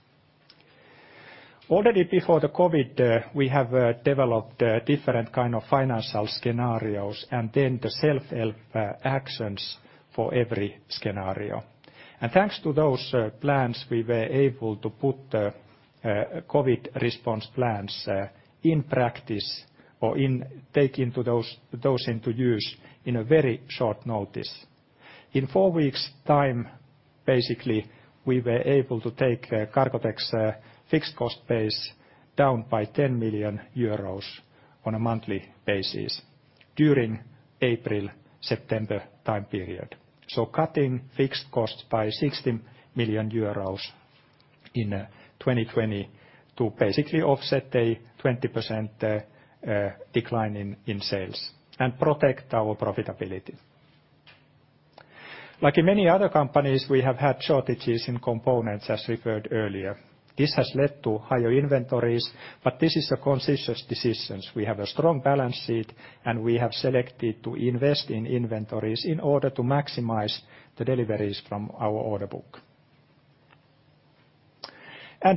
Already before the COVID, we have developed different kind of financial scenarios, and then the self-help actions for every scenario. Thanks to those plans, we were able to put COVID response plans in practice or take those into use in a very short notice. In four weeks time, basically, we were able to take Cargotec's fixed cost base down by 10 million euros on a monthly basis during April-September time period. Cutting fixed costs by 60 million euros in 2020 to basically offset a 20% decline in sales and protect our profitability. Like in many other companies, we have had shortages in components, as referred earlier. This has led to higher inventories, but this is a conscious decision. We have a strong balance sheet, and we have decided to invest in inventories in order to maximize the deliveries from our order book.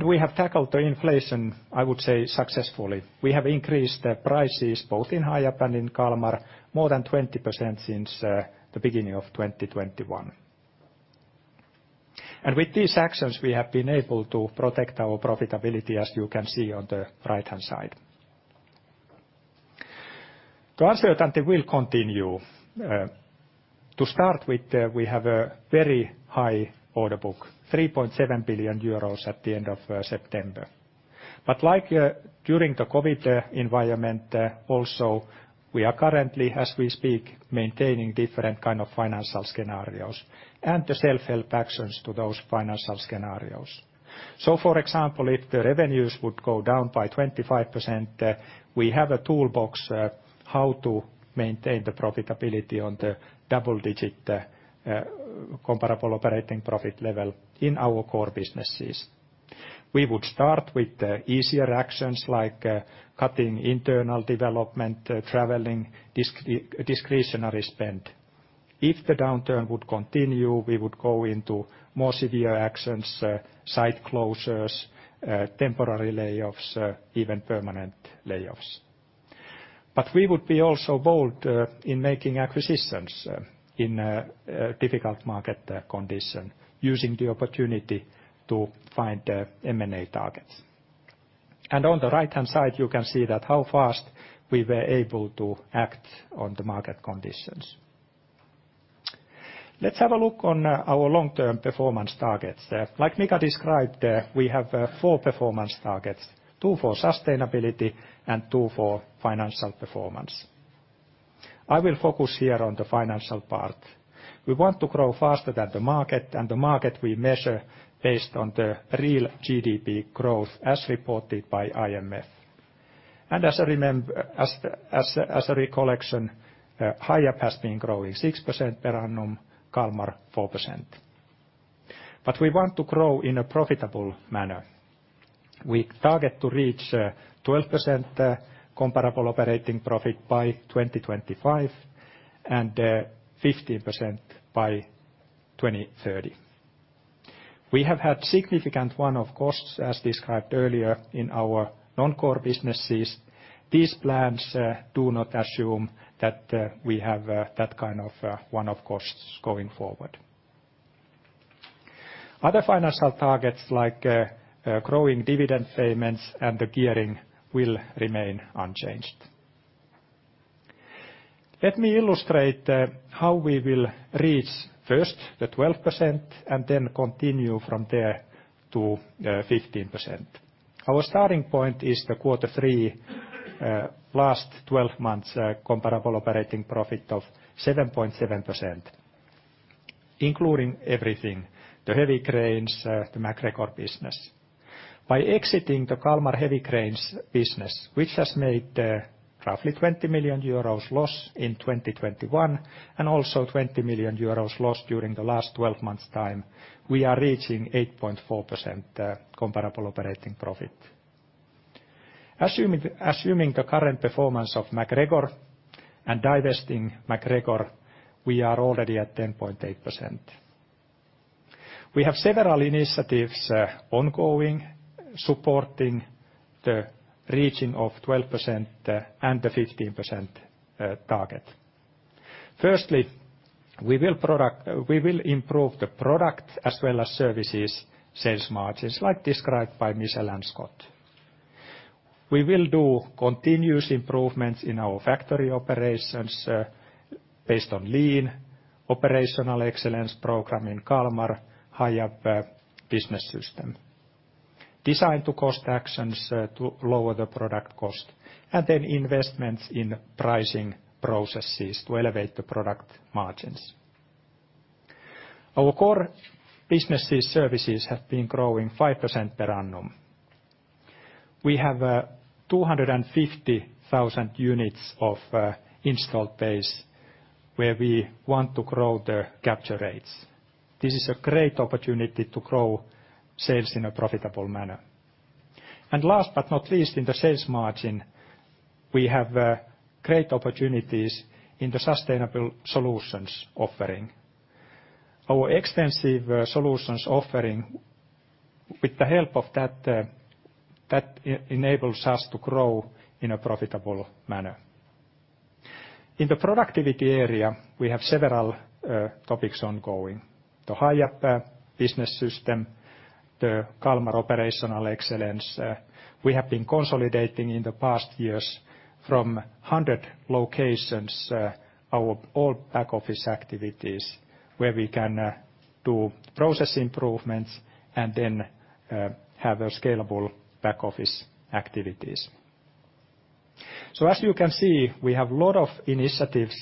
We have tackled the inflation, I would say, successfully. We have increased the prices, both in Hiab and in Kalmar, more than 20% since the beginning of 2021. With these actions, we have been able to protect our profitability as you can see on the right-hand side. The uncertainty will continue. To start with, we have a very high order book, 3.7 billion euros at the end of September. Like during the COVID environment, also we are currently, as we speak, maintaining different kind of financial scenarios, and the self-help actions to those financial scenarios. For example, if the revenues would go down by 25%, we have a toolbox how to maintain the profitability on the double-digit comparable operating profit level in our core businesses. We would start with the easier actions like cutting internal development, traveling, discretionary spend. If the downturn would continue, we would go into more severe actions, site closures, temporary layoffs, even permanent layoffs. We would be also bold in making acquisitions in a difficult market condition, using the opportunity to find M&A targets. On the right-hand side, you can see how fast we were able to act on the market conditions. Let's have a look at our long-term performance targets. Like Mika described, we have four performance targets, two for sustainability and two for financial performance. I will focus here on the financial part. We want to grow faster than the market, and the market we measure based on the real GDP growth as reported by IMF. As a recollection, Hiab has been growing 6% per annum, Kalmar 4%. We want to grow in a profitable manner. We target to reach 12% comparable operating profit by 2025, and 15% by 2030. We have had significant one-off costs, as described earlier, in our non-core businesses. These plans do not assume that we have that kind of one-off costs going forward. Other financial targets like growing dividend payments and the gearing will remain unchanged. Let me illustrate, how we will reach first the 12% and then continue from there to, 15%. Our starting point is the quarter three last 12 months comparable operating profit of 7.7%, including everything, the Heavy Cranes, the MacGregor business. By exiting the Kalmar Heavy Cranes business, which has made, roughly 20 million euros loss in 2021 and also 20 million euros loss during the last 12 months' time, we are reaching 8.4% comparable operating profit. Assuming the current performance of MacGregor and divesting MacGregor, we are already at 10.8%. We have several initiatives ongoing supporting the reaching of 12% and the 15% target. Firstly, we will improve the product as well as services sales margins, like described by Michel and Scott. We will do continuous improvements in our factory operations, based on Lean operational excellence program in Kalmar-Hiab business system. Design to cost actions to lower the product cost, and then investments in pricing processes to elevate the product margins. Our core businesses services have been growing 5% per annum. We have 250,000 units of installed base where we want to grow the capture rates. This is a great opportunity to grow sales in a profitable manner. Last but not least, in the sales margin, we have great opportunities in the sustainable solutions offering. Our extensive solutions offering, with the help of that enables us to grow in a profitable manner. In the productivity area, we have several topics ongoing. The Hiab business system, the Kalmar operational excellence. We have been consolidating in the past years from 100 locations, our global back office activities where we can do process improvements and then have a scalable back office activities. As you can see, we have a lot of initiatives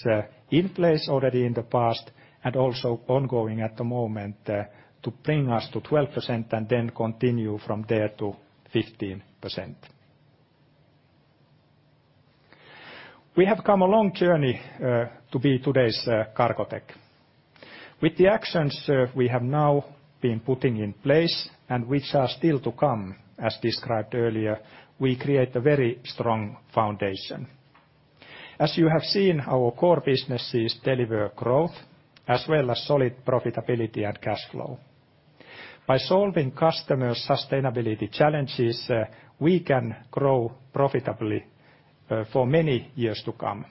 in place already in the past and also ongoing at the moment to bring us to 12% and then continue from there to 15%. We have come a long journey to be today's Cargotec. With the actions we have now been putting in place and which are still to come, as described earlier, we create a very strong foundation. As you have seen, our core businesses deliver growth as well as solid profitability and cash flow. By solving customer sustainability challenges, we can grow profitably, for many years to come.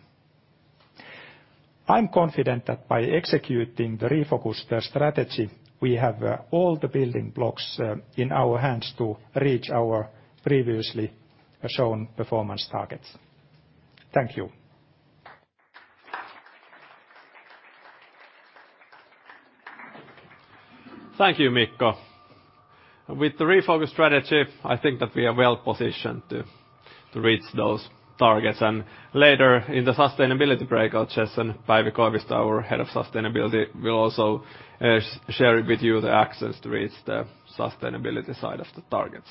I'm confident that by executing the refocused, strategy, we have, all the building blocks, in our hands to reach our previously shown performance targets. Thank you. Thank you, Mikko. With the refocused strategy, I think that we are well-positioned to reach those targets. Later in the sustainability breakouts, Jess and Päivi Koivisto, our head of sustainability, will also share with you the aspects to reach the sustainability side of the targets.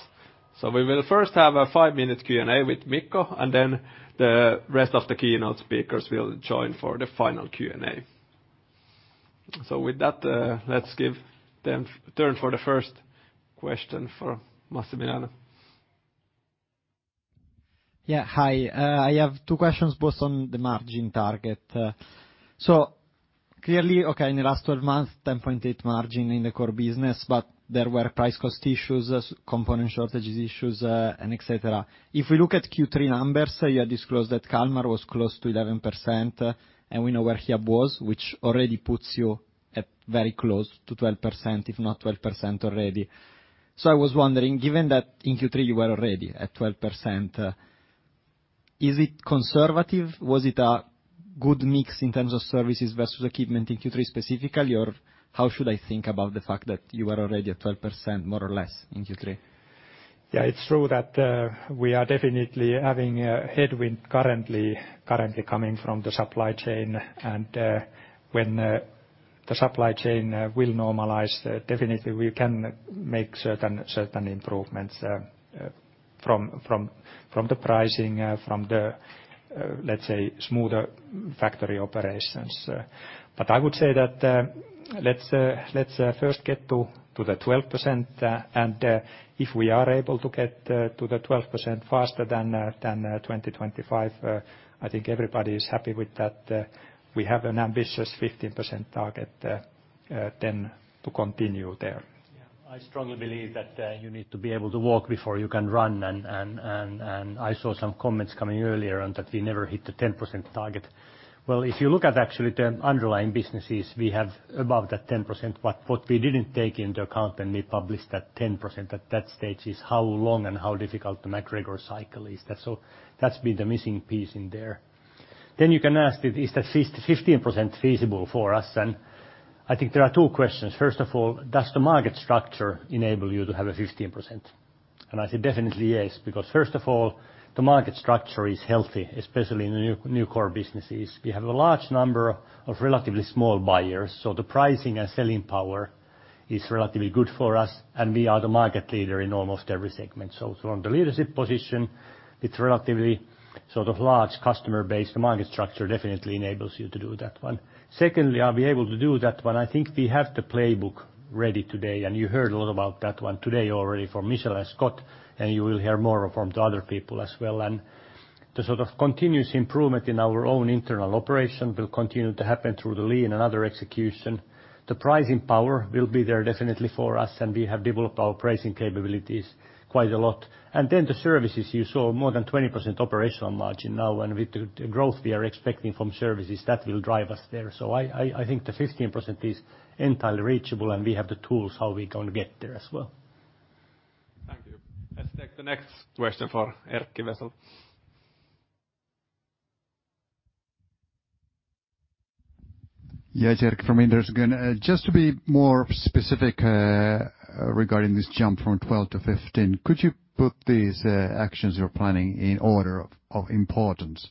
We will first have a five-minute Q&A with Mikko, and then the rest of the keynote speakers will join for the final Q&A. With that, let's give them turn for the first question for Massimiliano. Hi. I have two questions, both on the margin target. Clearly, in the last 12 months, 10.8% margin in the core business, but there were price-cost issues, semiconductor shortages issues, and etc. If we look at Q3 numbers, you had disclosed that Kalmar was close to 11%, and we know where Hiab was, which already puts you at very close to 12%, if not 12% already. I was wondering, given that in Q3 you were already at 12%, is it conservative? Was it a good mix in terms of services versus equipment in Q3 specifically? Or how should I think about the fact that you are already at 12% more or less in Q3? Yeah, it's true that we are definitely having a headwind currently coming from the supply chain. When the supply chain will normalize, definitely we can make certain improvements from the pricing, from the, let's say, smoother factory operations. I would say that let's first get to the 12%. If we are able to get to the 12% faster than 2025, I think everybody is happy with that. We have an ambitious 15% target, then to continue there. Yeah. I strongly believe that, you need to be able to walk before you can run. I saw some comments coming earlier on that we never hit the 10% target. Well, if you look at actually the underlying businesses, we have above that 10%. What we didn't take into account when we published that 10% at that stage is how long and how difficult the MacGregor cycle is. That's been the missing piece in there. You can ask if, is the 15% feasible for us? I think there are two questions. First of all, does the market structure enable you to have a 15%? I say definitely yes, because first of all, the market structure is healthy, especially in the new core businesses. We have a large number of relatively small buyers, so the pricing and selling power is relatively good for us, and we are the market leader in almost every segment. From the leadership position, with relatively sort of large customer base, the market structure definitely enables you to do that one. Secondly, are we able to do that one? I think we have the playbook ready today, and you heard a lot about that one today already from Michel and Scott, and you will hear more from the other people as well. The sort of continuous improvement in our own internal operation will continue to happen through the Lean and other execution. The pricing power will be there definitely for us, and we have developed our pricing capabilities quite a lot. Then the services, you saw more than 20% operational margin now. With the growth we are expecting from services, that will drive us there. I think the 15% is entirely reachable, and we have the tools how we gonna get there as well. Thank you. Let's take the next question for Erkki Vesola. Yeah, it's Erkki Vesola from Inderes again. Just to be more specific, regarding this jump from 12% to 15%, could you put these actions you're planning in order of importance?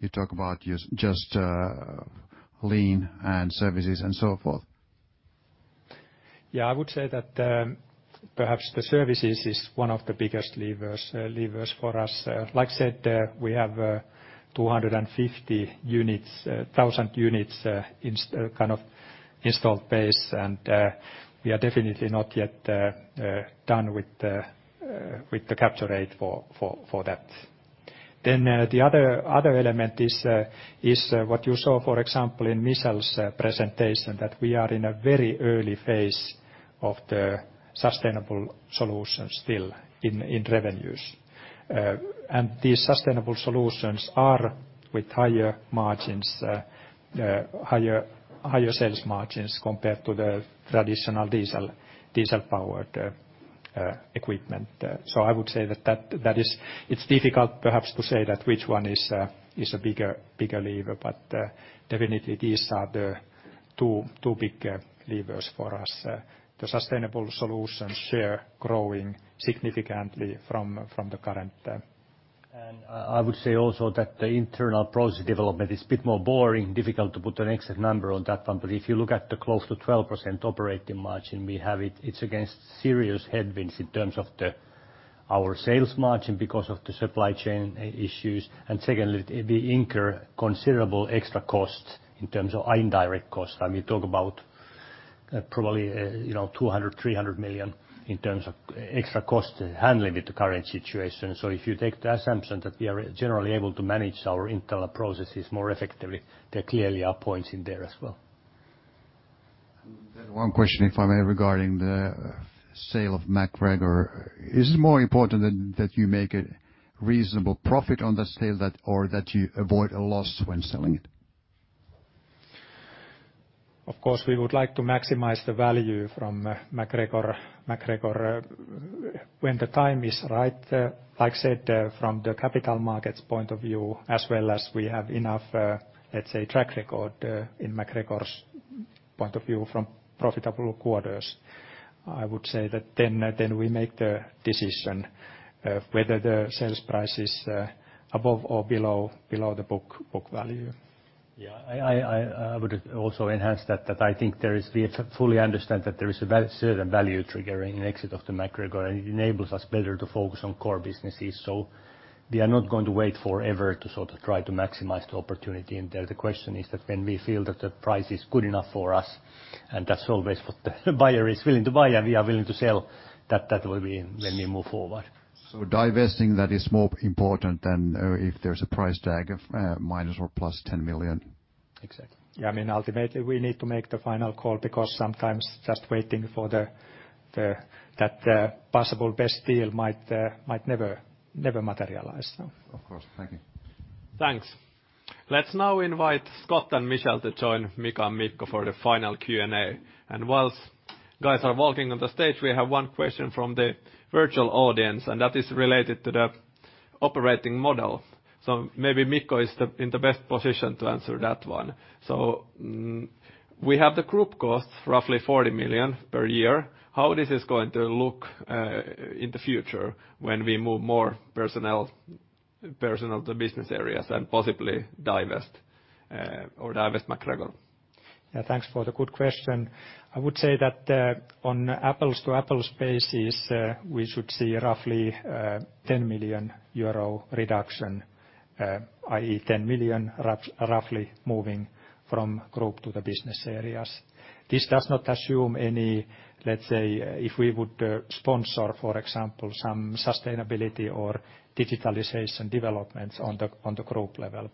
You talk about just lean and services and so forth. Yeah, I would say that perhaps the services is one of the biggest levers for us. Like I said, we have 250,000 units kind of installed base, and we are definitely not yet done with the capture rate for that. The other element is what you saw, for example, in Michel's presentation, that we are in a very early phase of the sustainable solutions still in revenues. These sustainable solutions are with higher sales margins compared to the traditional diesel-powered equipment. I would say that is. It's difficult perhaps to say which one is a bigger lever, but definitely these are the two big levers for us. The sustainable solutions share growing significantly from the current. I would say also that the internal project development is a bit more boring, difficult to put an exact number on that one. But if you look at the close to 12% operating margin we have, it's against serious headwinds in terms of our sales margin because of the supply chain issues. Secondly, we incur considerable extra costs in terms of indirect costs. We talk about Probably, 200 million-300 million in terms of extra cost handling with the current situation. If you take the assumption that we are generally able to manage our internal processes more effectively, there clearly are points in there as well. One question, if I may, regarding the sale of MacGregor. Is it more important that you make a reasonable profit on the sale that or that you avoid a loss when selling it? Of course, we would like to maximize the value from MacGregor when the time is right. Like I said, from the capital markets point of view, as well as we have enough, let's say, track record in MacGregor's point of view from profitable quarters. I would say that then we make the decision of whether the sales price is above or below the book value. I would also enhance that I think there is we fully understand that there is a certain value triggering an exit of MacGregor, and it enables us better to focus on core businesses. We are not going to wait forever to sort of try to maximize the opportunity. The question is that when we feel that the price is good enough for us, and that's always what the buyer is willing to buy and we are willing to sell, that will be when we move forward. Divesting, that is more important than if there's a price tag of minus or plus 10 million? Exactly. Yeah. I mean, ultimately, we need to make the final call because sometimes just waiting for that possible best deal might never materialize, so. Of course. Thank you. Thanks. Let's now invite Scott and Michel to join Mika and Mikko for the final Q&A. While guys are walking on the stage, we have one question from the virtual audience, and that is related to the operating model. Maybe Mikko is in the best position to answer that one. We have the group costs, roughly 40 million per year. How this is going to look in the future when we move more personnel to business areas and possibly divest MacGregor? Yeah, thanks for the good question. I would say that on apples to apples basis we should see roughly 10 million euro reduction, i.e., roughly 10 million moving from group to the business areas. This does not assume any, let's say, if we would sponsor, for example, some sustainability or digitalization developments on the group level.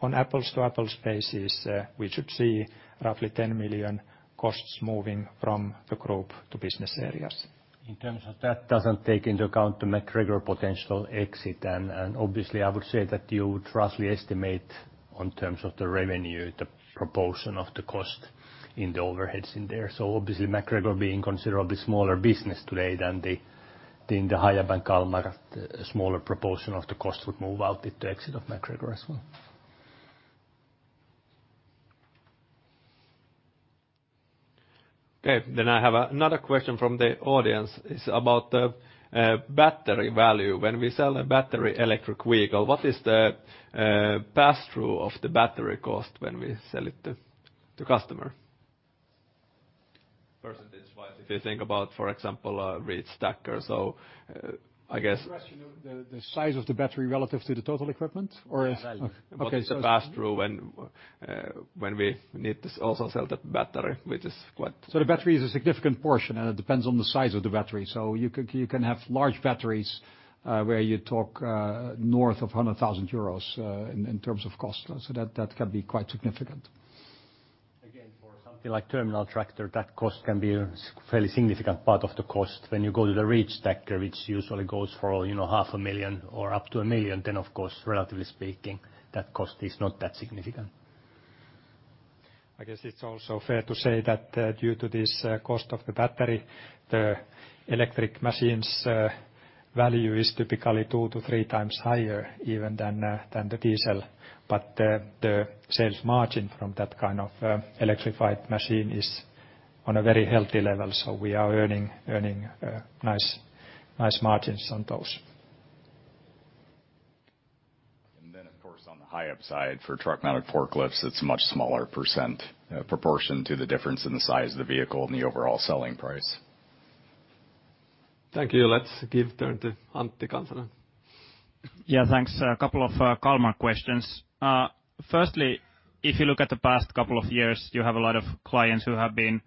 On apples to apples basis we should see roughly 10 million costs moving from the group to business areas. In terms of that doesn't take into account the MacGregor potential exit. Obviously, I would say that you would roughly estimate in terms of the revenue, the proportion of the cost in the overheads in there. Obviously, MacGregor being considerably smaller business today than the Hiab and Kalmar, a smaller proportion of the cost would move out with the exit of MacGregor as well. I have another question from the audience. It's about the battery value. When we sell a battery electric vehicle, what is the passthrough of the battery cost when we sell it to customer? Percentage-wise, if you think about, for example, a reach stacker. The question of the size of the battery relative to the total equipment? Or if- The value. Okay. What is the pass-through when we need to also sell the battery, which is quite- The battery is a significant portion, and it depends on the size of the battery. You can have large batteries, where you talk north of 100,000 euros in terms of cost. That can be quite significant. Again, for something like terminal tractor, that cost can be a fairly significant part of the cost. When you go to the reach stacker, which usually goes for, you know, 0.5 Million or up to 1 million, then of course, relatively speaking, that cost is not that significant. I guess it's also fair to say that due to this cost of the battery, the electric machines' value is typically 2x-3x higher even than the diesel. But the sales margin from that kind of electrified machine is on a very healthy level. We are earning nice margins on those. Of course, on the high upside for truck mounted forklifts, it's a much smaller percent, proportion to the difference in the size of the vehicle and the overall selling price. Thank you. Let's give turn to Antti Kansanen. Yeah, thanks. A couple of Kalmar questions. Firstly, if you look at the past couple of years, you have a lot of clients who have been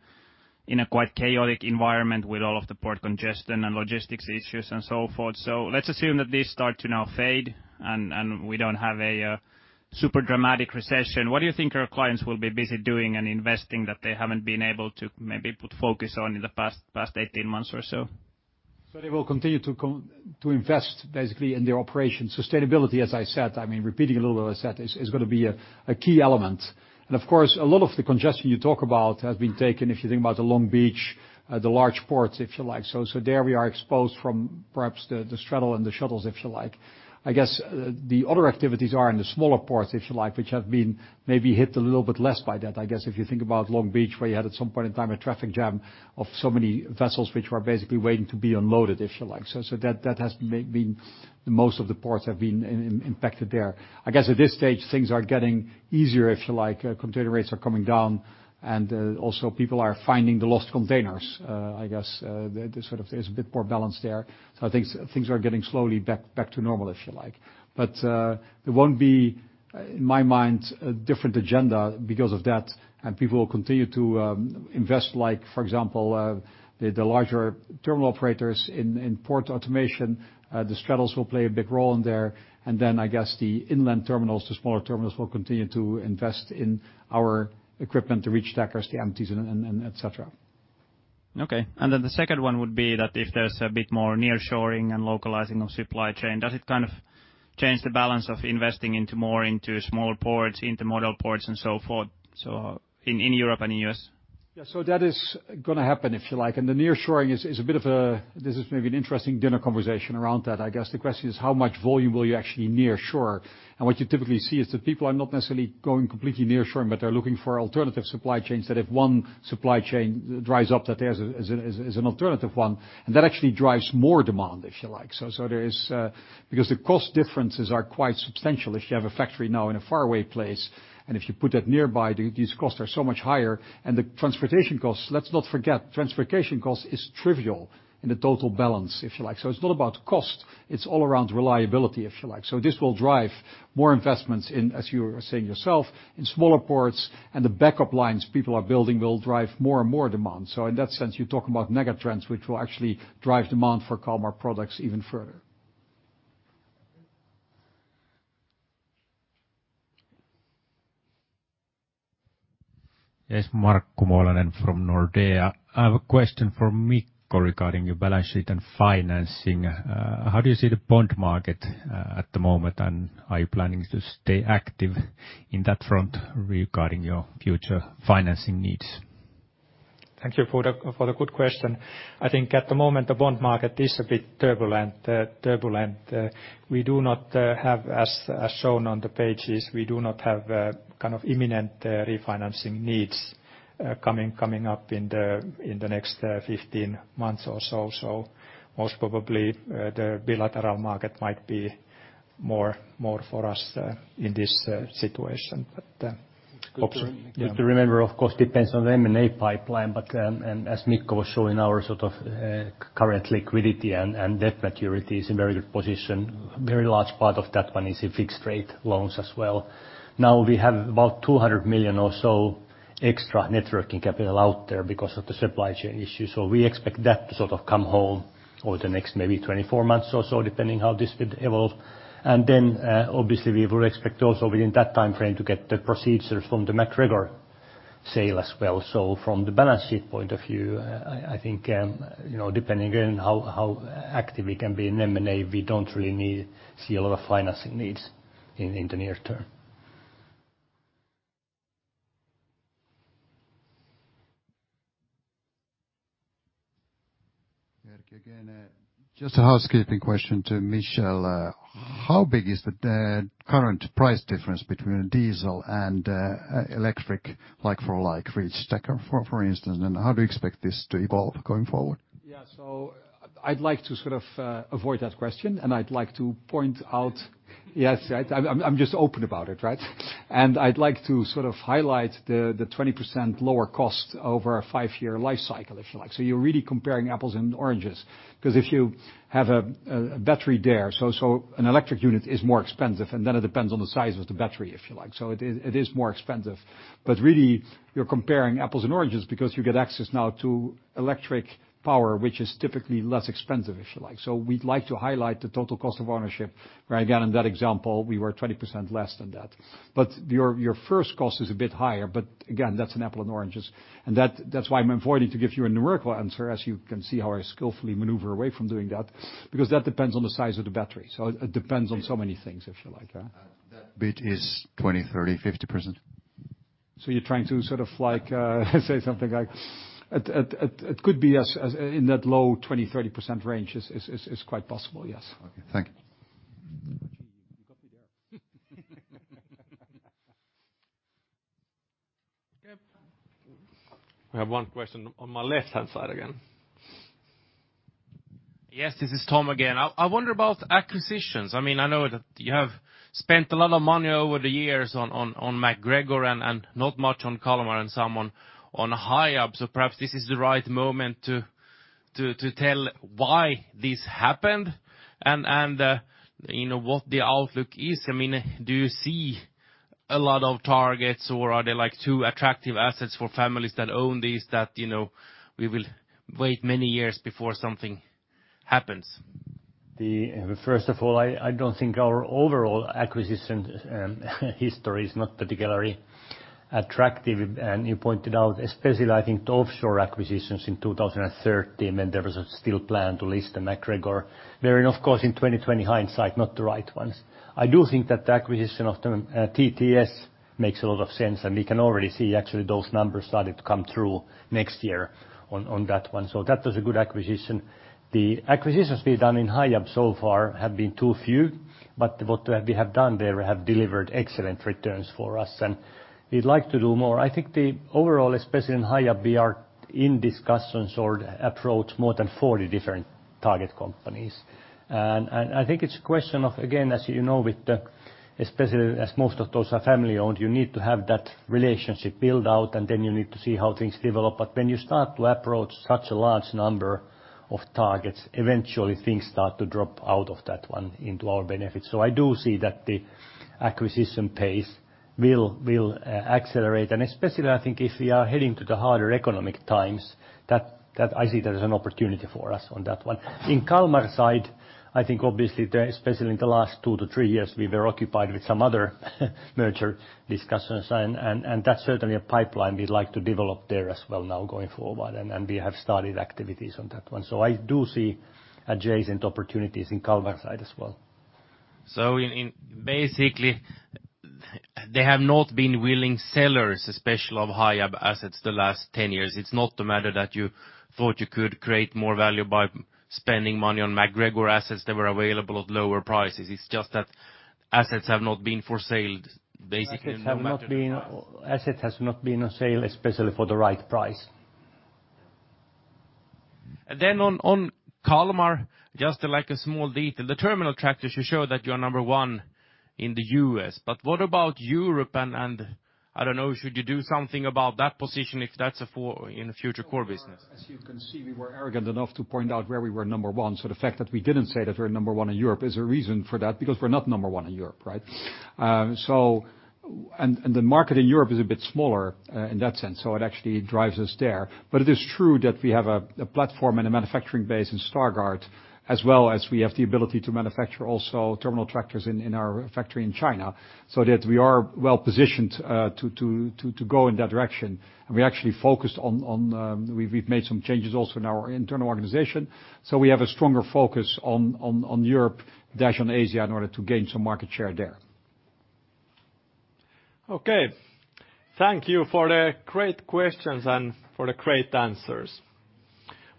in a quite chaotic environment with all of the port congestion and logistics issues and so forth. Let's assume that these start to now fade and we don't have a super dramatic recession. What do you think our clients will be busy doing and investing that they haven't been able to maybe put focus on in the past 18 months or so? They will continue to invest basically in their operations. Sustainability, as I said, I mean, repeating a little what I said, is gonna be a key element. Of course, a lot of the congestion you talk about has been tackled, if you think about the Long Beach, the large ports, if you like. There we are exposed from perhaps the straddle and the shuttles, if you like. I guess the other activities are in the smaller ports, if you like, which have been maybe hit a little bit less by that. I guess if you think about Long Beach, where you had at some point in time a traffic jam of so many vessels, which were basically waiting to be unloaded, if you like. Most of the ports have been impacted there. I guess at this stage, things are getting easier, if you like. Container rates are coming down and also people are finding the lost containers. I guess there sort of is a bit more balance there. I think things are getting slowly back to normal, if you like. There won't be, in my mind, a different agenda because of that, and people will continue to invest like, for example, the larger terminal operators in port automation. The straddles will play a big role in there. Then I guess the inland terminals, the smaller terminals, will continue to invest in our equipment, the reach stackers, the empties and et cetera. Okay. The second one would be that if there's a bit more nearshoring and localizing of supply chain, does it kind of change the balance of investing more into smaller ports, into model ports, and so forth, so in Europe and U.S.? Yeah, that is gonna happen, if you like. The nearshoring is a bit of a. This is maybe an interesting dinner conversation around that. I guess the question is how much volume will you actually nearshore? What you typically see is that people are not necessarily going completely nearshoring, but they're looking for alternative supply chains that if one supply chain dries up, that there's an alternative one, and that actually drives more demand, if you like. There is, because the cost differences are quite substantial if you have a factory now in a faraway place, and if you put that nearby, these costs are so much higher. The transportation costs, let's not forget transportation costs is trivial in the total balance, if you like. It's not about cost, it's all around reliability, if you like. This will drive more investments in, as you were saying yourself, in smaller ports, and the backup lines people are building will drive more and more demand. In that sense, you talk about mega trends, which will actually drive demand for Kalmar products even further. Yes. Markku Moilanen from Nordea. I have a question for Mikko regarding your balance sheet and financing. How do you see the bond market at the moment, and are you planning to stay active in that front regarding your future financing needs? Thank you for the good question. I think at the moment, the bond market is a bit turbulent. We do not have, as shown on the pages, kind of imminent refinancing needs coming up in the next 15 months or so. Most probably, the bilateral market might be more for us in this situation. Good to remember, of course, depends on the M&A pipeline, but as Mikko was showing our current liquidity and debt maturities in very good position, very large part of that one is in fixed rate loans as well. Now we have about 200 million or so extra working capital out there because of the supply chain issue, so we expect that to sort of come home over the next maybe 24 months or so, depending on how this could evolve. Obviously we would expect also within that timeframe to get the proceeds from the MacGregor sale as well. From the balance sheet point of view, I think depending on how active we can be in M&A, we don't really see a lot of financing needs in the near term. Erkki again. Just a housekeeping question to Michel. How big is the current price difference between diesel and electric like-for-like reach stacker, for instance, and how do you expect this to evolve going forward? Yeah. I'd like to sort of avoid that question, and I'd like to point out, yes, I'm just open about it, right? I'd like to sort of highlight the 20% lower cost over a five-year life cycle, if you like. You're really comparing apples and oranges, because if you have a battery there, an electric unit is more expensive, and then it depends on the size of the battery, if you like. It is more expensive. Really you're comparing apples and oranges because you get access now to electric power, which is typically less expensive, if you like. We'd like to highlight the total cost of ownership, where, again, in that example, we were 20% less than that. Your first cost is a bit higher, but again, that's an apple and oranges, and that's why I'm avoiding to give you a numerical answer, as you can see how I skillfully maneuver away from doing that, because that depends on the size of the battery, so it depends on so many things, if you like. Yeah. That bit is 20%, 30%, 50%. You're trying to sort of like say something like it could be as in that low 20%-30% range. It's quite possible, yes. Okay. Thank you. You got me there. Okay. I have one question on my left-hand side again. Yes, this is Tom again. I wonder about acquisitions. I mean, I know that you have spent a lot of money over the years on MacGregor and not much on Kalmar and some on Hiab, so perhaps this is the right moment to tell why this happened and you know, what the outlook is. I mean, do you see a lot of targets, or are they like too attractive assets for families that own these that, you know, we will wait many years before something happens? First of all, I don't think our overall acquisition history is not particularly attractive. You pointed out especially I think the offshore acquisitions in 2013 when there was still a plan to list the MacGregor. They're of course in 20/20 hindsight, not the right ones. I do think that the acquisition of the TTS makes a lot of sense, and we can already see actually those numbers starting to come through next year on that one. That was a good acquisition. The acquisitions we've done in Hiab so far have been too few, but what we have done there have delivered excellent returns for us, and we'd like to do more. I think the overall, especially in Hiab, we are in discussions or approaching more than 40 different target companies. I think it's a question of, again, as you know, with the, especially as most of those are family-owned, you need to have that relationship build out, and then you need to see how things develop. When you start to approach such a large number of targets, eventually things start to drop out of that one into our benefit. I do see that the acquisition pace will accelerate. Especially, I think if we are heading to the harder economic times, I see there is an opportunity for us on that one. In Kalmar side, I think obviously, especially in the last two to three years, we were occupied with some other merger discussions and that's certainly a pipeline we'd like to develop there as well now going forward, and we have started activities on that one. I do see adjacent opportunities in Kalmar side as well. They have not been willing sellers, especially of high-value assets the last 10 years. It's not the matter that you thought you could create more value by spending money on MacGregor assets that were available at lower prices. It's just that assets have not been for sale basically, no matter the price. Assets has not been on sale, especially for the right price. Then on Kalmar, just like a small detail. The terminal tractors you show that you are number one in the U.S., but what about Europe and I don't know, should you do something about that position if that's in a future core business? As you can see, we were arrogant enough to point out where we were number one, so the fact that we didn't say that we're number one in Europe is a reason for that, because we're not number one in Europe, right? The market in Europe is a bit smaller in that sense, so it actually drives us there. It is true that we have a platform and a manufacturing base in Stargard, as well as we have the ability to manufacture also terminal tractors in our factory in China, so that we are well-positioned to go in that direction. We've made some changes also in our internal organization, so we have a stronger focus on Europe-Asia in order to gain some market share there. Okay. Thank you for the great questions and for the great answers.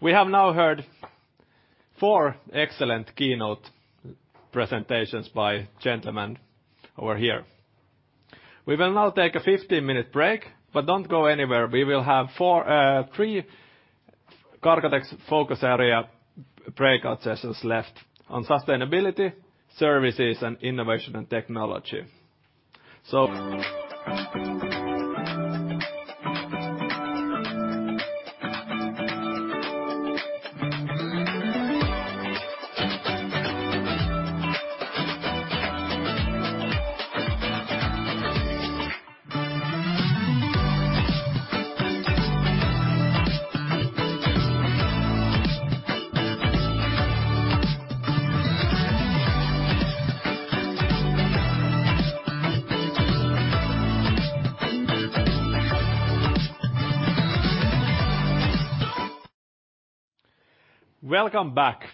We have now heard four excellent keynote presentations by gentlemen over here. We will now take a 15-minute break, but don't go anywhere. We will have four, three Cargotec focus area breakout sessions left on sustainability, services, and innovation and technology. Welcome back.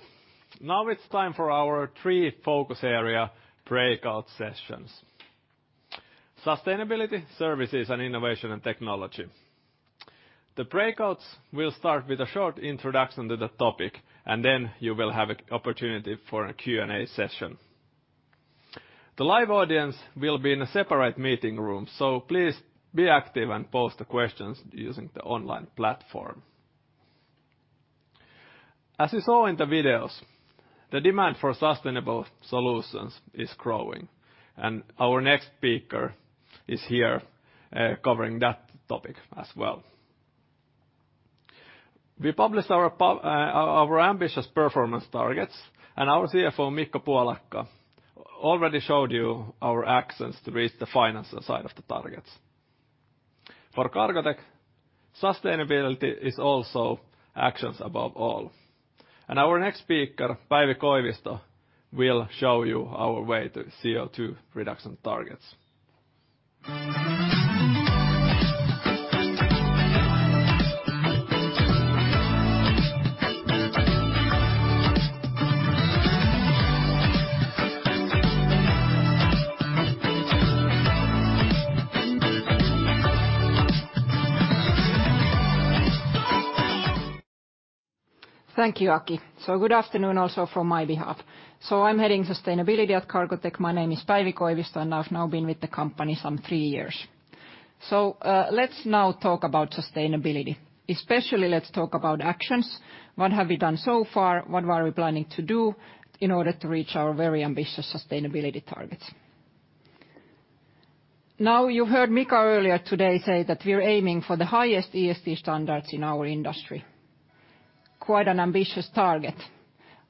Now it's time for our three focus area breakout sessions: sustainability, services, and innovation and technology. The breakouts will start with a short introduction to the topic, and then you will have an opportunity for a Q&A session. The live audience will be in a separate meeting room, so please be active and post the questions using the online platform. As you saw in the videos, the demand for sustainable solutions is growing, and our next speaker is here, covering that topic as well. We published our pub. Our ambitious performance targets, and our CFO, Mikko Puolakka, already showed you our actions to reach the financial side of the targets. For Cargotec, sustainability is also actions above all. Our next speaker, Päivi Koivisto, will show you our way to CO2 reduction targets. Thank you, Aki. Good afternoon also from my behalf. I'm heading sustainability at Cargotec. My name is Päivi Koivisto, and I've now been with the company some three years. Let's now talk about sustainability. Especially, let's talk about actions. What have we done so far? What are we planning to do in order to reach our very ambitious sustainability targets? Now, you heard Mika earlier today say that we're aiming for the highest ESG standards in our industry. Quite an ambitious target.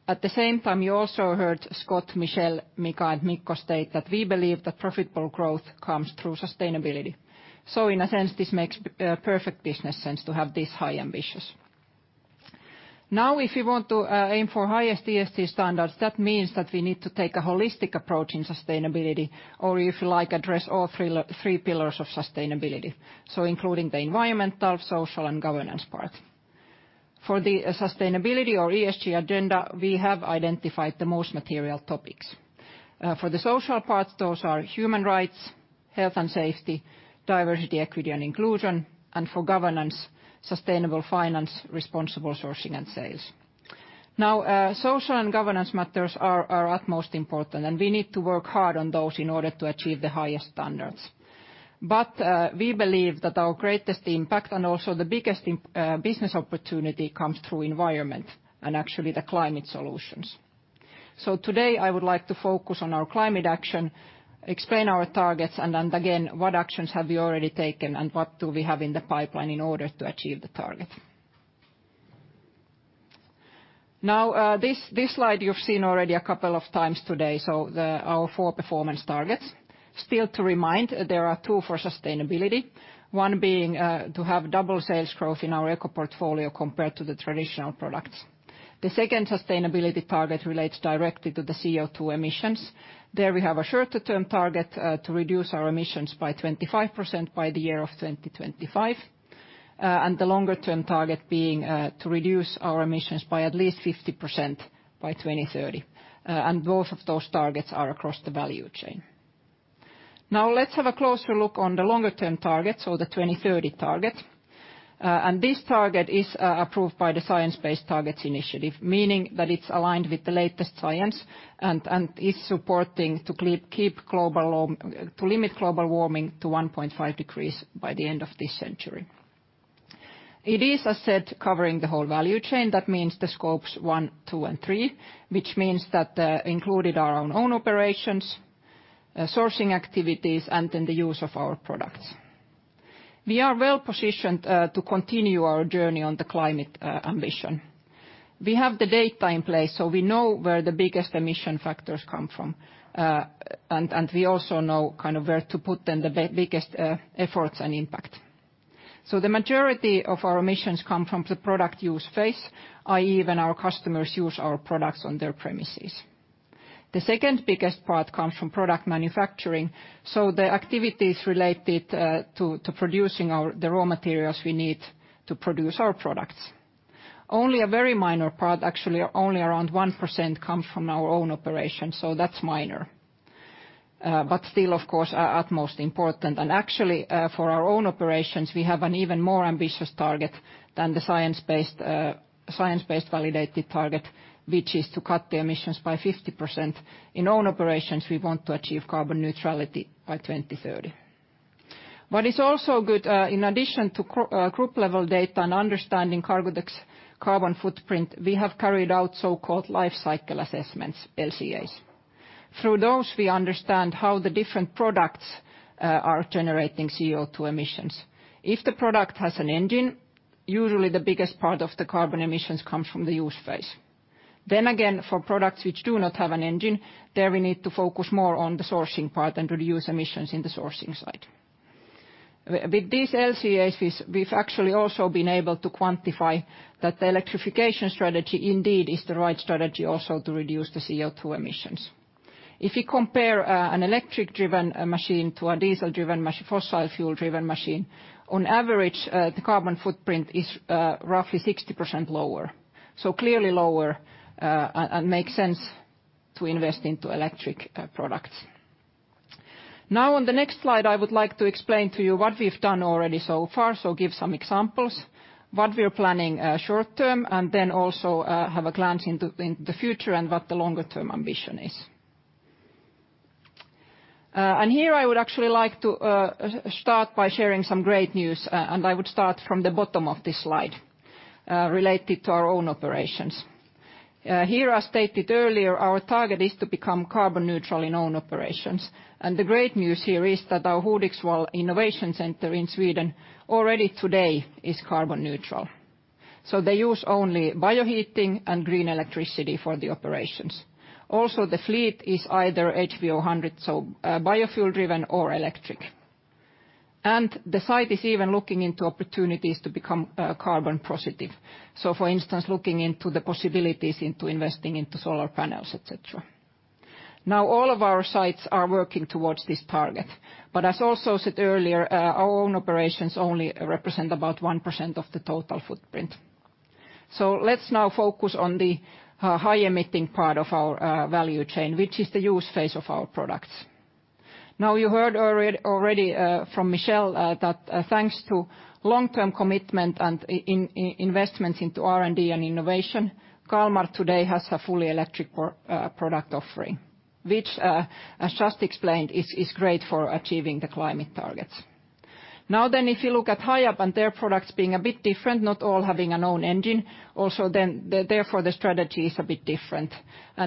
At the same time, you also heard Scott, Michel, Mika, and Mikko state that we believe that profitable growth comes through sustainability. In a sense, this makes perfect business sense to have this high ambitions. Now, if you want to aim for highest ESG standards, that means that we need to take a holistic approach in sustainability or, if you like, address all three pillars of sustainability, so including the environmental, social, and governance part. For the sustainability or ESG agenda, we have identified the most material topics. For the social part, those are human rights, health and safety, diversity, equity, and inclusion, and for governance, sustainable finance, responsible sourcing, and sales. Now, social and governance matters are utmost important, and we need to work hard on those in order to achieve the highest standards. We believe that our greatest impact, and also the biggest business opportunity comes through environment and actually the climate solutions. Today, I would like to focus on our climate action, explain our targets, and again, what actions have we already taken and what do we have in the pipeline in order to achieve the target. Now, this slide you've seen already a couple of times today. Our four performance targets. Still to remind, there are two for sustainability, one being to have double sales growth in our eco portfolio compared to the traditional products. The second sustainability target relates directly to the CO2 emissions. There we have a shorter term target to reduce our emissions by 25% by the year of 2025, and the longer term target being to reduce our emissions by at least 50% by 2030. Both of those targets are across the value chain. Now let's have a closer look at the longer term target, the 2030 target. This target is approved by the Science Based Targets initiative, meaning that it's aligned with the latest science and is supporting to limit global warming to 1.5 degrees by the end of this century. It is, as said, covering the whole value chain. That means the Scope 1, Scope 2, and Scope 3, which means that included are our own operations, sourcing activities, and then the use of our products. We are well-positioned to continue our journey on the climate ambition. We have the data in place, so we know where the biggest emission factors come from. We also know kind of where to put the biggest efforts and impact. The majority of our emissions come from the product use phase, i.e., when our customers use our products on their premises. The second biggest part comes from product manufacturing, so the activities related to producing the raw materials we need to produce our products. Only a very minor part, actually only around 1%, comes from our own operations, so that's minor. Still, of course, are utmost important. Actually, for our own operations, we have an even more ambitious target than the science-based validated target, which is to cut the emissions by 50%. In own operations, we want to achieve carbon neutrality by 2030. What is also good, in addition to group level data and understanding Cargotec's carbon footprint, we have carried out so-called life cycle assessments, LCAs. Through those, we understand how the different products are generating CO2 emissions. If the product has an engine, usually the biggest part of the carbon emissions comes from the use phase. Again, for products which do not have an engine, there we need to focus more on the sourcing part and reduce emissions in the sourcing side. With these LCAs we've actually also been able to quantify that the electrification strategy indeed is the right strategy also to reduce the CO2 emissions. If you compare an electric-driven machine to a diesel-driven fossil fuel-driven machine, on average the carbon footprint is roughly 60% lower, so clearly lower and makes sense to invest into electric products. Now on the next slide, I would like to explain to you what we've done already so far, so give some examples, what we're planning, short term, and then also, have a glance into, in the future and what the longer term ambition is. Here I would actually like to start by sharing some great news, and I would start from the bottom of this slide, related to our own operations. Here, as stated earlier, our target is to become carbon neutral in own operations. The great news here is that our Hudiksvall Innovation Center in Sweden already today is carbon neutral. They use only bioheating and green electricity for the operations. Also, the fleet is either HVO hundred, so, biofuel driven or electric. The site is even looking into opportunities to become carbon positive. For instance, looking into the possibilities into investing into solar panels, et cetera. All of our sites are working towards this target, but as also said earlier, our own operations only represent about 1% of the total footprint. Let's now focus on the high emitting part of our value chain, which is the use phase of our products. You heard already from Michel that, thanks to long-term commitment and investments into R&D and innovation, Kalmar today has a fully electric product offering, which, as just explained, is great for achieving the climate targets. If you look at Hiab and their products being a bit different, not all having an own engine, also then, therefore the strategy is a bit different.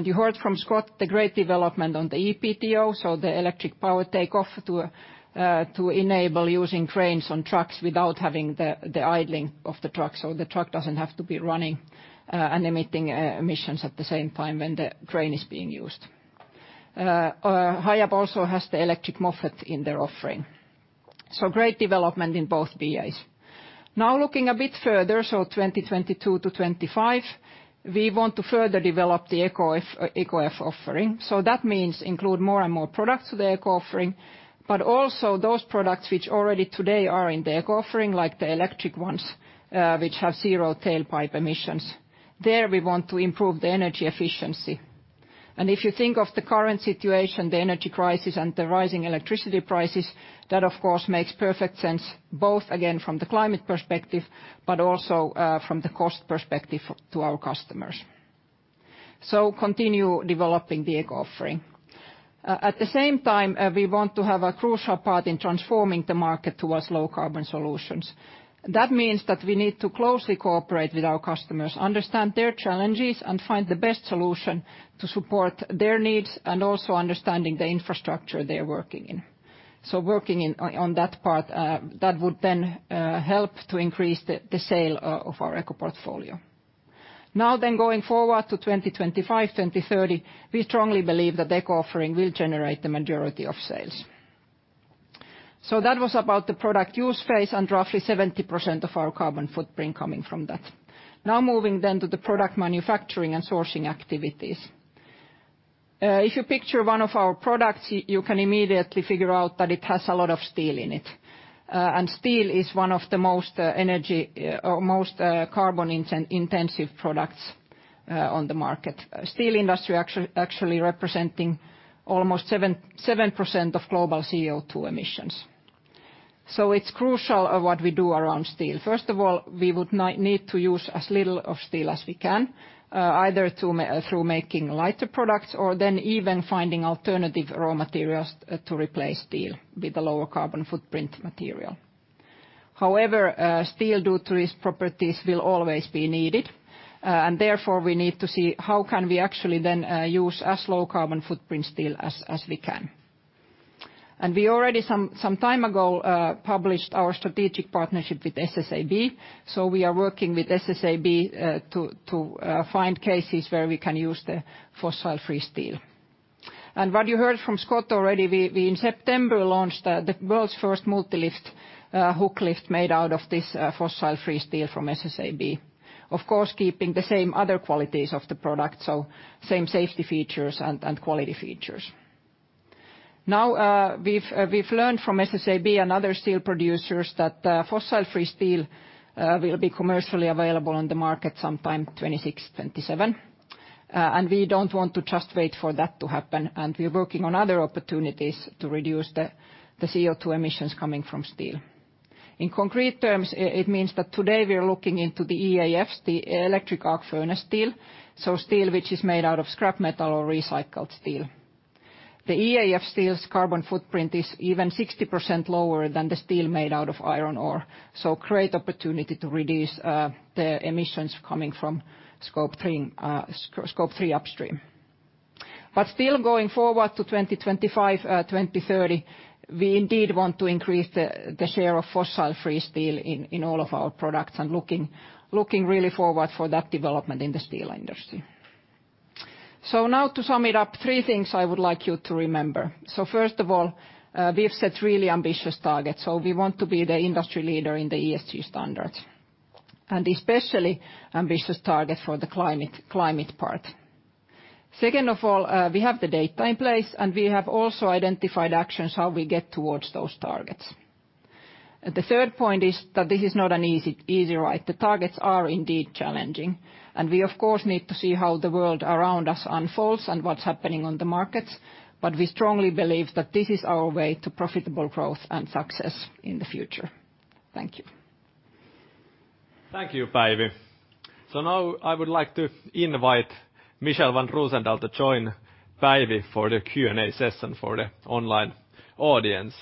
You heard from Scott the great development on the ePTO, the electric power takeoff to enable using cranes on trucks without having the idling of the truck. The truck doesn't have to be running and emitting emissions at the same time when the crane is being used. Hiab also has the electric MOFFETT in their offering. Great development in both areas. Now looking a bit further, 2022-2025, we want to further develop the eco offering. That means include more and more products to the eco offering, but also those products which already today are in the eco offering, like the electric ones, which have zero tailpipe emissions. There we want to improve the energy efficiency. If you think of the current situation, the energy crisis, and the rising electricity prices, that of course makes perfect sense, both again, from the climate perspective, but also, from the cost perspective to our customers. Continue developing the eco offering. At the same time, we want to have a crucial part in transforming the market towards low carbon solutions. That means that we need to closely cooperate with our customers, understand their challenges, and find the best solution to support their needs and also understanding the infrastructure they're working in. Working on that part, that would then help to increase the sale of our eco portfolio. Now then going forward to 2025, 2030, we strongly believe that eco offering will generate the majority of sales. That was about the product use phase and roughly 70% of our carbon footprint coming from that. Now moving then to the product manufacturing and sourcing activities. If you picture one of our products, you can immediately figure out that it has a lot of steel in it. And steel is one of the most energy or most carbon intensive products on the market. Steel industry actually representing almost 7% of global CO2 emissions. It's crucial of what we do around steel. First of all, we would need to use as little of steel as we can, either through making lighter products or then even finding alternative raw materials to replace steel with a lower carbon footprint material. However, steel, due to its properties, will always be needed. We need to see how we can actually use as low carbon footprint steel as we can. We already some time ago published our strategic partnership with SSAB. We are working with SSAB to find cases where we can use the fossil-free steel. What you heard from Scott already, we in September launched the world's first MULTILIFT hook lift made out of this fossil-free steel from SSAB. Of course, keeping the same other qualities of the product, same safety features and quality features. Now, we've learned from SSAB and other steel producers that fossil-free steel will be commercially available on the market sometime 2026, 2027. We don't want to just wait for that to happen, and we're working on other opportunities to reduce the CO2 emissions coming from steel. In concrete terms, it means that today we are looking into the EAFs, the electric arc furnace steel, so steel which is made out of scrap metal or recycled steel. The EAF steel's carbon footprint is even 60% lower than the steel made out of iron ore, so great opportunity to reduce the emissions coming from Scope 3 upstream. Still going forward to 2025, 2030, we indeed want to increase the share of fossil-free steel in all of our products and looking really forward for that development in the steel industry. Now to sum it up, three things I would like you to remember. First of all, we have set really ambitious targets, so we want to be the industry leader in the ESG standards, and especially ambitious target for the climate part. Second of all, we have the data in place, and we have also identified actions how we get towards those targets. The third point is that this is not an easy ride. The targets are indeed challenging, and we of course need to see how the world around us unfolds and what's happening on the markets. We strongly believe that this is our way to profitable growth and success in the future. Thank you. Thank you, Päivi. Now I would like to invite Michel van Roozendaal to join Päivi for the Q&A session for the online audience.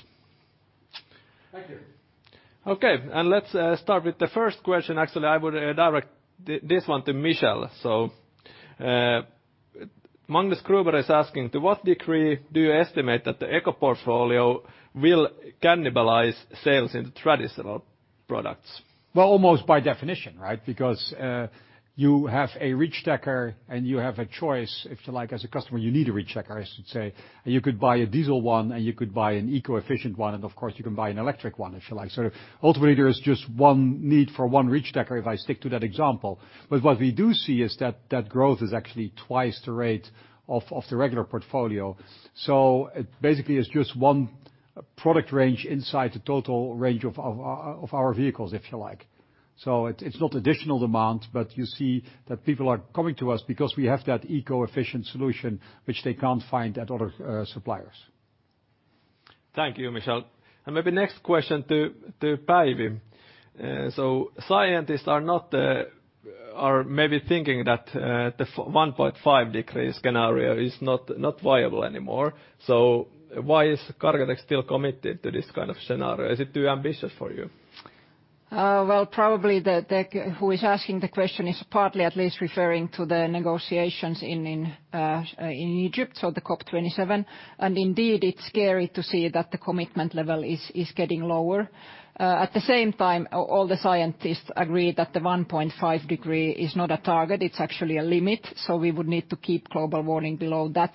Thank you. Okay, let's start with the first question. Actually, I would direct this one to Michel. Magnus Gruber is asking, to what degree do you estimate that the eco portfolio will cannibalize sales in the traditional products? Well, almost by definition, right? Because you have a reach stacker, and you have a choice, if you like, as a customer, you need a reach stacker, I should say. You could buy a diesel one, and you could buy an eco-efficient one, and of course, you can buy an electric one, if you like. Ultimately, there is just one need for one reach stacker, if I stick to that example. What we do see is that growth is actually twice the rate of the regular portfolio. It basically is just one product range inside the total range of our vehicles, if you like. It, it's not additional demand, but you see that people are coming to us because we have that eco-efficient solution which they can't find at other suppliers. Thank you, Michel. Maybe next question to Päivi. Scientists are maybe thinking that the 1.5 degree scenario is not viable anymore. Why is Cargotec still committed to this kind of scenario? Is it too ambitious for you? Well, probably the who is asking the question is partly at least referring to the negotiations in Egypt, so the COP27. Indeed, it's scary to see that the commitment level is getting lower. At the same time, all the scientists agree that the 1.5 degree is not a target, it's actually a limit. We would need to keep global warming below that.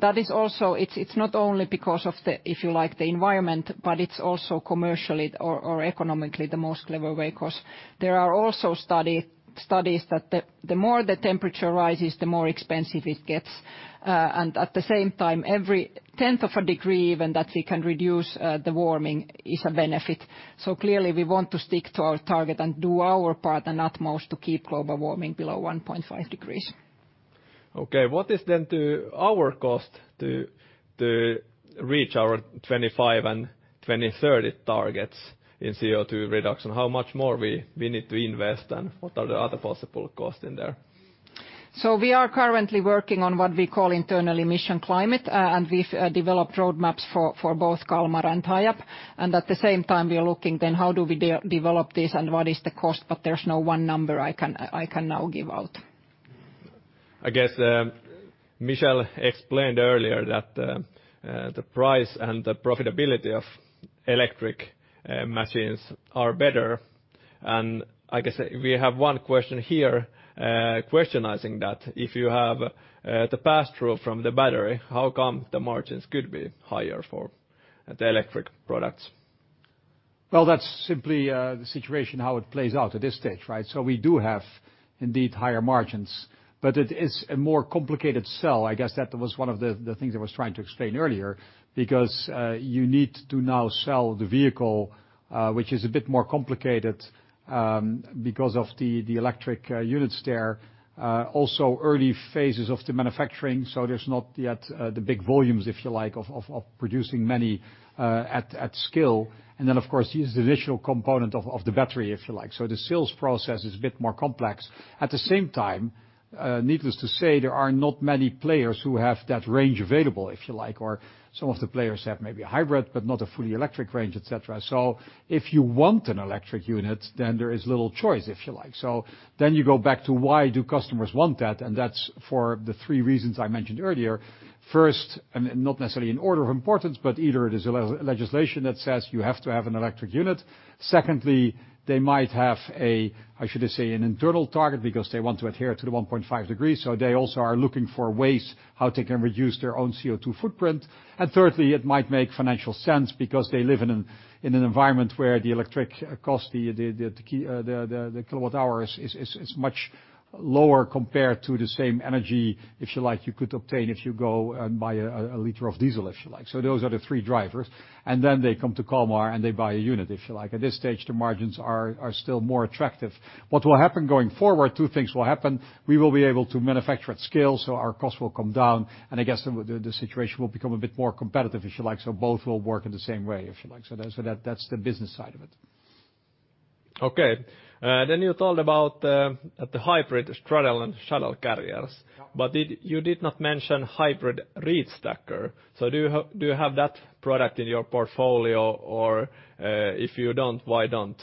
That is also it's not only because of the, if you like, the environment, but it's also commercially or economically the most clever way because there are also studies that the more the temperature rises, the more expensive it gets. At the same time, every tenth of a degree even that we can reduce the warming is a benefit. Clearly, we want to stick to our target and do our part and utmost to keep global warming below 1.5 degrees. Okay, what is then to our cost to reach our 2025 and 2030 targets in CO2 reduction? How much more we need to invest, and what are the other possible costs in there? We are currently working on what we call internal emissions calculations, and we've developed roadmaps for both Kalmar and Hiab. At the same time, we are looking at how we develop this and what is the cost, but there's no one number I can now give out. I guess Michel explained earlier that the price and the profitability of electric machines are better, and I guess we have one question here, questioning that. If you have the pass-through from the battery, how come the margins could be higher for the electric products? Well, that's simply the situation, how it plays out at this stage, right? We do have, indeed, higher margins, but it is a more complicated sell. I guess that was one of the things I was trying to explain earlier, because you need to now sell the vehicle, which is a bit more complicated, because of the electric units there. Also early phases of the manufacturing, so there's not yet the big volumes, if you like, of producing many at scale. Then, of course, here's the additional component of the battery, if you like. The sales process is a bit more complex. At the same time, needless to say, there are not many players who have that range available, if you like, or some of the players have maybe a hybrid, but not a fully electric range, et cetera. If you want an electric unit, then there is little choice, if you like. Then you go back to why do customers want that, and that's for the three reasons I mentioned earlier. First, and not necessarily in order of importance, but either it is a legislation that says you have to have an electric unit. Secondly, they might have a, how should I say, an internal target because they want to adhere to the 1.5 degree, so they also are looking for ways how they can reduce their own CO2 footprint. Thirdly, it might make financial sense because they live in an environment where the electric cost, the kilowatt hour is much lower compared to the same energy, if you like, you could obtain if you go and buy a liter of diesel, if you like. Those are the three drivers. Then they come to Kalmar, and they buy a unit, if you like. At this stage, the margins are still more attractive. What will happen going forward, two things will happen. We will be able to manufacture at scale, so our costs will come down, and I guess the situation will become a bit more competitive, if you like, so both will work in the same way, if you like. That's the business side of it. Okay. You thought about the hybrid straddle and shuttle carriers. Yeah. Did you not mention hybrid reach stacker? Do you have that product in your portfolio? If you don't, why don't?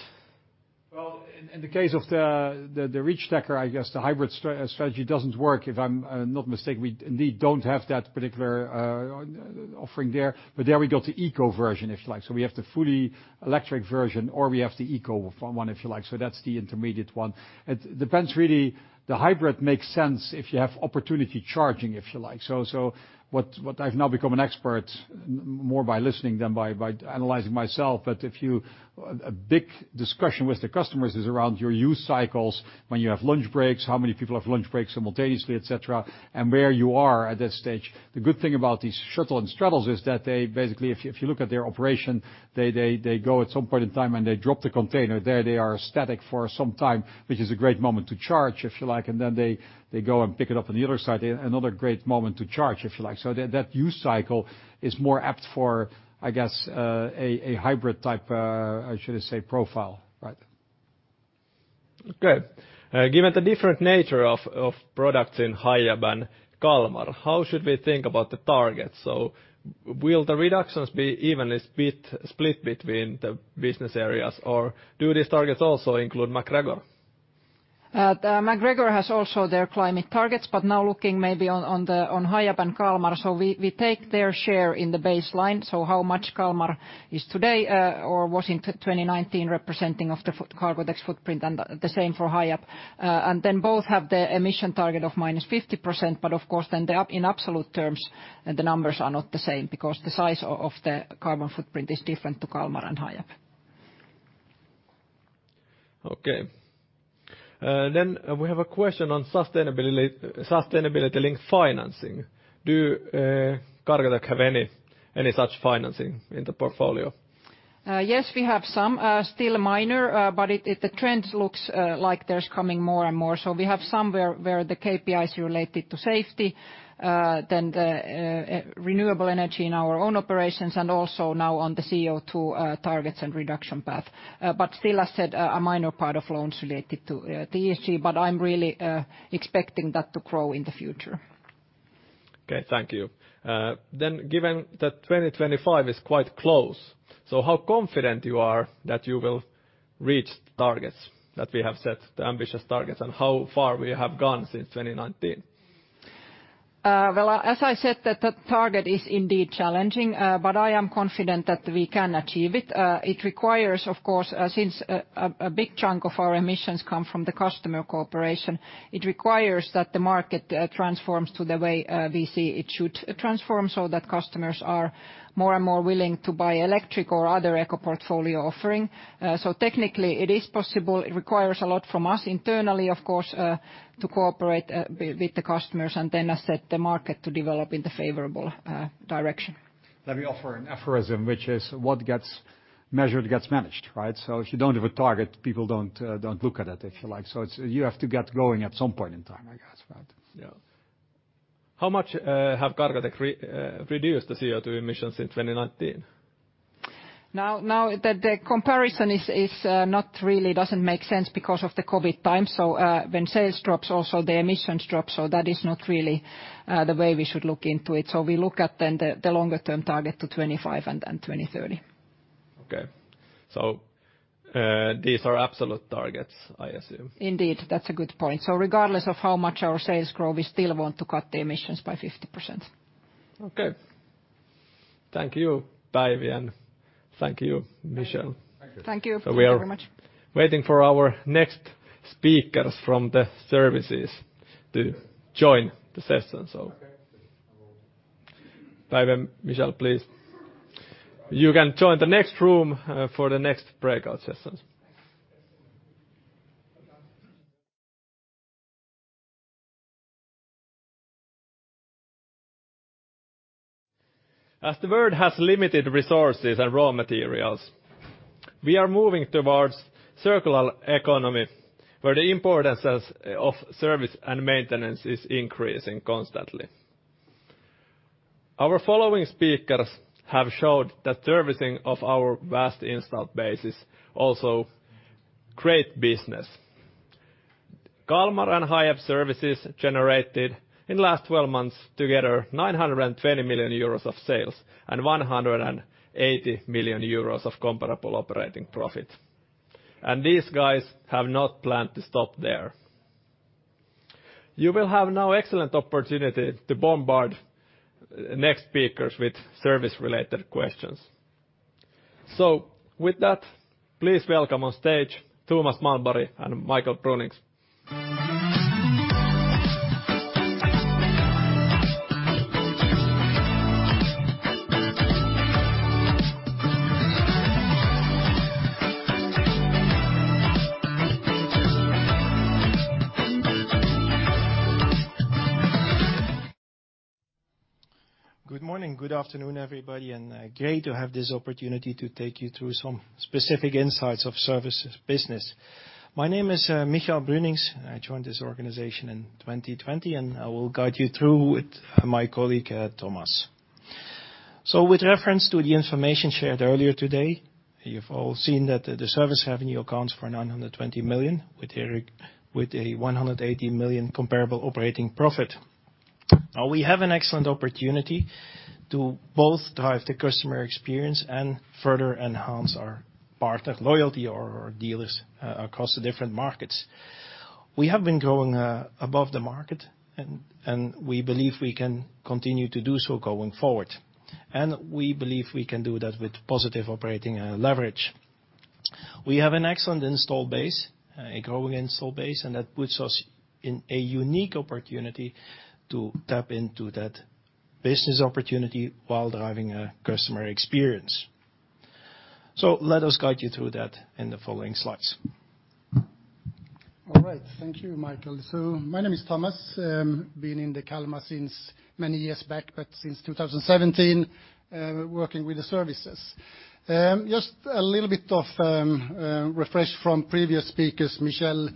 Well, in the case of the reach stacker, I guess the hybrid strategy doesn't work. If I'm not mistaken, we indeed don't have that particular offering there. There we go to eco version, if you like. We have the fully electric version, or we have the eco one, if you like. That's the intermediate one. It depends really. The hybrid makes sense if you have opportunity charging, if you like. What I've now become an expert more by listening than by analyzing myself. A big discussion with the customers is around your use cycles, when you have lunch breaks, how many people have lunch breaks simultaneously, et cetera, and where you are at that stage. The good thing about these shuttle and straddles is that they basically, if you look at their operation, they go at some point in time, and they drop the container. There they are static for some time, which is a great moment to charge, if you like, and then they go and pick it up on the other side, another great moment to charge, if you like. That use cycle is more apt for, I guess, a hybrid type, how should I say, profile, right? Okay. Given the different nature of products in Hiab and Kalmar, how should we think about the target? Will the reductions be evenly split between the business areas? Or do these targets also include MacGregor? The MacGregor has also their climate targets, but now looking maybe on Hiab and Kalmar, so we take their share in the baseline. How much Kalmar is today, or was in 2019 representing of the Cargotec's footprint and the same for Hiab. Then both have the emission target of -50%, but of course, then in absolute terms, the numbers are not the same because the size of the carbon footprint is different to Kalmar and Hiab. Okay. We have a question on sustainability-linked financing. Do Cargotec have any such financing in the portfolio? Yes, we have some still minor, but the trend looks like there's coming more and more. We have some where the KPI is related to safety, then the renewable energy in our own operations and also now on the CO2 targets and reduction path. But still, as said, a minor part of loans related to ESG, but I'm really expecting that to grow in the future. Okay, thank you. Given that 2025 is quite close, so how confident you are that you will reach the targets that we have set, the ambitious targets, and how far we have gone since 2019? Well, as I said, that the target is indeed challenging, but I am confident that we can achieve it. It requires, of course, since a big chunk of our emissions come from the customers' operations, it requires that the market transforms to the way we see it should transform so that customers are more and more willing to buy electric or other eco portfolio offering. Technically, it is possible. It requires a lot from us internally, of course, to cooperate with the customers and then assist the market to develop in the favorable direction. Let me offer an aphorism, which is what gets measured gets managed, right? If you don't have a target, people don't look at it, if you like. It's you have to get going at some point in time, I guess, right? How much have Cargotec reduced the CO2 emissions since 2019? Now the comparison is not really doesn't make sense because of the COVID time. When sales drops, also the emissions drop, so that is not really the way we should look into it. We look at then the longer term target to 2025 and then 2030. Okay. These are absolute targets, I assume. Indeed. That's a good point. Regardless of how much our sales grow, we still want to cut the emissions by 50%. Okay. Thank you, Päivi, and thank you, Michel. Thank you. Thank you. Thank you very much. We are waiting for our next speakers from the services to join the session. Päivi and Michel, please. You can join the next room for the next breakout sessions. As the world has limited resources and raw materials, we are moving towards circular economy, where the importance of service and maintenance is increasing constantly. Our following speakers have showed that servicing of our vast install base is also great business. Kalmar and Hiab Services generated, in last twelve months, together 920 million euros of sales, and 180 million euros of comparable operating profit. These guys have not planned to stop there. You will have now excellent opportunity to bombard next speakers with service-related questions. With that, please welcome on stage Thomas Malmborg and Michaël Bruninx. Good morning, good afternoon, everybody. Great to have this opportunity to take you through some specific insights of services business. My name is Michaël Bruninx. I joined this organization in 2020, and I will guide you through with my colleague, Thomas. With reference to the information shared earlier today, you've all seen that the service avenue accounts for 920 million, with a 180 million comparable operating profit. Now, we have an excellent opportunity to both drive the customer experience and further enhance our partner loyalty or our dealers across the different markets. We have been growing above the market and we believe we can continue to do so going forward. We believe we can do that with positive operating leverage. We have an excellent installed base, a growing installed base, and that puts us in a unique opportunity to tap into that business opportunity while driving a customer experience. Let us guide you through that in the following slides. All right. Thank you, Michaël. My name is Thomas. Been in Kalmar since many years back, but since 2017, working with the services. Just a little bit of refresh from previous speakers. Michaël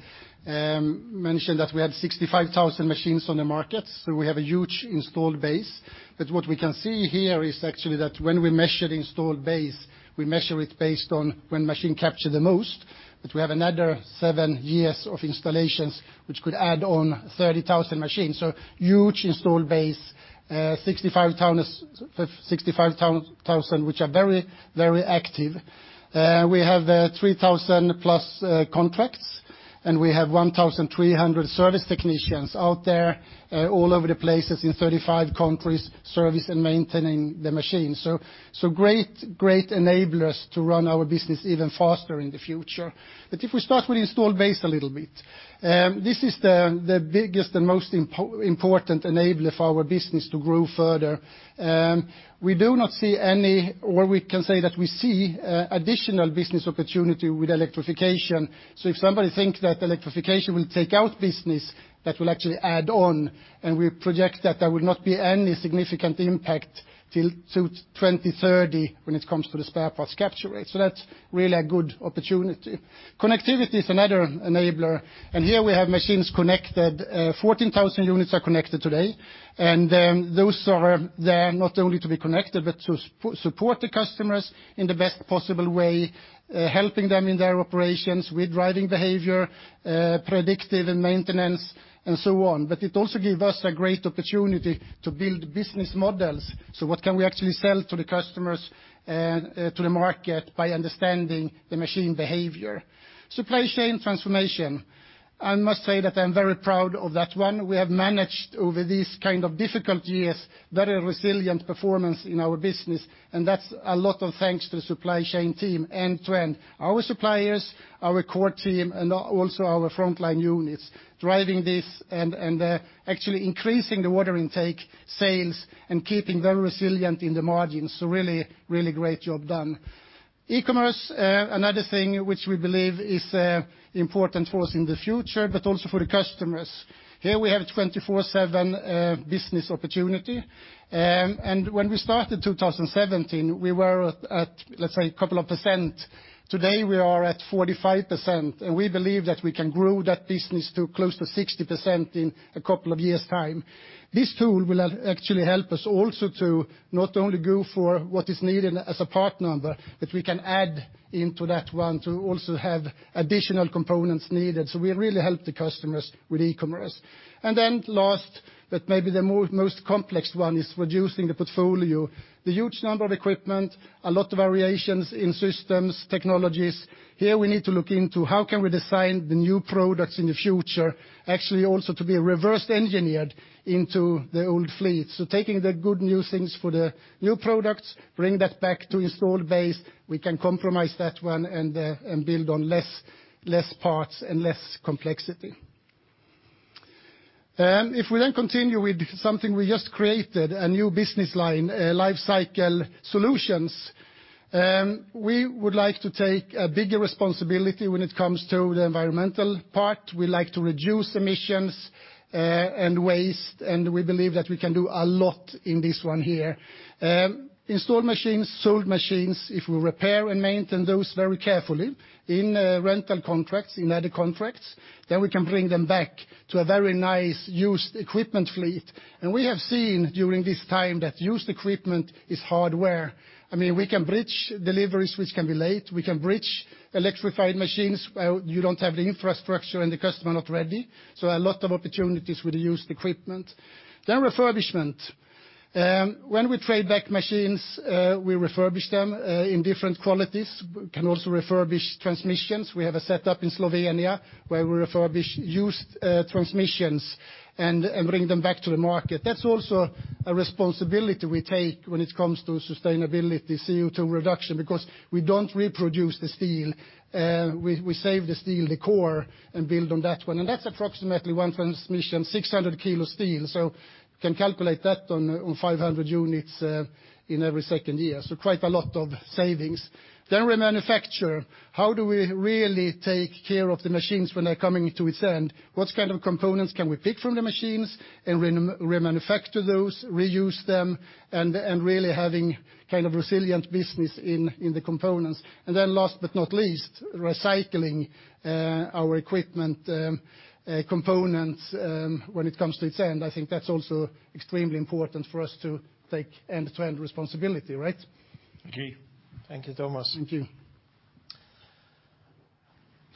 mentioned that we had 65,000 machines on the market, so we have a huge installed base. What we can see here is actually that when we measure the installed base, we measure it based on when machines capture the most. We have another seven years of installations which could add on 30,000 machines. Huge installed base. 65,000, which are very, very active. We have 3,000+ contracts, and we have 1,300 service technicians out there, all over the places in 35 countries, servicing and maintaining the machines. Great enablers to run our business even faster in the future. If we start with installed base a little bit, this is the biggest and most important enabler for our business to grow further. We do not see any. We can say that we see additional business opportunity with electrification. If somebody thinks that electrification will take our business, that will actually add on, and we project that there will not be any significant impact till 2030 when it comes to the spare parts capture rate. That's really a good opportunity. Connectivity is another enabler. Here we have machines connected. 14,000 units are connected today. Those are there not only to be connected, but to support the customers in the best possible way, helping them in their operations with driving behavior, predictive maintenance, and so on. It also give us a great opportunity to build business models. What can we actually sell to the customers and to the market by understanding the machine behavior? Supply chain transformation. I must say that I'm very proud of that one. We have managed, over these kind of difficult years, very resilient performance in our business, and that's a lot of thanks to supply chain team end-to-end. Our suppliers, our core team, and also our frontline units driving this and actually increasing the order intake, sales, and keeping very resilient in the margins. Really, really great job done. E-commerce, another thing which we believe is important for us in the future, but also for the customers. Here we have 24/7 business opportunity. When we started 2017, we were at, let's say couple of percent. Today, we are at 45%, and we believe that we can grow that business to close to 60% in a couple of years' time. This tool will actually help us also to not only go for what is needed as a part number, but we can add them into that one to also have additional components needed. So we really help the customers with e-commerce. Then last, but maybe the most complex one, is reducing the portfolio. The huge number of equipment, a lot of variations in systems, technologies. Here we need to look into how can we design the new products in the future, actually also to be reverse engineered into the old fleet. Taking the good new things for the new products, bring that back to installed base, we can compromise that one and build on less parts and less complexity. If we then continue with something we just created, a new business line, Life Cycle Solutions, we would like to take a bigger responsibility when it comes to the environmental part. We like to reduce emissions and waste, and we believe that we can do a lot in this one here. Installed machines, sold machines, if we repair and maintain those very carefully in rental contracts, in other contracts, then we can bring them back to a very nice used equipment fleet. We have seen during this time that used equipment is hardware. I mean, we can bridge deliveries which can be late. We can bridge electrified machines where you don't have the infrastructure and the customer not ready. A lot of opportunities with the used equipment. Refurbishment. When we trade back machines, we refurbish them in different qualities. We can also refurbish transmissions. We have a setup in Slovenia where we refurbish used transmissions and bring them back to the market. That's also a responsibility we take when it comes to sustainability, CO2 reduction, because we don't reproduce the steel, we save the steel, the core, and build on that one. That's approximately one transmission, 600 kg steel. Can calculate that on 500 units in every second year. Quite a lot of savings. Remanufacture. How do we really take care of the machines when they're coming to its end? What kind of components can we pick from the machines and remanufacture those, reuse them, and really having kind of resilient business in the components? Last but not least, recycling our equipment, components, when it comes to its end. I think that's also extremely important for us to take end-to-end responsibility, right? Agreed. Thank you, Thomas. Thank you.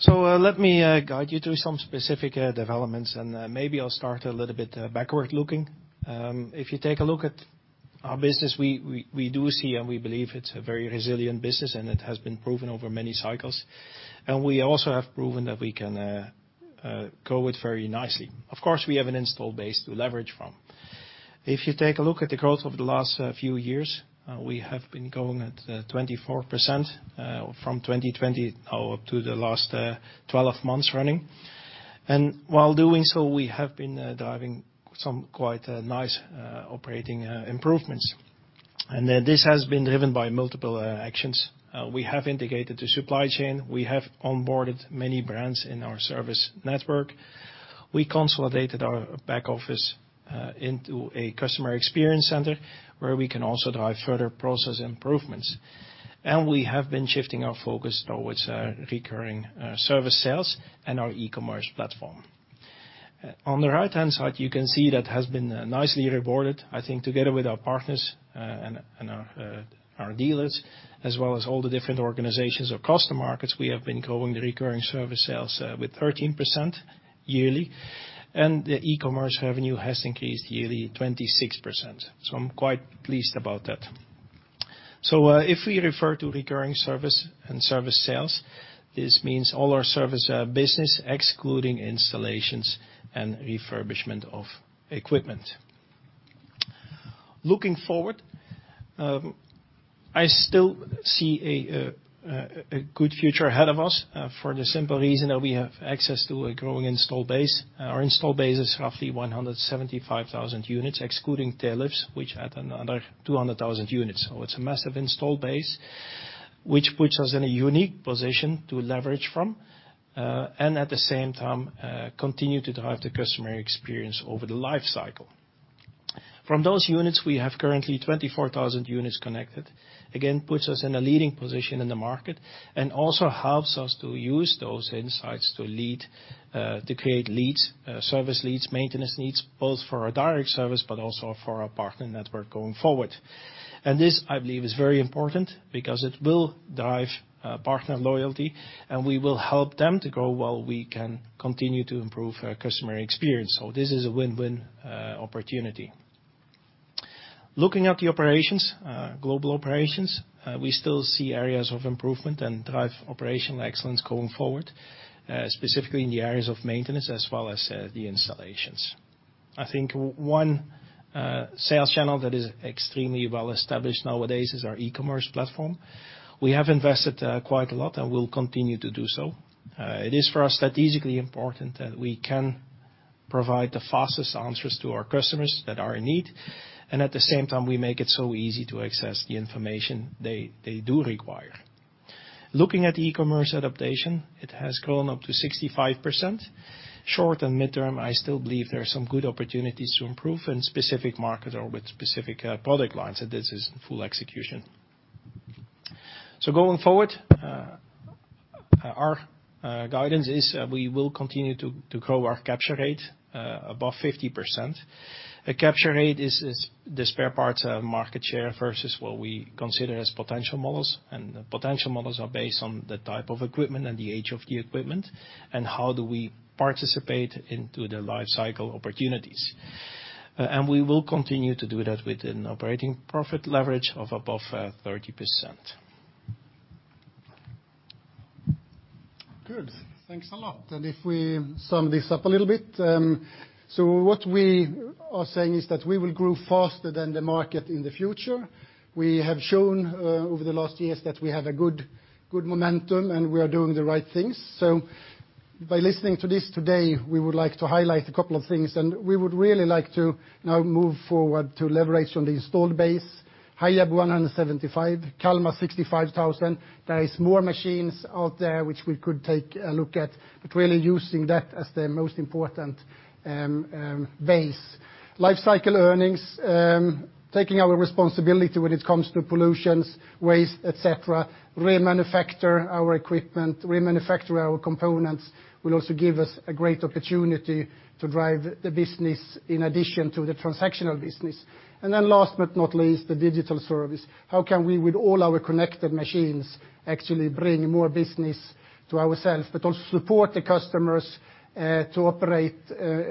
Let me guide you through some specific developments, and maybe I'll start a little bit backward-looking. If you take a look at our business, we do see and we believe it's a very resilient business, and it has been proven over many cycles. We also have proven that we can grow it very nicely. Of course, we have an installed base to leverage from. If you take a look at the growth over the last few years, we have been growing at 24% from 2020 now up to the last 12 months running. While doing so, we have been driving some quite nice operating improvements. This has been driven by multiple actions. We have integrated the supply chain. We have onboarded many brands in our service network. We consolidated our back office into a customer experience center where we can also drive further process improvements. We have been shifting our focus towards recurring service sales and our e-commerce platform. On the right-hand side, you can see that has been nicely rewarded. I think together with our partners and our dealers, as well as all the different organizations across the markets, we have been growing the recurring service sales with 13% yearly. The e-commerce revenue has increased yearly 26%. I'm quite pleased about that. If we refer to recurring service and service sales, this means all our service business, excluding installations and refurbishment of equipment. Looking forward, I still see a good future ahead of us for the simple reason that we have access to a growing install base. Our install base is roughly 175,000 units, excluding tail lifts, which add another 200,000 units. It's a massive install base, which puts us in a unique position to leverage from, and at the same time, continue to drive the customer experience over the life cycle. From those units, we have currently 24,000 units connected. Again, puts us in a leading position in the market and also helps us to use those insights to create leads, service leads, maintenance needs, both for our direct service, but also for our partner network going forward. This, I believe, is very important because it will drive partner loyalty, and we will help them to grow while we can continue to improve customer experience. This is a win-win opportunity. Looking at the operations, global operations, we still see areas of improvement and drive operational excellence going forward, specifically in the areas of maintenance as well as the installations. I think one sales channel that is extremely well established nowadays is our e-commerce platform. We have invested quite a lot and will continue to do so. It is for us strategically important that we can provide the fastest answers to our customers that are in need, and at the same time, we make it so easy to access the information they do require. Looking at e-commerce adoption, it has grown up to 65%. Short and mid-term, I still believe there are some good opportunities to improve in specific markets or with specific product lines, and this is in full execution. Going forward, our guidance is we will continue to grow our capture rate above 50%. A capture rate is the spare parts market share versus what we consider as potential models, and the potential models are based on the type of equipment and the age of the equipment and how do we participate into the lifecycle opportunities. We will continue to do that with an operating profit leverage of above 30%. Good. Thanks a lot. If we sum this up a little bit, what we are saying is that we will grow faster than the market in the future. We have shown over the last years that we have a good momentum, and we are doing the right things. By listening to this today, we would like to highlight a couple of things, and we would really like to now move forward to leverage on the installed base. Hiab 175, Kalmar 65,000. There is more machines out there which we could take a look at, but really using that as the most important base. Lifecycle earnings, taking our responsibility when it comes to pollution, waste, et cetera, remanufacture our equipment, remanufacture our components will also give us a great opportunity to drive the business in addition to the transactional business. Then last but not least, the digital service. How can we with all our connected machines actually bring more business to ourselves but also support the customers to operate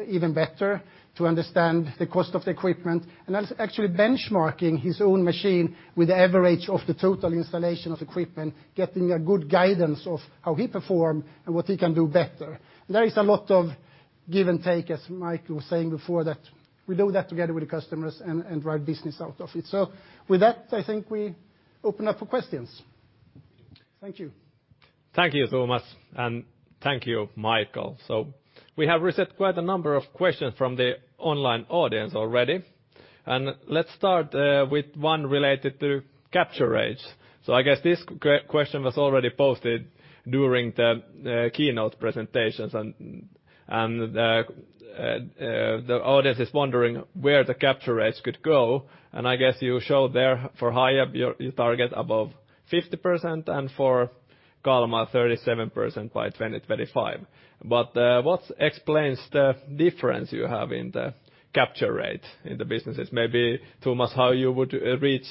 even better, to understand the cost of the equipment, and that's actually benchmarking his own machine with the average of the total installation of equipment, getting a good guidance of how he perform and what he can do better. There is a lot of give and take, as Mike was saying before, that we do that together with the customers and drive business out of it. With that, I think we open up for questions. Thank you. Thank you, Thomas, and thank you, Michaël. We have received quite a number of questions from the online audience already, and let's start with one related to capture rates. I guess this question was already posted during the keynote presentations, and the audience is wondering where the capture rates could go, and I guess you showed there for Hiab your target above 50%, and for Kalmar 37% by 2025. What explains the difference you have in the capture rate in the businesses? Maybe, Thomas, how you would reach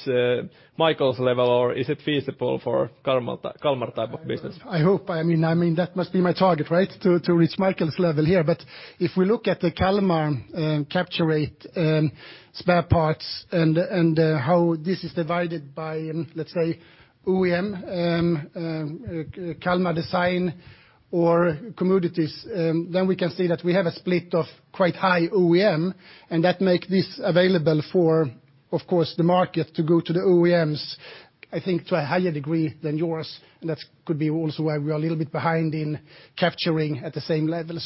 Michaël's level, or is it feasible for Kalmar type of business? I hope. I mean, that must be my target, right? To reach Michaël's level here. If we look at the Kalmar capture rate, spare parts and how this is divided by, let's say, OEM, Kalmar design or commodities, then we can see that we have a split of quite high OEM, and that make this available for, of course, the market to go to the OEMs, I think, to a higher degree than yours. That could be also why we are a little bit behind in capturing at the same level.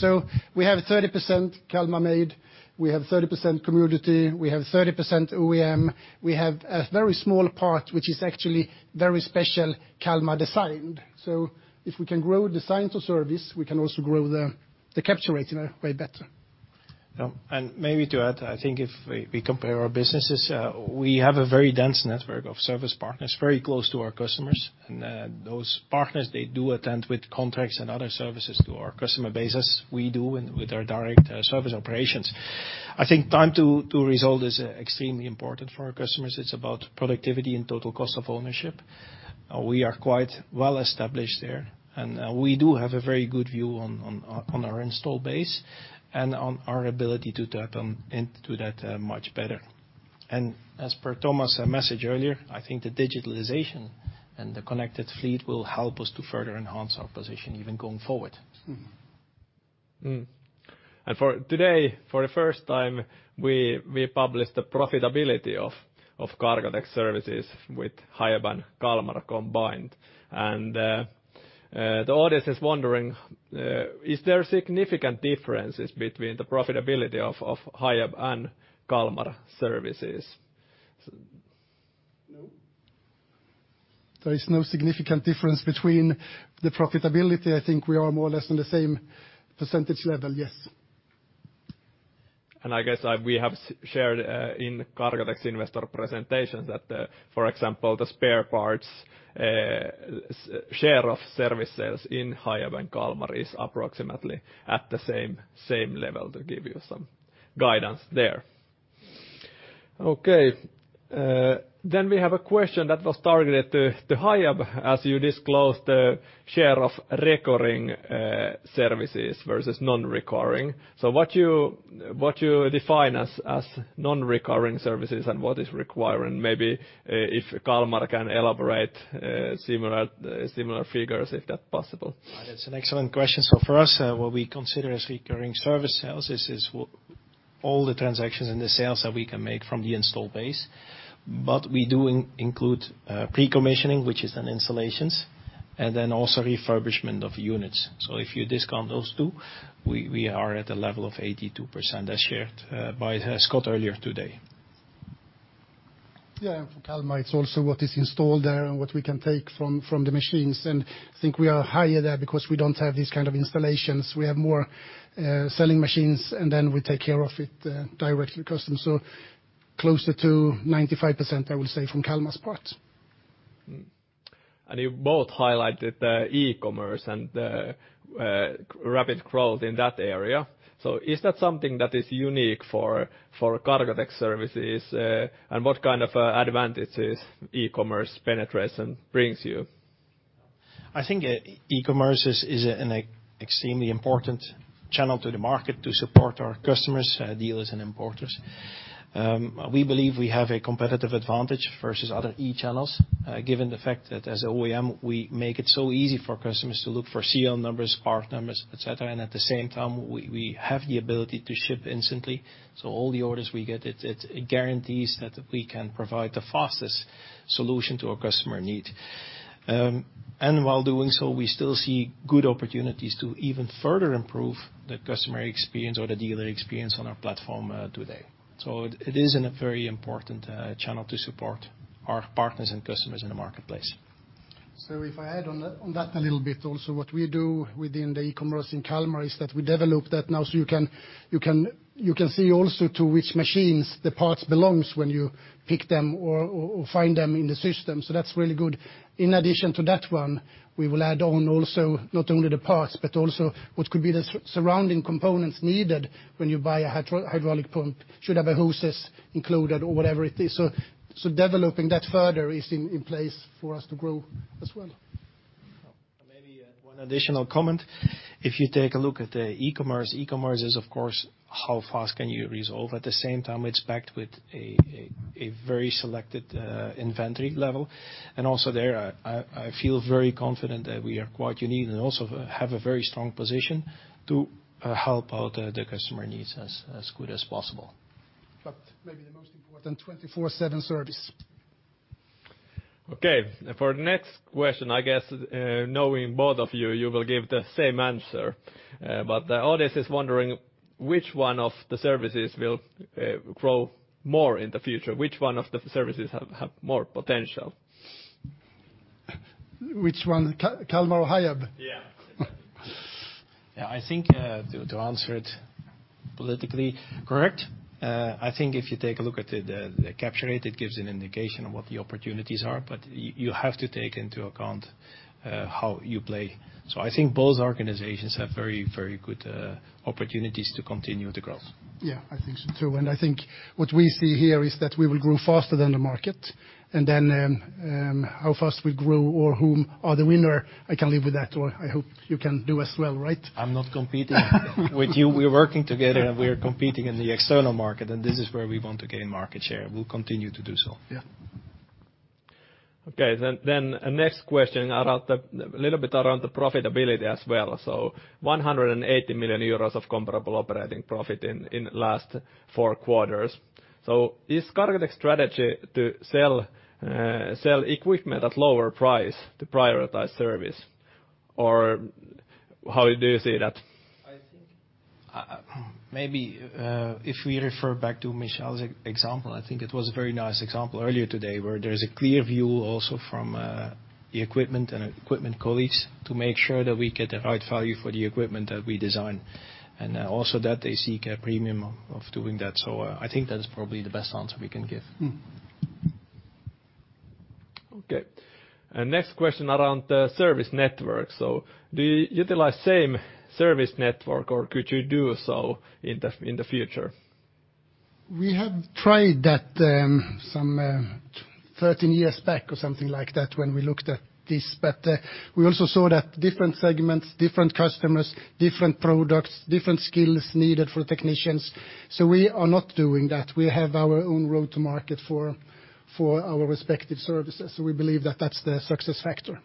We have 30% Kalmar made. We have 30% commodity. We have 30% OEM. We have a very small part which is actually very special Kalmar designed. If we can grow design to service, we can also grow the capture rate in a way better. Maybe to add, I think if we compare our businesses, we have a very dense network of service partners, very close to our customers. Those partners, they do attend with contracts and other services to our customer bases. We do with our direct service operations. I think time to resolve is extremely important for our customers. It's about productivity and total cost of ownership. We are quite well established there, and we do have a very good view on our install base and on our ability to tap into that much better. As per Thomas' message earlier, I think the digitalization and the connected fleet will help us to further enhance our position even going forward. Mm-hmm. For today, for the first time, we published the profitability of Cargotec services with Hiab and Kalmar combined. The audience is wondering, is there significant differences between the profitability of Hiab and Kalmar services? No. There is no significant difference between the profitability. I think we are more or less on the same percentage level, yes. I guess we have shared in Cargotec's investor presentations that, for example, the spare parts share of services in Hiab and Kalmar is approximately at the same level to give you some guidance there. Okay. We have a question that was targeted to Hiab as you disclose the share of recurring services versus non-recurring. What you define as non-recurring services and what is recurring? Maybe if Kalmar can elaborate similar figures if that's possible. That's an excellent question. For us, what we consider as recurring service sales is all the transactions and the sales that we can make from the installed base. We do include pre-commissioning, which is in installations, and then also refurbishment of units. If you discount those two, we are at a level of 82% as shared by Scott earlier today. Yeah, for Kalmar, it's also what is installed there and what we can take from the machines. I think we are higher there because we don't have these kind of installations. We have more selling machines, and then we take care of it directly to the customer. Closer to 95%, I will say, from Kalmar's part. You both highlighted the e-commerce and the rapid growth in that area. Is that something that is unique for Cargotec services? What kind of advantages e-commerce penetration brings you? I think e-commerce is an extremely important channel to the market to support our customers, dealers and importers. We believe we have a competitive advantage versus other e-channels, given the fact that as OEM we make it so easy for customers to look for serial numbers, part numbers, et cetera, and at the same time we have the ability to ship instantly. All the orders we get, it guarantees that we can provide the fastest solution to a customer need. While doing so, we still see good opportunities to even further improve the customer experience or the dealer experience on our platform, today. It is a very important channel to support our partners and customers in the marketplace. If I add on that a little bit also, what we do within the e-commerce in Kalmar is that we develop that now so you can see also to which machines the parts belongs when you pick them or find them in the system. That's really good. In addition to that one, we will add on also not only the parts but also what could be the surrounding components needed when you buy a hydraulic pump. Should have hoses included or whatever it is. Developing that further is in place for us to grow as well. Maybe one additional comment. If you take a look at the e-commerce, e-commerce is of course how fast can you resolve? At the same time, it's backed with a very selective inventory level. Also there I feel very confident that we are quite unique and also have a very strong position to help out the customer needs as good as possible. Maybe the most important 24/7 service. Okay. For next question, I guess, knowing both of you will give the same answer. The audience is wondering which one of the services will grow more in the future? Which one of the services have more potential? Which one, Kalmar or Hiab? Yeah. Yeah, I think to answer it politically correct, I think if you take a look at the capture rate, it gives an indication of what the opportunities are. You have to take into account how you play. I think both organizations have very good opportunities to continue the growth. Yeah, I think so too. I think what we see here is that we will grow faster than the market, and then, how fast we grow or whom are the winner, I can live with that, or I hope you can do as well, right? I'm not competing with you. We're working together, and we are competing in the external market, and this is where we want to gain market share. We'll continue to do so. Yeah. Okay. Next question around the little bit around the profitability as well. 180 million euros of comparable operating profit in last four quarters. Is Cargotec's strategy to sell equipment at lower price to prioritize service, or how do you see that? I think, maybe, if we refer back to Michel's example, I think it was a very nice example earlier today, where there's a clear view also from the equipment and equipment colleagues to make sure that we get the right value for the equipment that we design, and also that they seek a premium of doing that. I think that's probably the best answer we can give. Mm. Okay. Next question around the service network. Do you utilize same service network or could you do so in the future? We have tried that, some 13 years back or something like that when we looked at this. We also saw that different segments, different customers, different products, different skills needed for technicians. We are not doing that. We have our own route to market for our respective services. We believe that that's the success factor.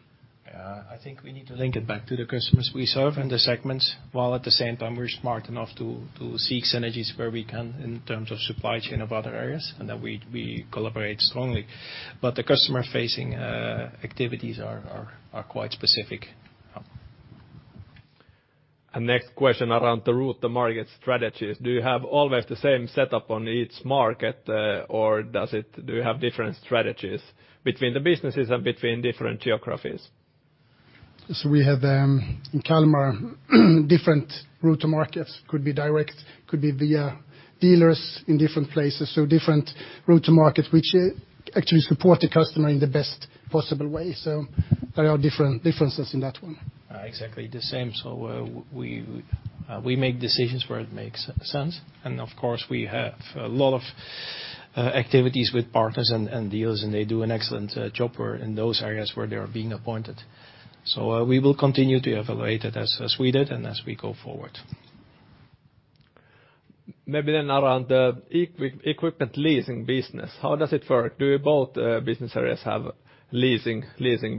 I think we need to link it back to the customers we serve and the segments, while at the same time we're smart enough to seek synergies where we can in terms of supply chain or other areas, and that we collaborate strongly. The customer-facing activities are quite specific. Next question around the route to market strategies. Do you have always the same setup on each market, or do you have different strategies between the businesses and between different geographies? We have in Kalmar different route to markets. Could be direct, could be via dealers in different places. Different route to market, which actually support the customer in the best possible way. There are differences in that one. Exactly the same. We make decisions where it makes sense. Of course, we have a lot of activities with partners and dealers, and they do an excellent job where, in those areas where they are being appointed. We will continue to evaluate it as we did and as we go forward. Maybe around the equipment leasing business, how does it work? Do both business areas have leasing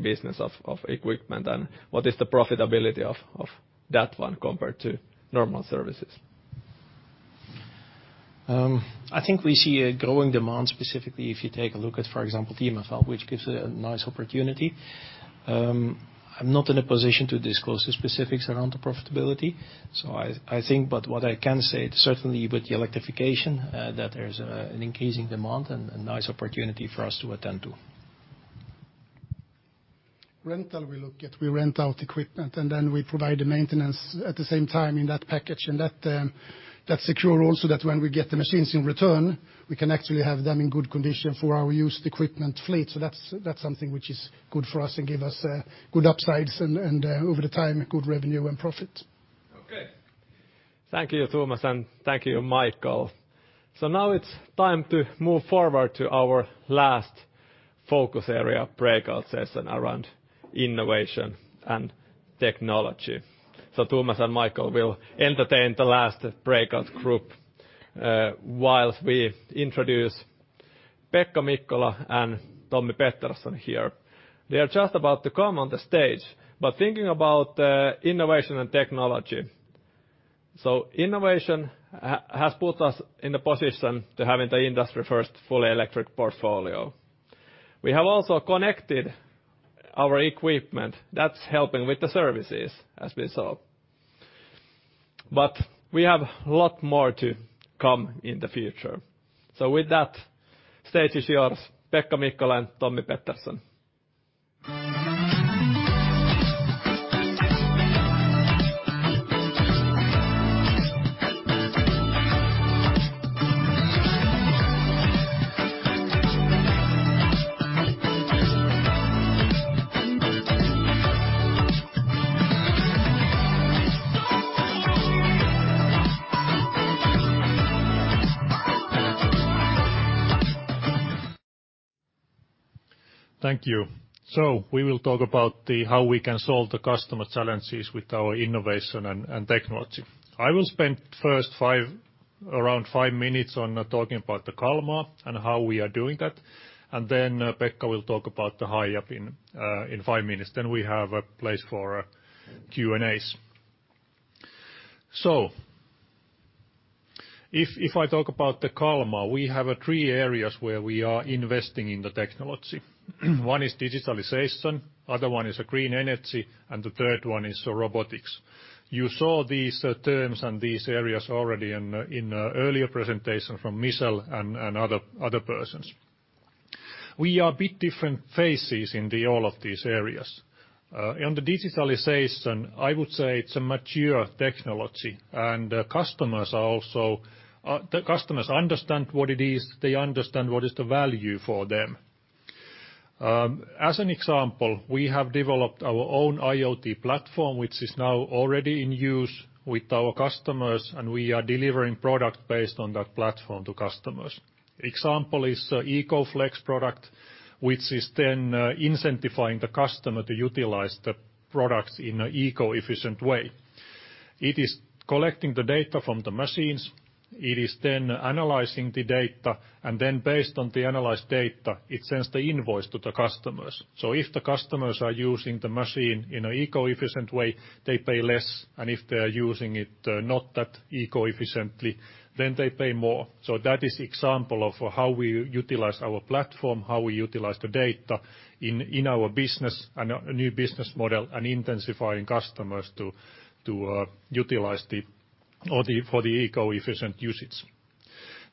business of equipment, and what is the profitability of that one compared to normal services? I think we see a growing demand, specifically if you take a look at, for example, DFML, which gives a nice opportunity. I'm not in a position to disclose the specifics around the profitability. I think, but what I can say, certainly with the electrification, that there's an increasing demand and a nice opportunity for us to attend to. Rental, we look at. We rent out equipment, and then we provide the maintenance at the same time in that package. That ensures also that when we get the machines in return, we can actually have them in good condition for our used equipment fleet. That's something which is good for us and gives us good upsides and, over time, good revenue and profit. Okay. Thank you, Thomas, and thank you, Michaël. Now it's time to move forward to our last focus area breakout session around innovation and technology. Thomas and Michaël will entertain the last breakout group, while we introduce Pekka Mikkola and Tommi Pettersson here. They are just about to come on the stage, but thinking about innovation and technology. Innovation has put us in the position to have the industry first fully electric portfolio. We have also connected our equipment. That's helping with the services, as we saw. We have a lot more to come in the future. With that, stage is yours, Pekka Mikkola and Tommi Pettersson. Thank you. We will talk about how we can solve the customer challenges with our innovation and technology. I will spend first five, around five minutes on talking about the Kalmar and how we are doing that, and then Pekka will talk about the Hiab in five minutes. We have a place for Q&As. If I talk about the Kalmar, we have three areas where we are investing in the technology. One is digitalization, other one is green energy, and the third one is robotics. You saw these terms and these areas already in earlier presentation from Michel and other persons. We are in a bit different phases in all of these areas. In the digitalization, I would say it's a mature technology, and customers are also, the customers understand what it is, they understand what is the value for them. As an example, we have developed our own IoT platform, which is now already in use with our customers, and we are delivering product based on that platform to customers. Example is EcoFlex product, which is then incentivizing the customer to utilize the products in an eco-efficient way. It is collecting the data from the machines, it is then analyzing the data, and then based on the analyzed data, it sends the invoice to the customers. If the customers are using the machine in an eco-efficient way, they pay less, and if they are using it, not that eco-efficiently, then they pay more. That is example of how we utilize our platform, how we utilize the data in our business, and a new business model, and incentivizing customers to utilize for the eco-efficient usage.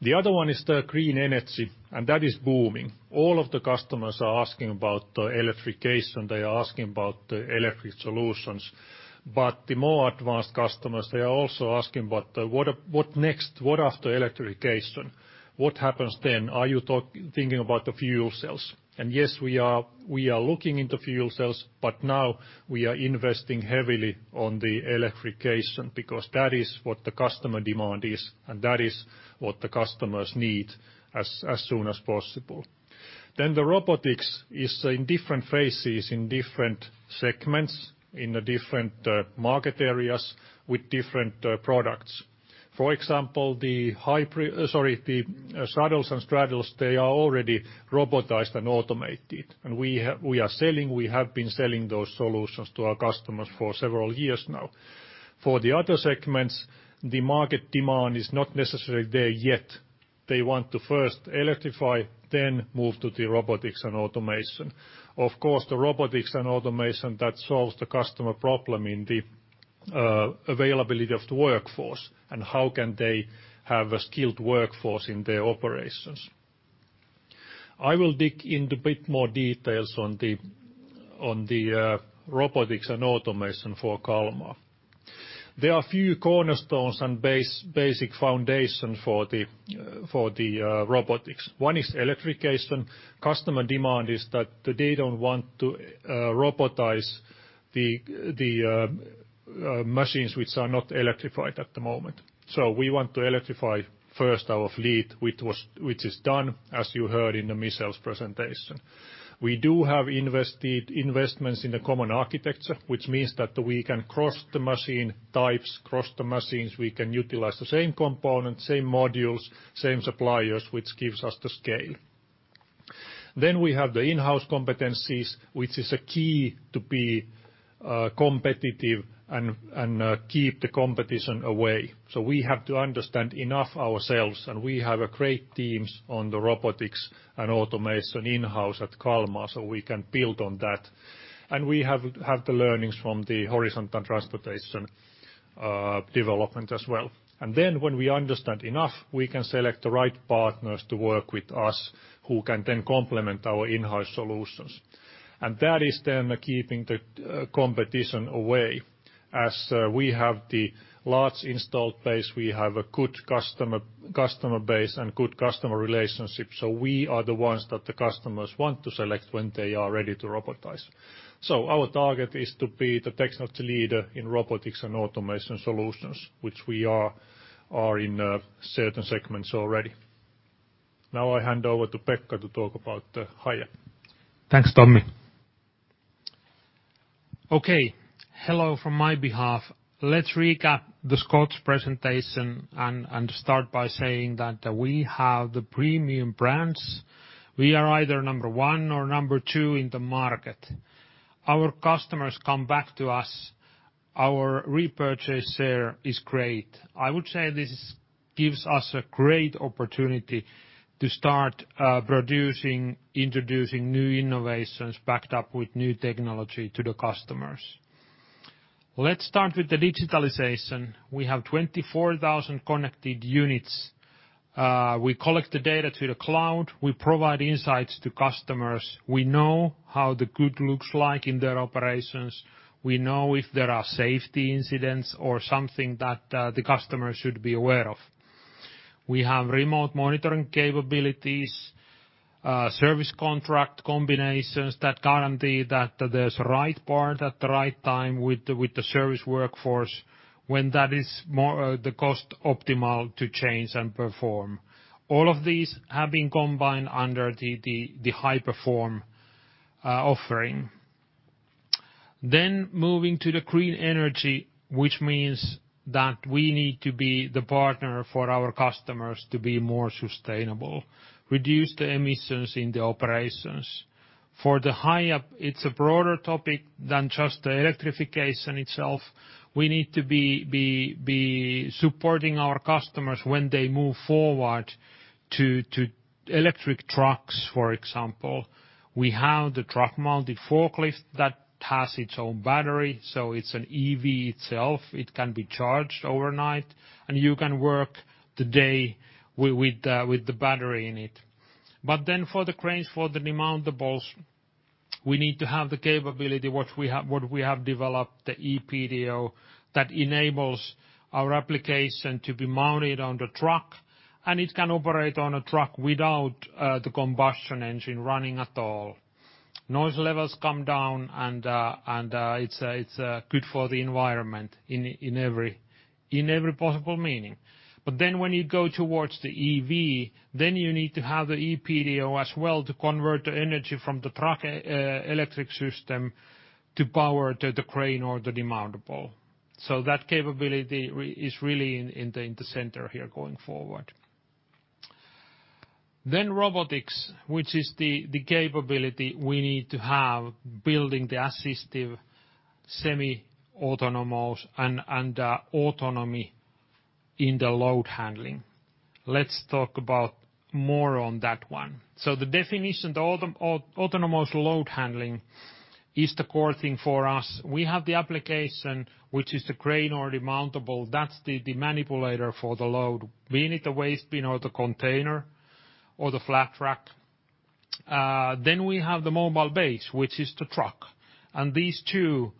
The other one is the green energy, and that is booming. All of the customers are asking about electrification, they are asking about the electric solutions. The more advanced customers, they are also asking about what next? What after electrification? What happens then? Are you thinking about the fuel cells? Yes, we are. We are looking into fuel cells, but now we are investing heavily in the electrification because that is what the customer demand is, and that is what the customers need as soon as possible. The robotics is in different phases, in different segments, in the different market areas with different products. For example, the shuttles and straddles, they are already robotized and automated, and we have been selling those solutions to our customers for several years now. For the other segments, the market demand is not necessarily there yet. They want to first electrify, then move to the robotics and automation. Of course, the robotics and automation, that solves the customer problem in the availability of the workforce and how can they have a skilled workforce in their operations. I will dig into a bit more details on the robotics and automation for Kalmar. There are a few cornerstones and basic foundation for the robotics. One is electrification. Customer demand is that they don't want to robotize the machines which are not electrified at the moment. We want to electrify first our fleet, which is done, as you heard in Michel's presentation. We do have investments in the common architecture, which means that we can cross the machine types, cross the machines, we can utilize the same components, same modules, same suppliers, which gives us the scale. We have the in-house competencies, which is a key to be competitive and keep the competition away. We have to understand enough ourselves, and we have a great teams on the robotics and automation in-house at Kalmar, so we can build on that. We have the learnings from the horizontal transportation development as well. When we understand enough, we can select the right partners to work with us who can then complement our in-house solutions. That is then keeping the competition away. As we have the large installed base, we have a good customer base and good customer relationships, so we are the ones that the customers want to select when they are ready to robotize. Our target is to be the technology leader in robotics and automation solutions, which we are in certain segments already. Now I hand over to Pekka to talk about the Hiab. Thanks, Tommi. Okay, hello from my behalf. Let's recap Scott's presentation and start by saying that we have the premium brands. We are either number one or number two in the market. Our customers come back to us. Our repurchase share is great. I would say this gives us a great opportunity to start producing, introducing new innovations backed up with new technology to the customers. Let's start with the digitalization. We have 24,000 connected units. We collect the data to the cloud. We provide insights to customers. We know how the load looks like in their operations. We know if there are safety incidents or something that the customer should be aware of. We have remote monitoring capabilities, service contract combinations that guarantee that there's the right part at the right time with the service workforce when that is more the cost optimal to change and perform. All of these have been combined under the HiPerform offering. Moving to the green energy, which means that we need to be the partner for our customers to be more sustainable, reduce the emissions in the operations. For the Hiab, it's a broader topic than just the electrification itself. We need to be supporting our customers when they move forward to electric trucks, for example. We have the truck-mounted forklift that has its own battery, so it's an EV itself. It can be charged overnight, and you can work the day with the battery in it. For the cranes, for the demountables, we need to have the capability, what we have, what we have developed, the ePTO, that enables our application to be mounted on the truck, and it can operate on a truck without the combustion engine running at all. Noise levels come down and it's good for the environment in every possible meaning. When you go towards the EV, you need to have the ePTO as well to convert the energy from the truck electric system to power the crane or the demountable. That capability is really in the center here going forward. Robotics, which is the capability we need to have building the assistive semi-autonomous and autonomy in the load handling. Let's talk about more on that one. The definition, the autonomous load handling is the core thing for us. We have the application, which is the crane or demountable. That's the manipulator for the load. We need the waste bin or the container or the flat rack. We have the mobile base, which is the truck. These two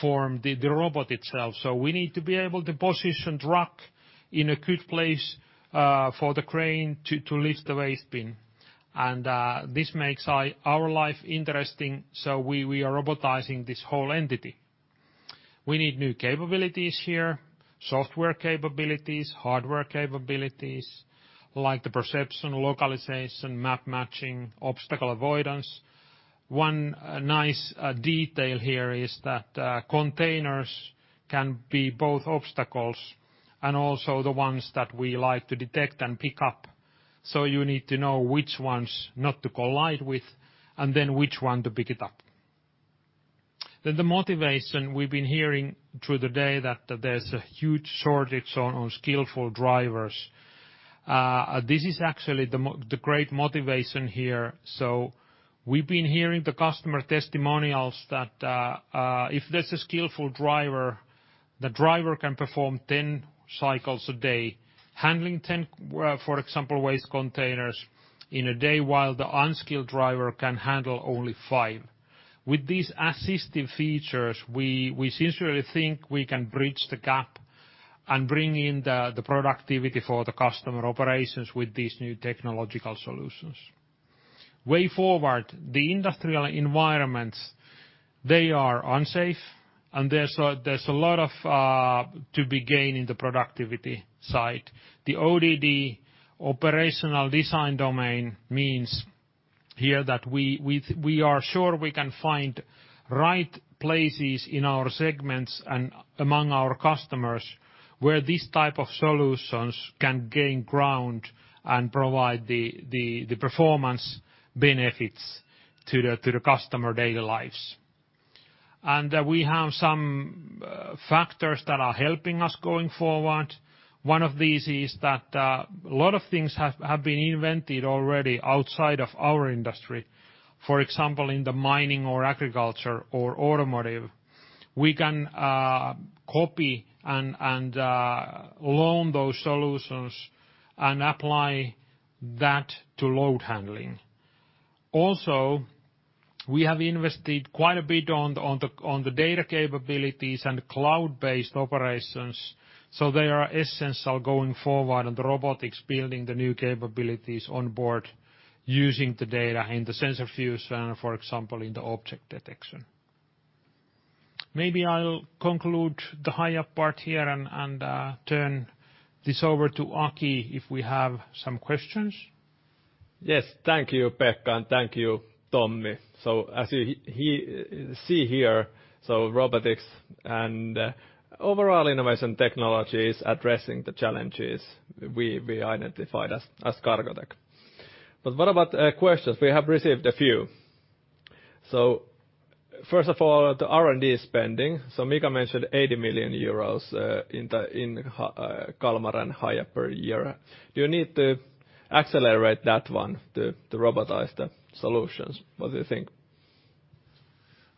form the robot itself. We need to be able to position truck in a good place for the crane to lift the waste bin. This makes our life interesting, so we are robotizing this whole entity. We need new capabilities here, software capabilities, hardware capabilities, like the perception, localization, map matching, obstacle avoidance. One nice detail here is that containers can be both obstacles and also the ones that we like to detect and pick up. You need to know which ones not to collide with and then which one to pick it up. The motivation, we've been hearing through the day that there's a huge shortage on skillful drivers. This is actually the great motivation here. We've been hearing the customer testimonials that if there's a skillful driver, the driver can perform 10 cycles a day, handling 10, for example, waste containers in a day while the unskilled driver can handle only five. With these assistive features, we sincerely think we can bridge the gap and bring in the productivity for the customer operations with these new technological solutions. Way forward, the industrial environments, they are unsafe and there's a lot of to be gained in the productivity side. The ODD, operational design domain, means here that we are sure we can find right places in our segments and among our customers where these type of solutions can gain ground and provide the performance benefits to the customer daily lives. We have some factors that are helping us going forward. One of these is that a lot of things have been invented already outside of our industry, for example, in the mining or agriculture or automotive. We can copy and learn those solutions and apply that to load handling. Also, we have invested quite a bit on the data capabilities and cloud-based operations, so they are essential going forward on the robotics, building the new capabilities on board using the data in the sensor fusion, for example, in the object detection. Maybe I'll conclude the higher part here and turn this over to Aki if we have some questions. Yes. Thank you, Pekka, and thank you, Tommi. As you see here, robotics and overall innovation technologies addressing the challenges we identified as Cargotec. What about questions? We have received a few. First of all, the R&D spending. Mika mentioned 80 million euros in Kalmar and Hiab per year. Do you need to accelerate that one to robotize the solutions? What do you think?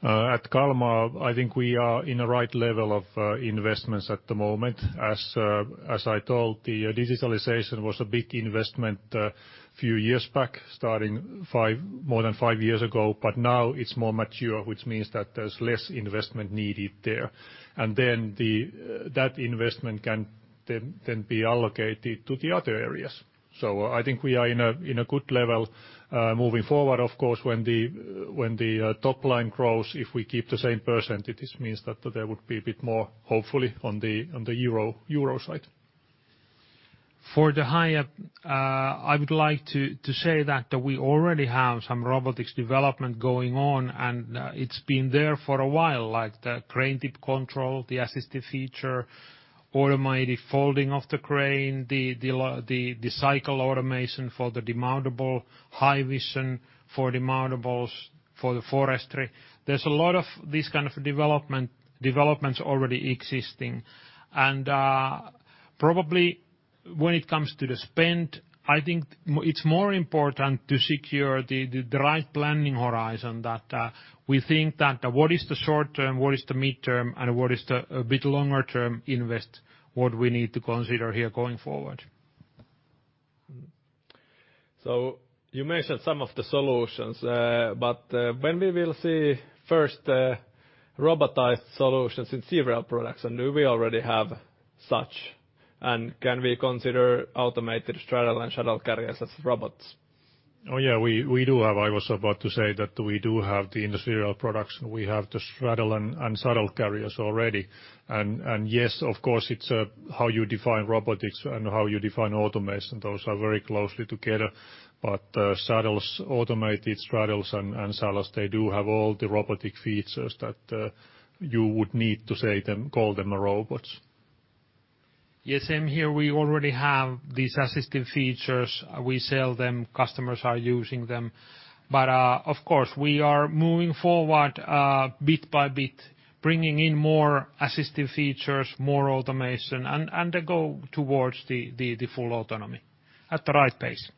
At Kalmar, I think we are in the right level of investments at the moment. As I told, the digitalization was a big investment few years back, more than five years ago, but now it's more mature, which means that there's less investment needed there. Then that investment can then be allocated to the other areas. I think we are in a good level moving forward. Of course, when the top line grows, if we keep the same percentages, means that there would be a bit more, hopefully, on the euro side. For the Hiab, I would like to say that we already have some robotics development going on, and it's been there for a while, like the crane tip control, the assisted feature, automated folding of the crane, the cycle automation for the demountables, HiVision for demountables for the forestry. There's a lot of this kind of development already existing. Probably when it comes to the spend, I think it's more important to secure the right planning horizon that we think that what is the short term, what is the midterm, and what is the bit longer term investment, what we need to consider here going forward. You mentioned some of the solutions, but when we will see first robotized solutions in serial production? Do we already have such, and can we consider automated straddle and shuttle carriers as robots? Yeah, we do have the industrial products. I was about to say that we do have the industrial products. We have the straddle and shuttle carriers already. Yes, of course, it's how you define robotics and how you define automation. Those are very closely together. Shuttles, automated straddles and shuttles, they do have all the robotic features that you would need to say them, call them robots. Yes, same here. We already have these assistive features. We sell them, customers are using them. Of course, we are moving forward, bit by bit, bringing in more assistive features, more automation, and go towards the full autonomy at the right pace.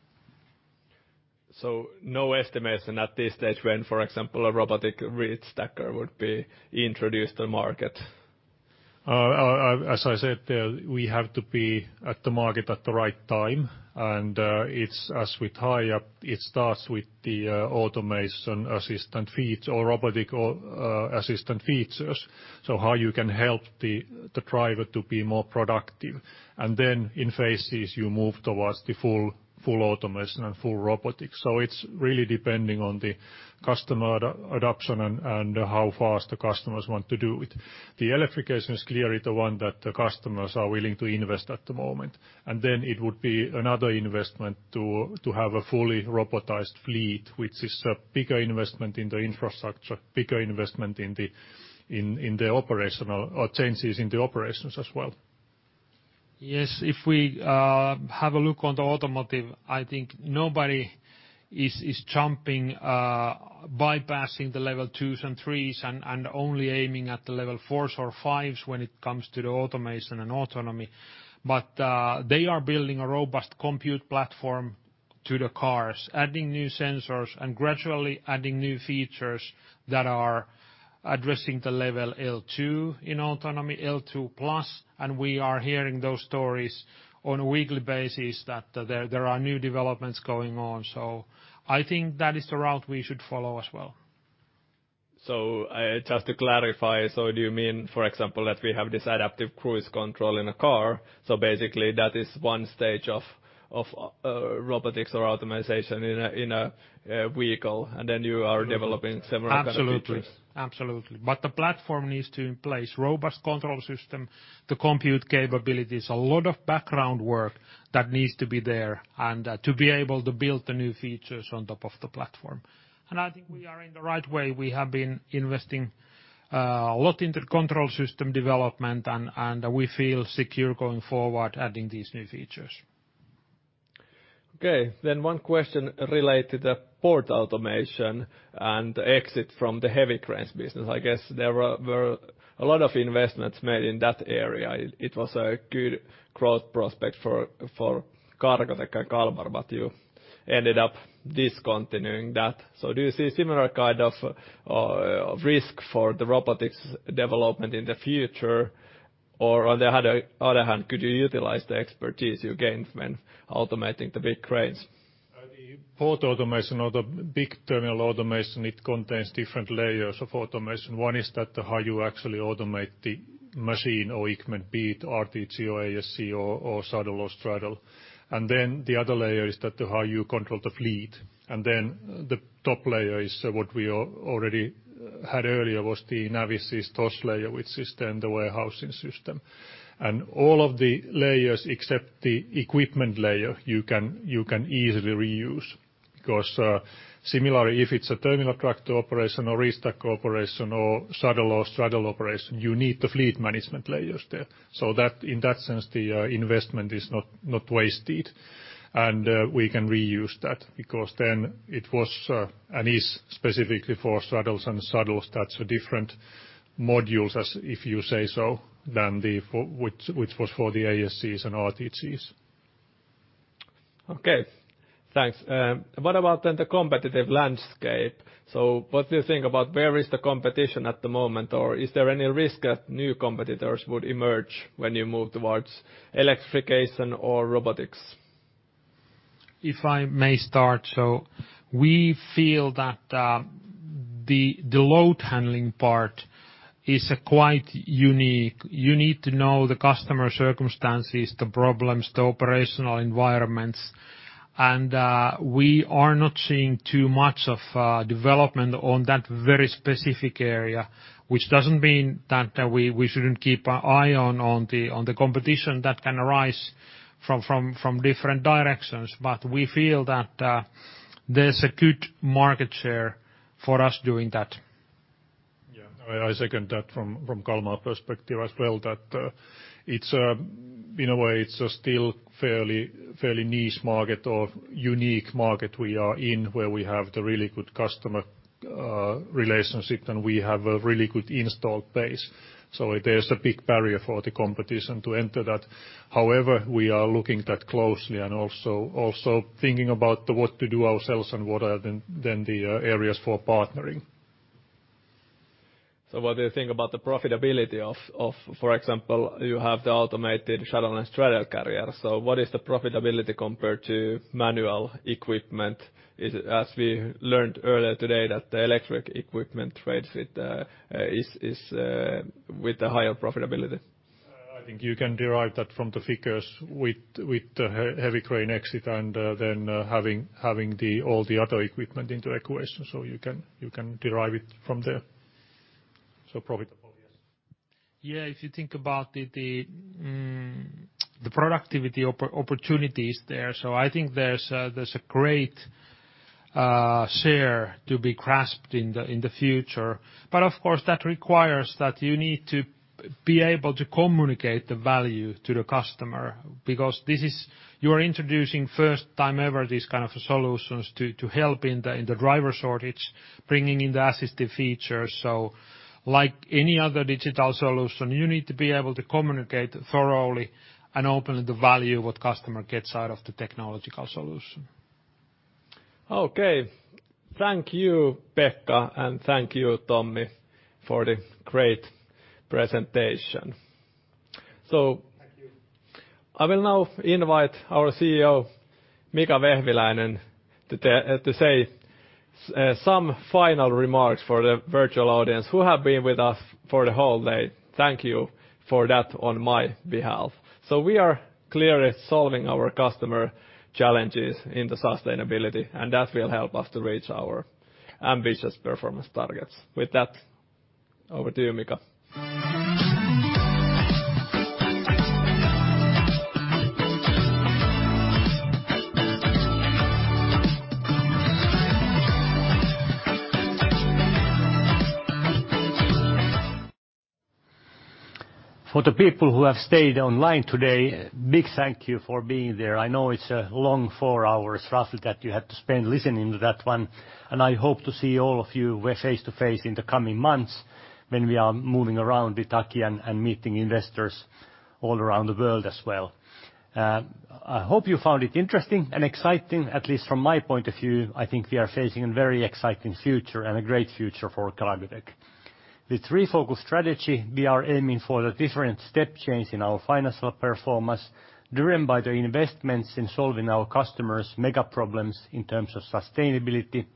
No estimation at this stage when, for example, a robotic reach stacker would be introduced to market. As I said, we have to be at the market at the right time, and it's as with Hiab. It starts with the automation assistant features or robotic assistant features. How you can help the driver to be more productive. In phases, you move towards the full automation and full robotics. It's really depending on the customer adaptation and how fast the customers want to do it. The electrification is clearly the one that the customers are willing to invest at the moment. It would be another investment to have a fully robotized fleet, which is a bigger investment in the infrastructure, bigger investment in the operational changes in the operations as well. Yes. If we have a look on the automotive, I think nobody is jumping bypassing the level twos and threes and only aiming at the level fours or fives when it comes to the automation and autonomy. They are building a robust compute platform to the cars, adding new sensors and gradually adding new features that are addressing the level L2 in autonomy, L2 plus, and we are hearing those stories on a weekly basis that there are new developments going on. I think that is the route we should follow as well. Just to clarify, do you mean, for example, that we have this adaptive cruise control in a car? Basically, that is one stage of robotics or automation in a vehicle, and then you are developing several kind of features. Absolutely. The platform needs to be in place, robust control system, the compute capabilities, a lot of background work that needs to be there and to be able to build the new features on top of the platform. I think we are in the right way. We have been investing a lot into control system development and we feel secure going forward adding these new features. Okay. One question related to port automation and exit from the heavy cranes business. I guess there were a lot of investments made in that area. It was a good growth prospect for Cargotec and Kalmar, but you ended up discontinuing that. Do you see a similar kind of risk for the robotics development in the future? On the other hand, could you utilize the expertise you gained when automating the big cranes? The port automation or the big terminal automation, it contains different layers of automation. One is that how you actually automate the machine or equipment, be it RTC or ASC or shuttle or straddle. The other layer is that how you control the fleet. The top layer is what we already had earlier, was the Navis' TOS layer with system, the warehousing system. All of the layers, except the equipment layer, you can easily reuse. Similarly, if it's a terminal tractor operation or reach stack operation or shuttle or straddle operation, you need the fleet management layers there. In that sense, the investment is not wasted. We can reuse that, because it was and is specifically for shuttles and straddles. That's different modules than the former, which was for the ASCs and RTCs. Okay. Thanks. What about then the competitive landscape? What do you think about where is the competition at the moment, or is there any risk that new competitors would emerge when you move towards electrification or robotics? If I may start. We feel that the load handling part is quite unique. You need to know the customer circumstances, the problems, the operational environments. We are not seeing too much of development on that very specific area, which doesn't mean that we shouldn't keep an eye on the competition that can arise from different directions. We feel that there's a good market share for us doing that. Yeah. I second that from Kalmar perspective as well, that it's in a way still a fairly niche market or unique market we are in, where we have the really good customer relationship, and we have a really good installed base. There's a big barrier for the competition to enter that. However, we are looking at that closely and also thinking about what to do ourselves and what are the areas for partnering. What do you think about the profitability of for example you have the automated shuttle and straddle carrier. What is the profitability compared to manual equipment? Is it as we learned earlier today that the electric equipment trades with is with the higher profitability? I think you can derive that from the figures with the heavy crane exit and then having all the other equipment into equation. You can derive it from there. Profitable, yes. Yeah, if you think about the productivity opportunities there. I think there's a great share to be grasped in the future. Of course, that requires that you need to be able to communicate the value to the customer, because this is. You're introducing first time ever these kind of solutions to help in the driver shortage, bringing in the assistive features. Like any other digital solution, you need to be able to communicate thoroughly and openly the value what customer gets out of the technological solution. Okay. Thank you, Pekka, and thank you, Tommi, for the great presentation. Thank you. I will now invite our CEO, Mika Vehviläinen, to say some final remarks for the virtual audience who have been with us for the whole day. Thank you for that on my behalf. We are clearly solving our customer challenges in the sustainability, and that will help us to reach our ambitious performance targets. With that, over to you, Mika. For the people who have stayed online today, big thank you for being there. I know it's a long four hours roughly that you had to spend listening to that one, and I hope to see all of you face to face in the coming months when we are moving around with Kalmar and meeting investors all around the world as well. I hope you found it interesting and exciting. At least from my point of view, I think we are facing a very exciting future and a great future for Kalmar. With Refocus strategy, we are aiming for a different step change in our financial performance, driven by the investments in solving our customers' mega problems in terms of sustainability,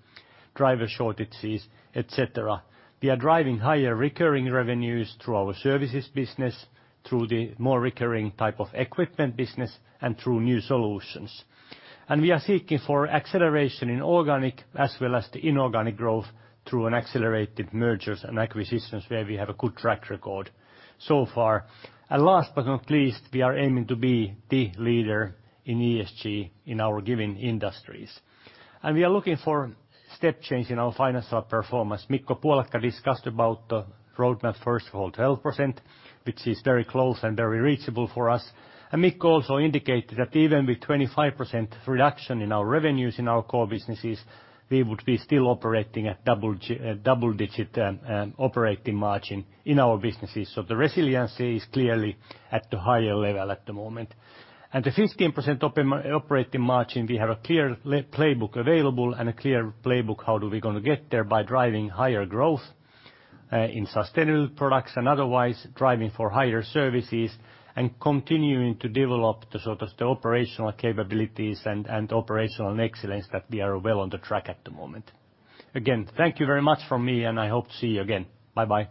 driver shortages, et cetera. We are driving higher recurring revenues through our services business, through the more recurring type of equipment business, and through new solutions. We are seeking for acceleration in organic as well as the inorganic growth through an accelerated mergers and acquisitions where we have a good track record so far. Last but not least, we are aiming to be the leader in ESG in our given industries, and we are looking for step change in our financial performance. Mikko Puolakka discussed about the roadmap, first of all, 12%, which is very close and very reachable for us. Mikko also indicated that even with 25% reduction in our revenues in our core businesses, we would be still operating at double digit operating margin in our businesses. The resiliency is clearly at the higher level at the moment. The 15% operating margin, we have a clear playbook available and a clear playbook how do we gonna get there by driving higher growth in sustainable products and otherwise driving for higher services, and continuing to develop the sort of the operational capabilities and operational excellence that we are well on the track at the moment. Again, thank you very much from me and I hope to see you again. Bye-bye.